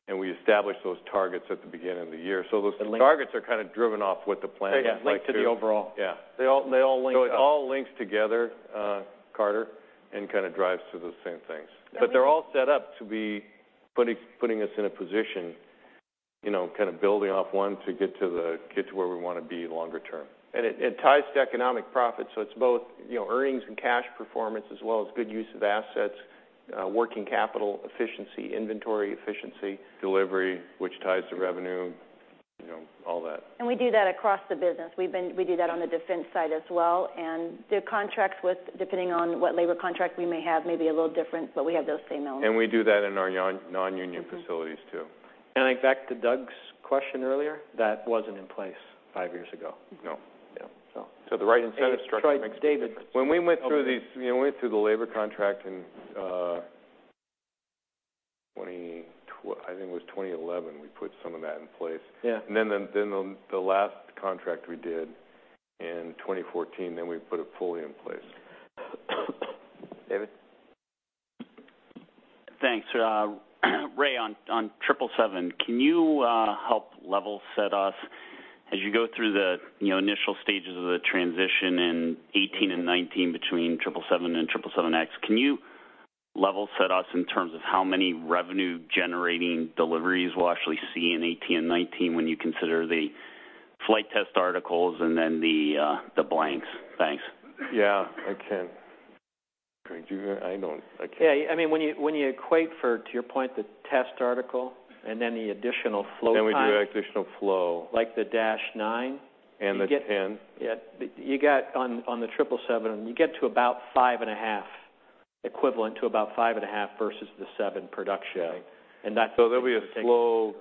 and we establish those targets at the beginning of the year. Those targets are kind of driven off what the plan looks like too. Yeah, linked to the overall. Yeah. They all link up. It all links together, Carter, and kind of drives to those same things. They're all set up to be putting us in a position, kind of building off one to get to where we want to be longer term. It ties to economic profit. It's both earnings and cash performance, as well as good use of assets, working capital efficiency, inventory efficiency. Delivery, which ties to revenue, all that. We do that across the business. We do that on the defense side as well. The contracts with, depending on what labor contract we may have, may be a little different, but we have those same elements. We do that in our non-union facilities too. Back to Doug's question earlier, that wasn't in place five years ago. No. Yeah. So. The right incentive structure makes a difference. That's right, David. When we went through the labor contract in, I think it was 2011, we put some of that in place. Yeah. The last contract we did in 2014, then we put it fully in place. David? Thanks. Ray, on 777, can you help level set us as you go through the initial stages of the transition in 2018 and 2019 between 777 and 777X? Can you level set us in terms of how many revenue-generating deliveries we'll actually see in 2018 and 2019 when you consider the flight test articles and then the blanks? Thanks. Yeah, I can. Can I do that? I know, I can. Yeah, when you equate for, to your point, the test article and then the additional flow time- We do additional flow like the dash nine. the 10. Yeah. You got on the 777, you get to about five and a half, equivalent to about five and a half versus the seven production. Yeah. And that- There'll be a slow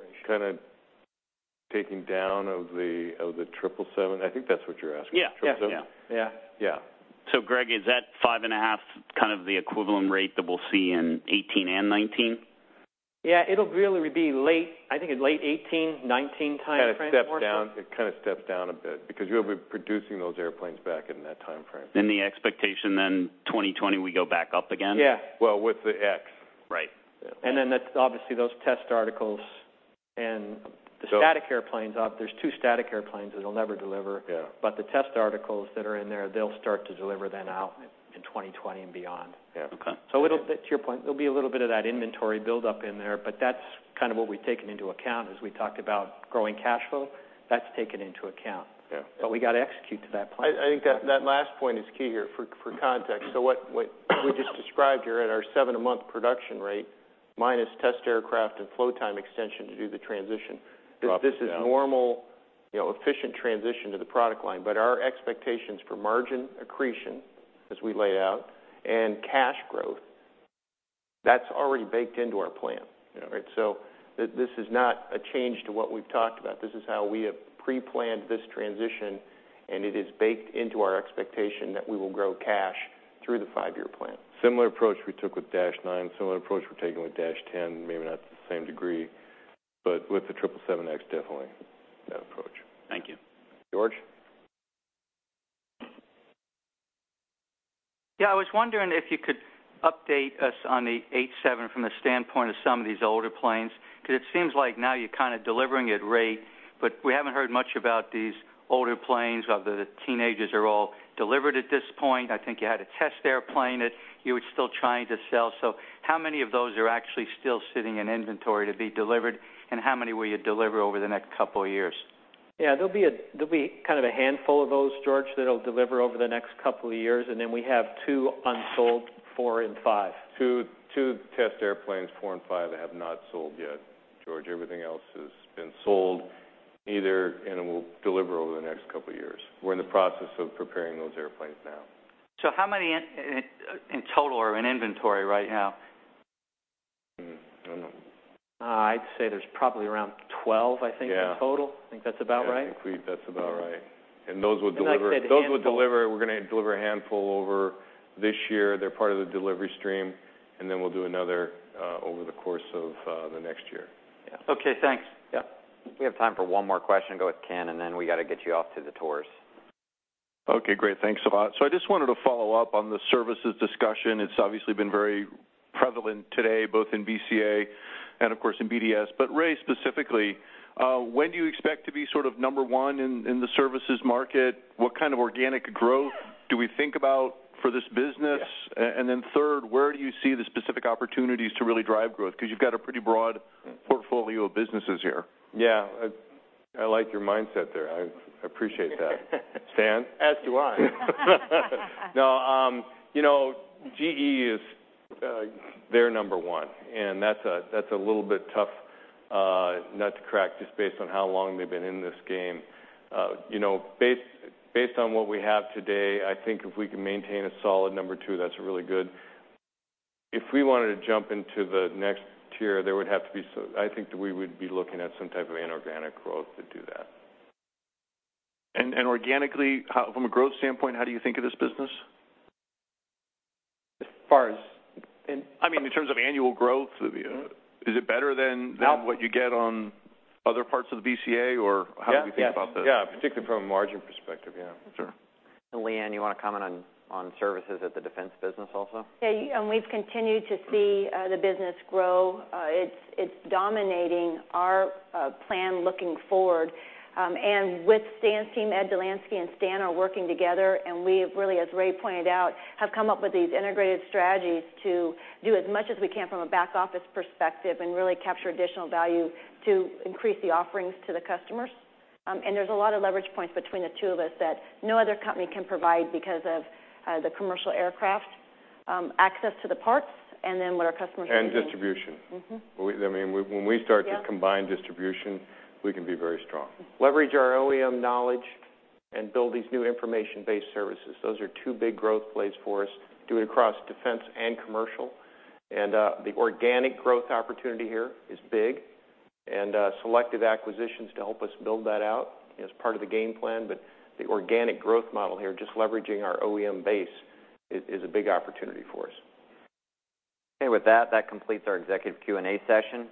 Taking down of the 777. I think that's what you're asking. Yeah. The 777. Yeah. Yeah. Greg, is that five and a half kind of the equivalent rate that we'll see in 2018 and 2019? Yeah. It'll really be late, I think in late 2018, 2019 timeframe, more so. It kind of steps down a bit because you'll be producing those airplanes back in that timeframe. The expectation then 2020, we go back up again? Yeah. Well, with the X. Right. Obviously those test articles and the static airplanes, there's two static airplanes that they'll never deliver. Yeah. The test articles that are in there, they'll start to deliver then out in 2020 and beyond. Yeah. Okay. To your point, there'll be a little bit of that inventory buildup in there, but that's kind of what we've taken into account as we talked about growing cash flow, that's taken into account. Yeah. We got to execute to that point. I think that last point is key here for context. What we just described here at our seven-a-month production rate, minus test aircraft and flow time extension to do the transition. Drop it down. This is normal, efficient transition to the product line. Our expectations for margin accretion, as we laid out, and cash growth, that's already baked into our plan. This is not a change to what we've talked about. This is how we have pre-planned this transition, and it is baked into our expectation that we will grow cash through the five-year plan. Similar approach we took with 787-9, similar approach we're taking with 787-10, maybe not to the same degree, but with the Boeing 777X, definitely that approach. Thank you. George? I was wondering if you could update us on the 787 from the standpoint of some of these older planes, because it seems like now you're kind of delivering at rate, but we haven't heard much about these older planes, whether the teenagers are all delivered at this point. I think you had a test airplane that you were still trying to sell. How many of those are actually still sitting in inventory to be delivered, and how many will you deliver over the next couple of years? There'll be kind of a handful of those, George, that'll deliver over the next couple of years, and then we have two unsold, 4 and 5. Two test airplanes, four and five, have not sold yet, George. Everything else has been sold, will deliver over the next couple of years. We're in the process of preparing those airplanes now. How many in total are in inventory right now? I don't know. I'd say there's probably around 12. Yeah in total. I think that's about right. Yeah, I think that's about right. Those will deliver. We're going to deliver a handful over this year. They're part of the delivery stream, and then we'll do another, over the course of the next year. Yeah. Okay, thanks. Yeah. We have time for one more question. Go with Ken, and then we got to get you off to the tours. Okay, great. Thanks a lot. I just wanted to follow up on the services discussion. It's obviously been very prevalent today, both in BCA and of course in BDS. Ray, specifically, when do you expect to be sort of number 1 in the services market? What kind of organic growth do we think about for this business? Yeah. Third, where do you see the specific opportunities to really drive growth? Because you've got a pretty broad portfolio of businesses here. Yeah. I like your mindset there. I appreciate that. Stan? As do I. No. They're number 1, that's a little bit tough nut to crack just based on how long they've been in this game. Based on what we have today, I think if we can maintain a solid number 2, that's really good. If we wanted to jump into the next tier, I think that we would be looking at some type of inorganic growth to do that. Organically, from a growth standpoint, how do you think of this business? As far as in- I mean, in terms of annual growth. Is it better than- Now? what you get on other parts of the BCA, or how do we think about this? Yeah. Particularly from a margin perspective, yeah. Sure. Leanne, you want to comment on services at the defense business also? Yeah, and we've continued to see the business grow. It's dominating our plan looking forward. With Stan's team, Ed Dolanski and Stan are working together, and we have really, as Ray pointed out, have come up with these integrated strategies to do as much as we can from a back office perspective and really capture additional value to increase the offerings to the customers. There's a lot of leverage points between the two of us that no other company can provide because of the commercial aircraft, access to the parts, and then what our customers are doing. Distribution. When we start to combine distribution, we can be very strong. Leverage our OEM knowledge and build these new information-based services. Those are two big growth plays for us, do it across defense and commercial. The organic growth opportunity here is big. Selective acquisitions to help us build that out is part of the game plan. The organic growth model here, just leveraging our OEM base, is a big opportunity for us. Okay, with that completes our executive Q&A session.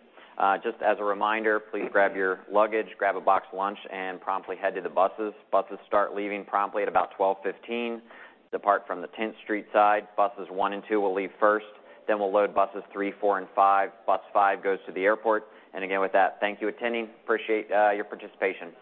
Just as a reminder, please grab your luggage, grab a boxed lunch, and promptly head to the buses. Buses start leaving promptly at about 12:15 P.M., depart from the 10th Street side. Buses one and two will leave first, then we'll load buses three, four, and five. Bus five goes to the airport. Again, with that, thank you attending. Appreciate your participation.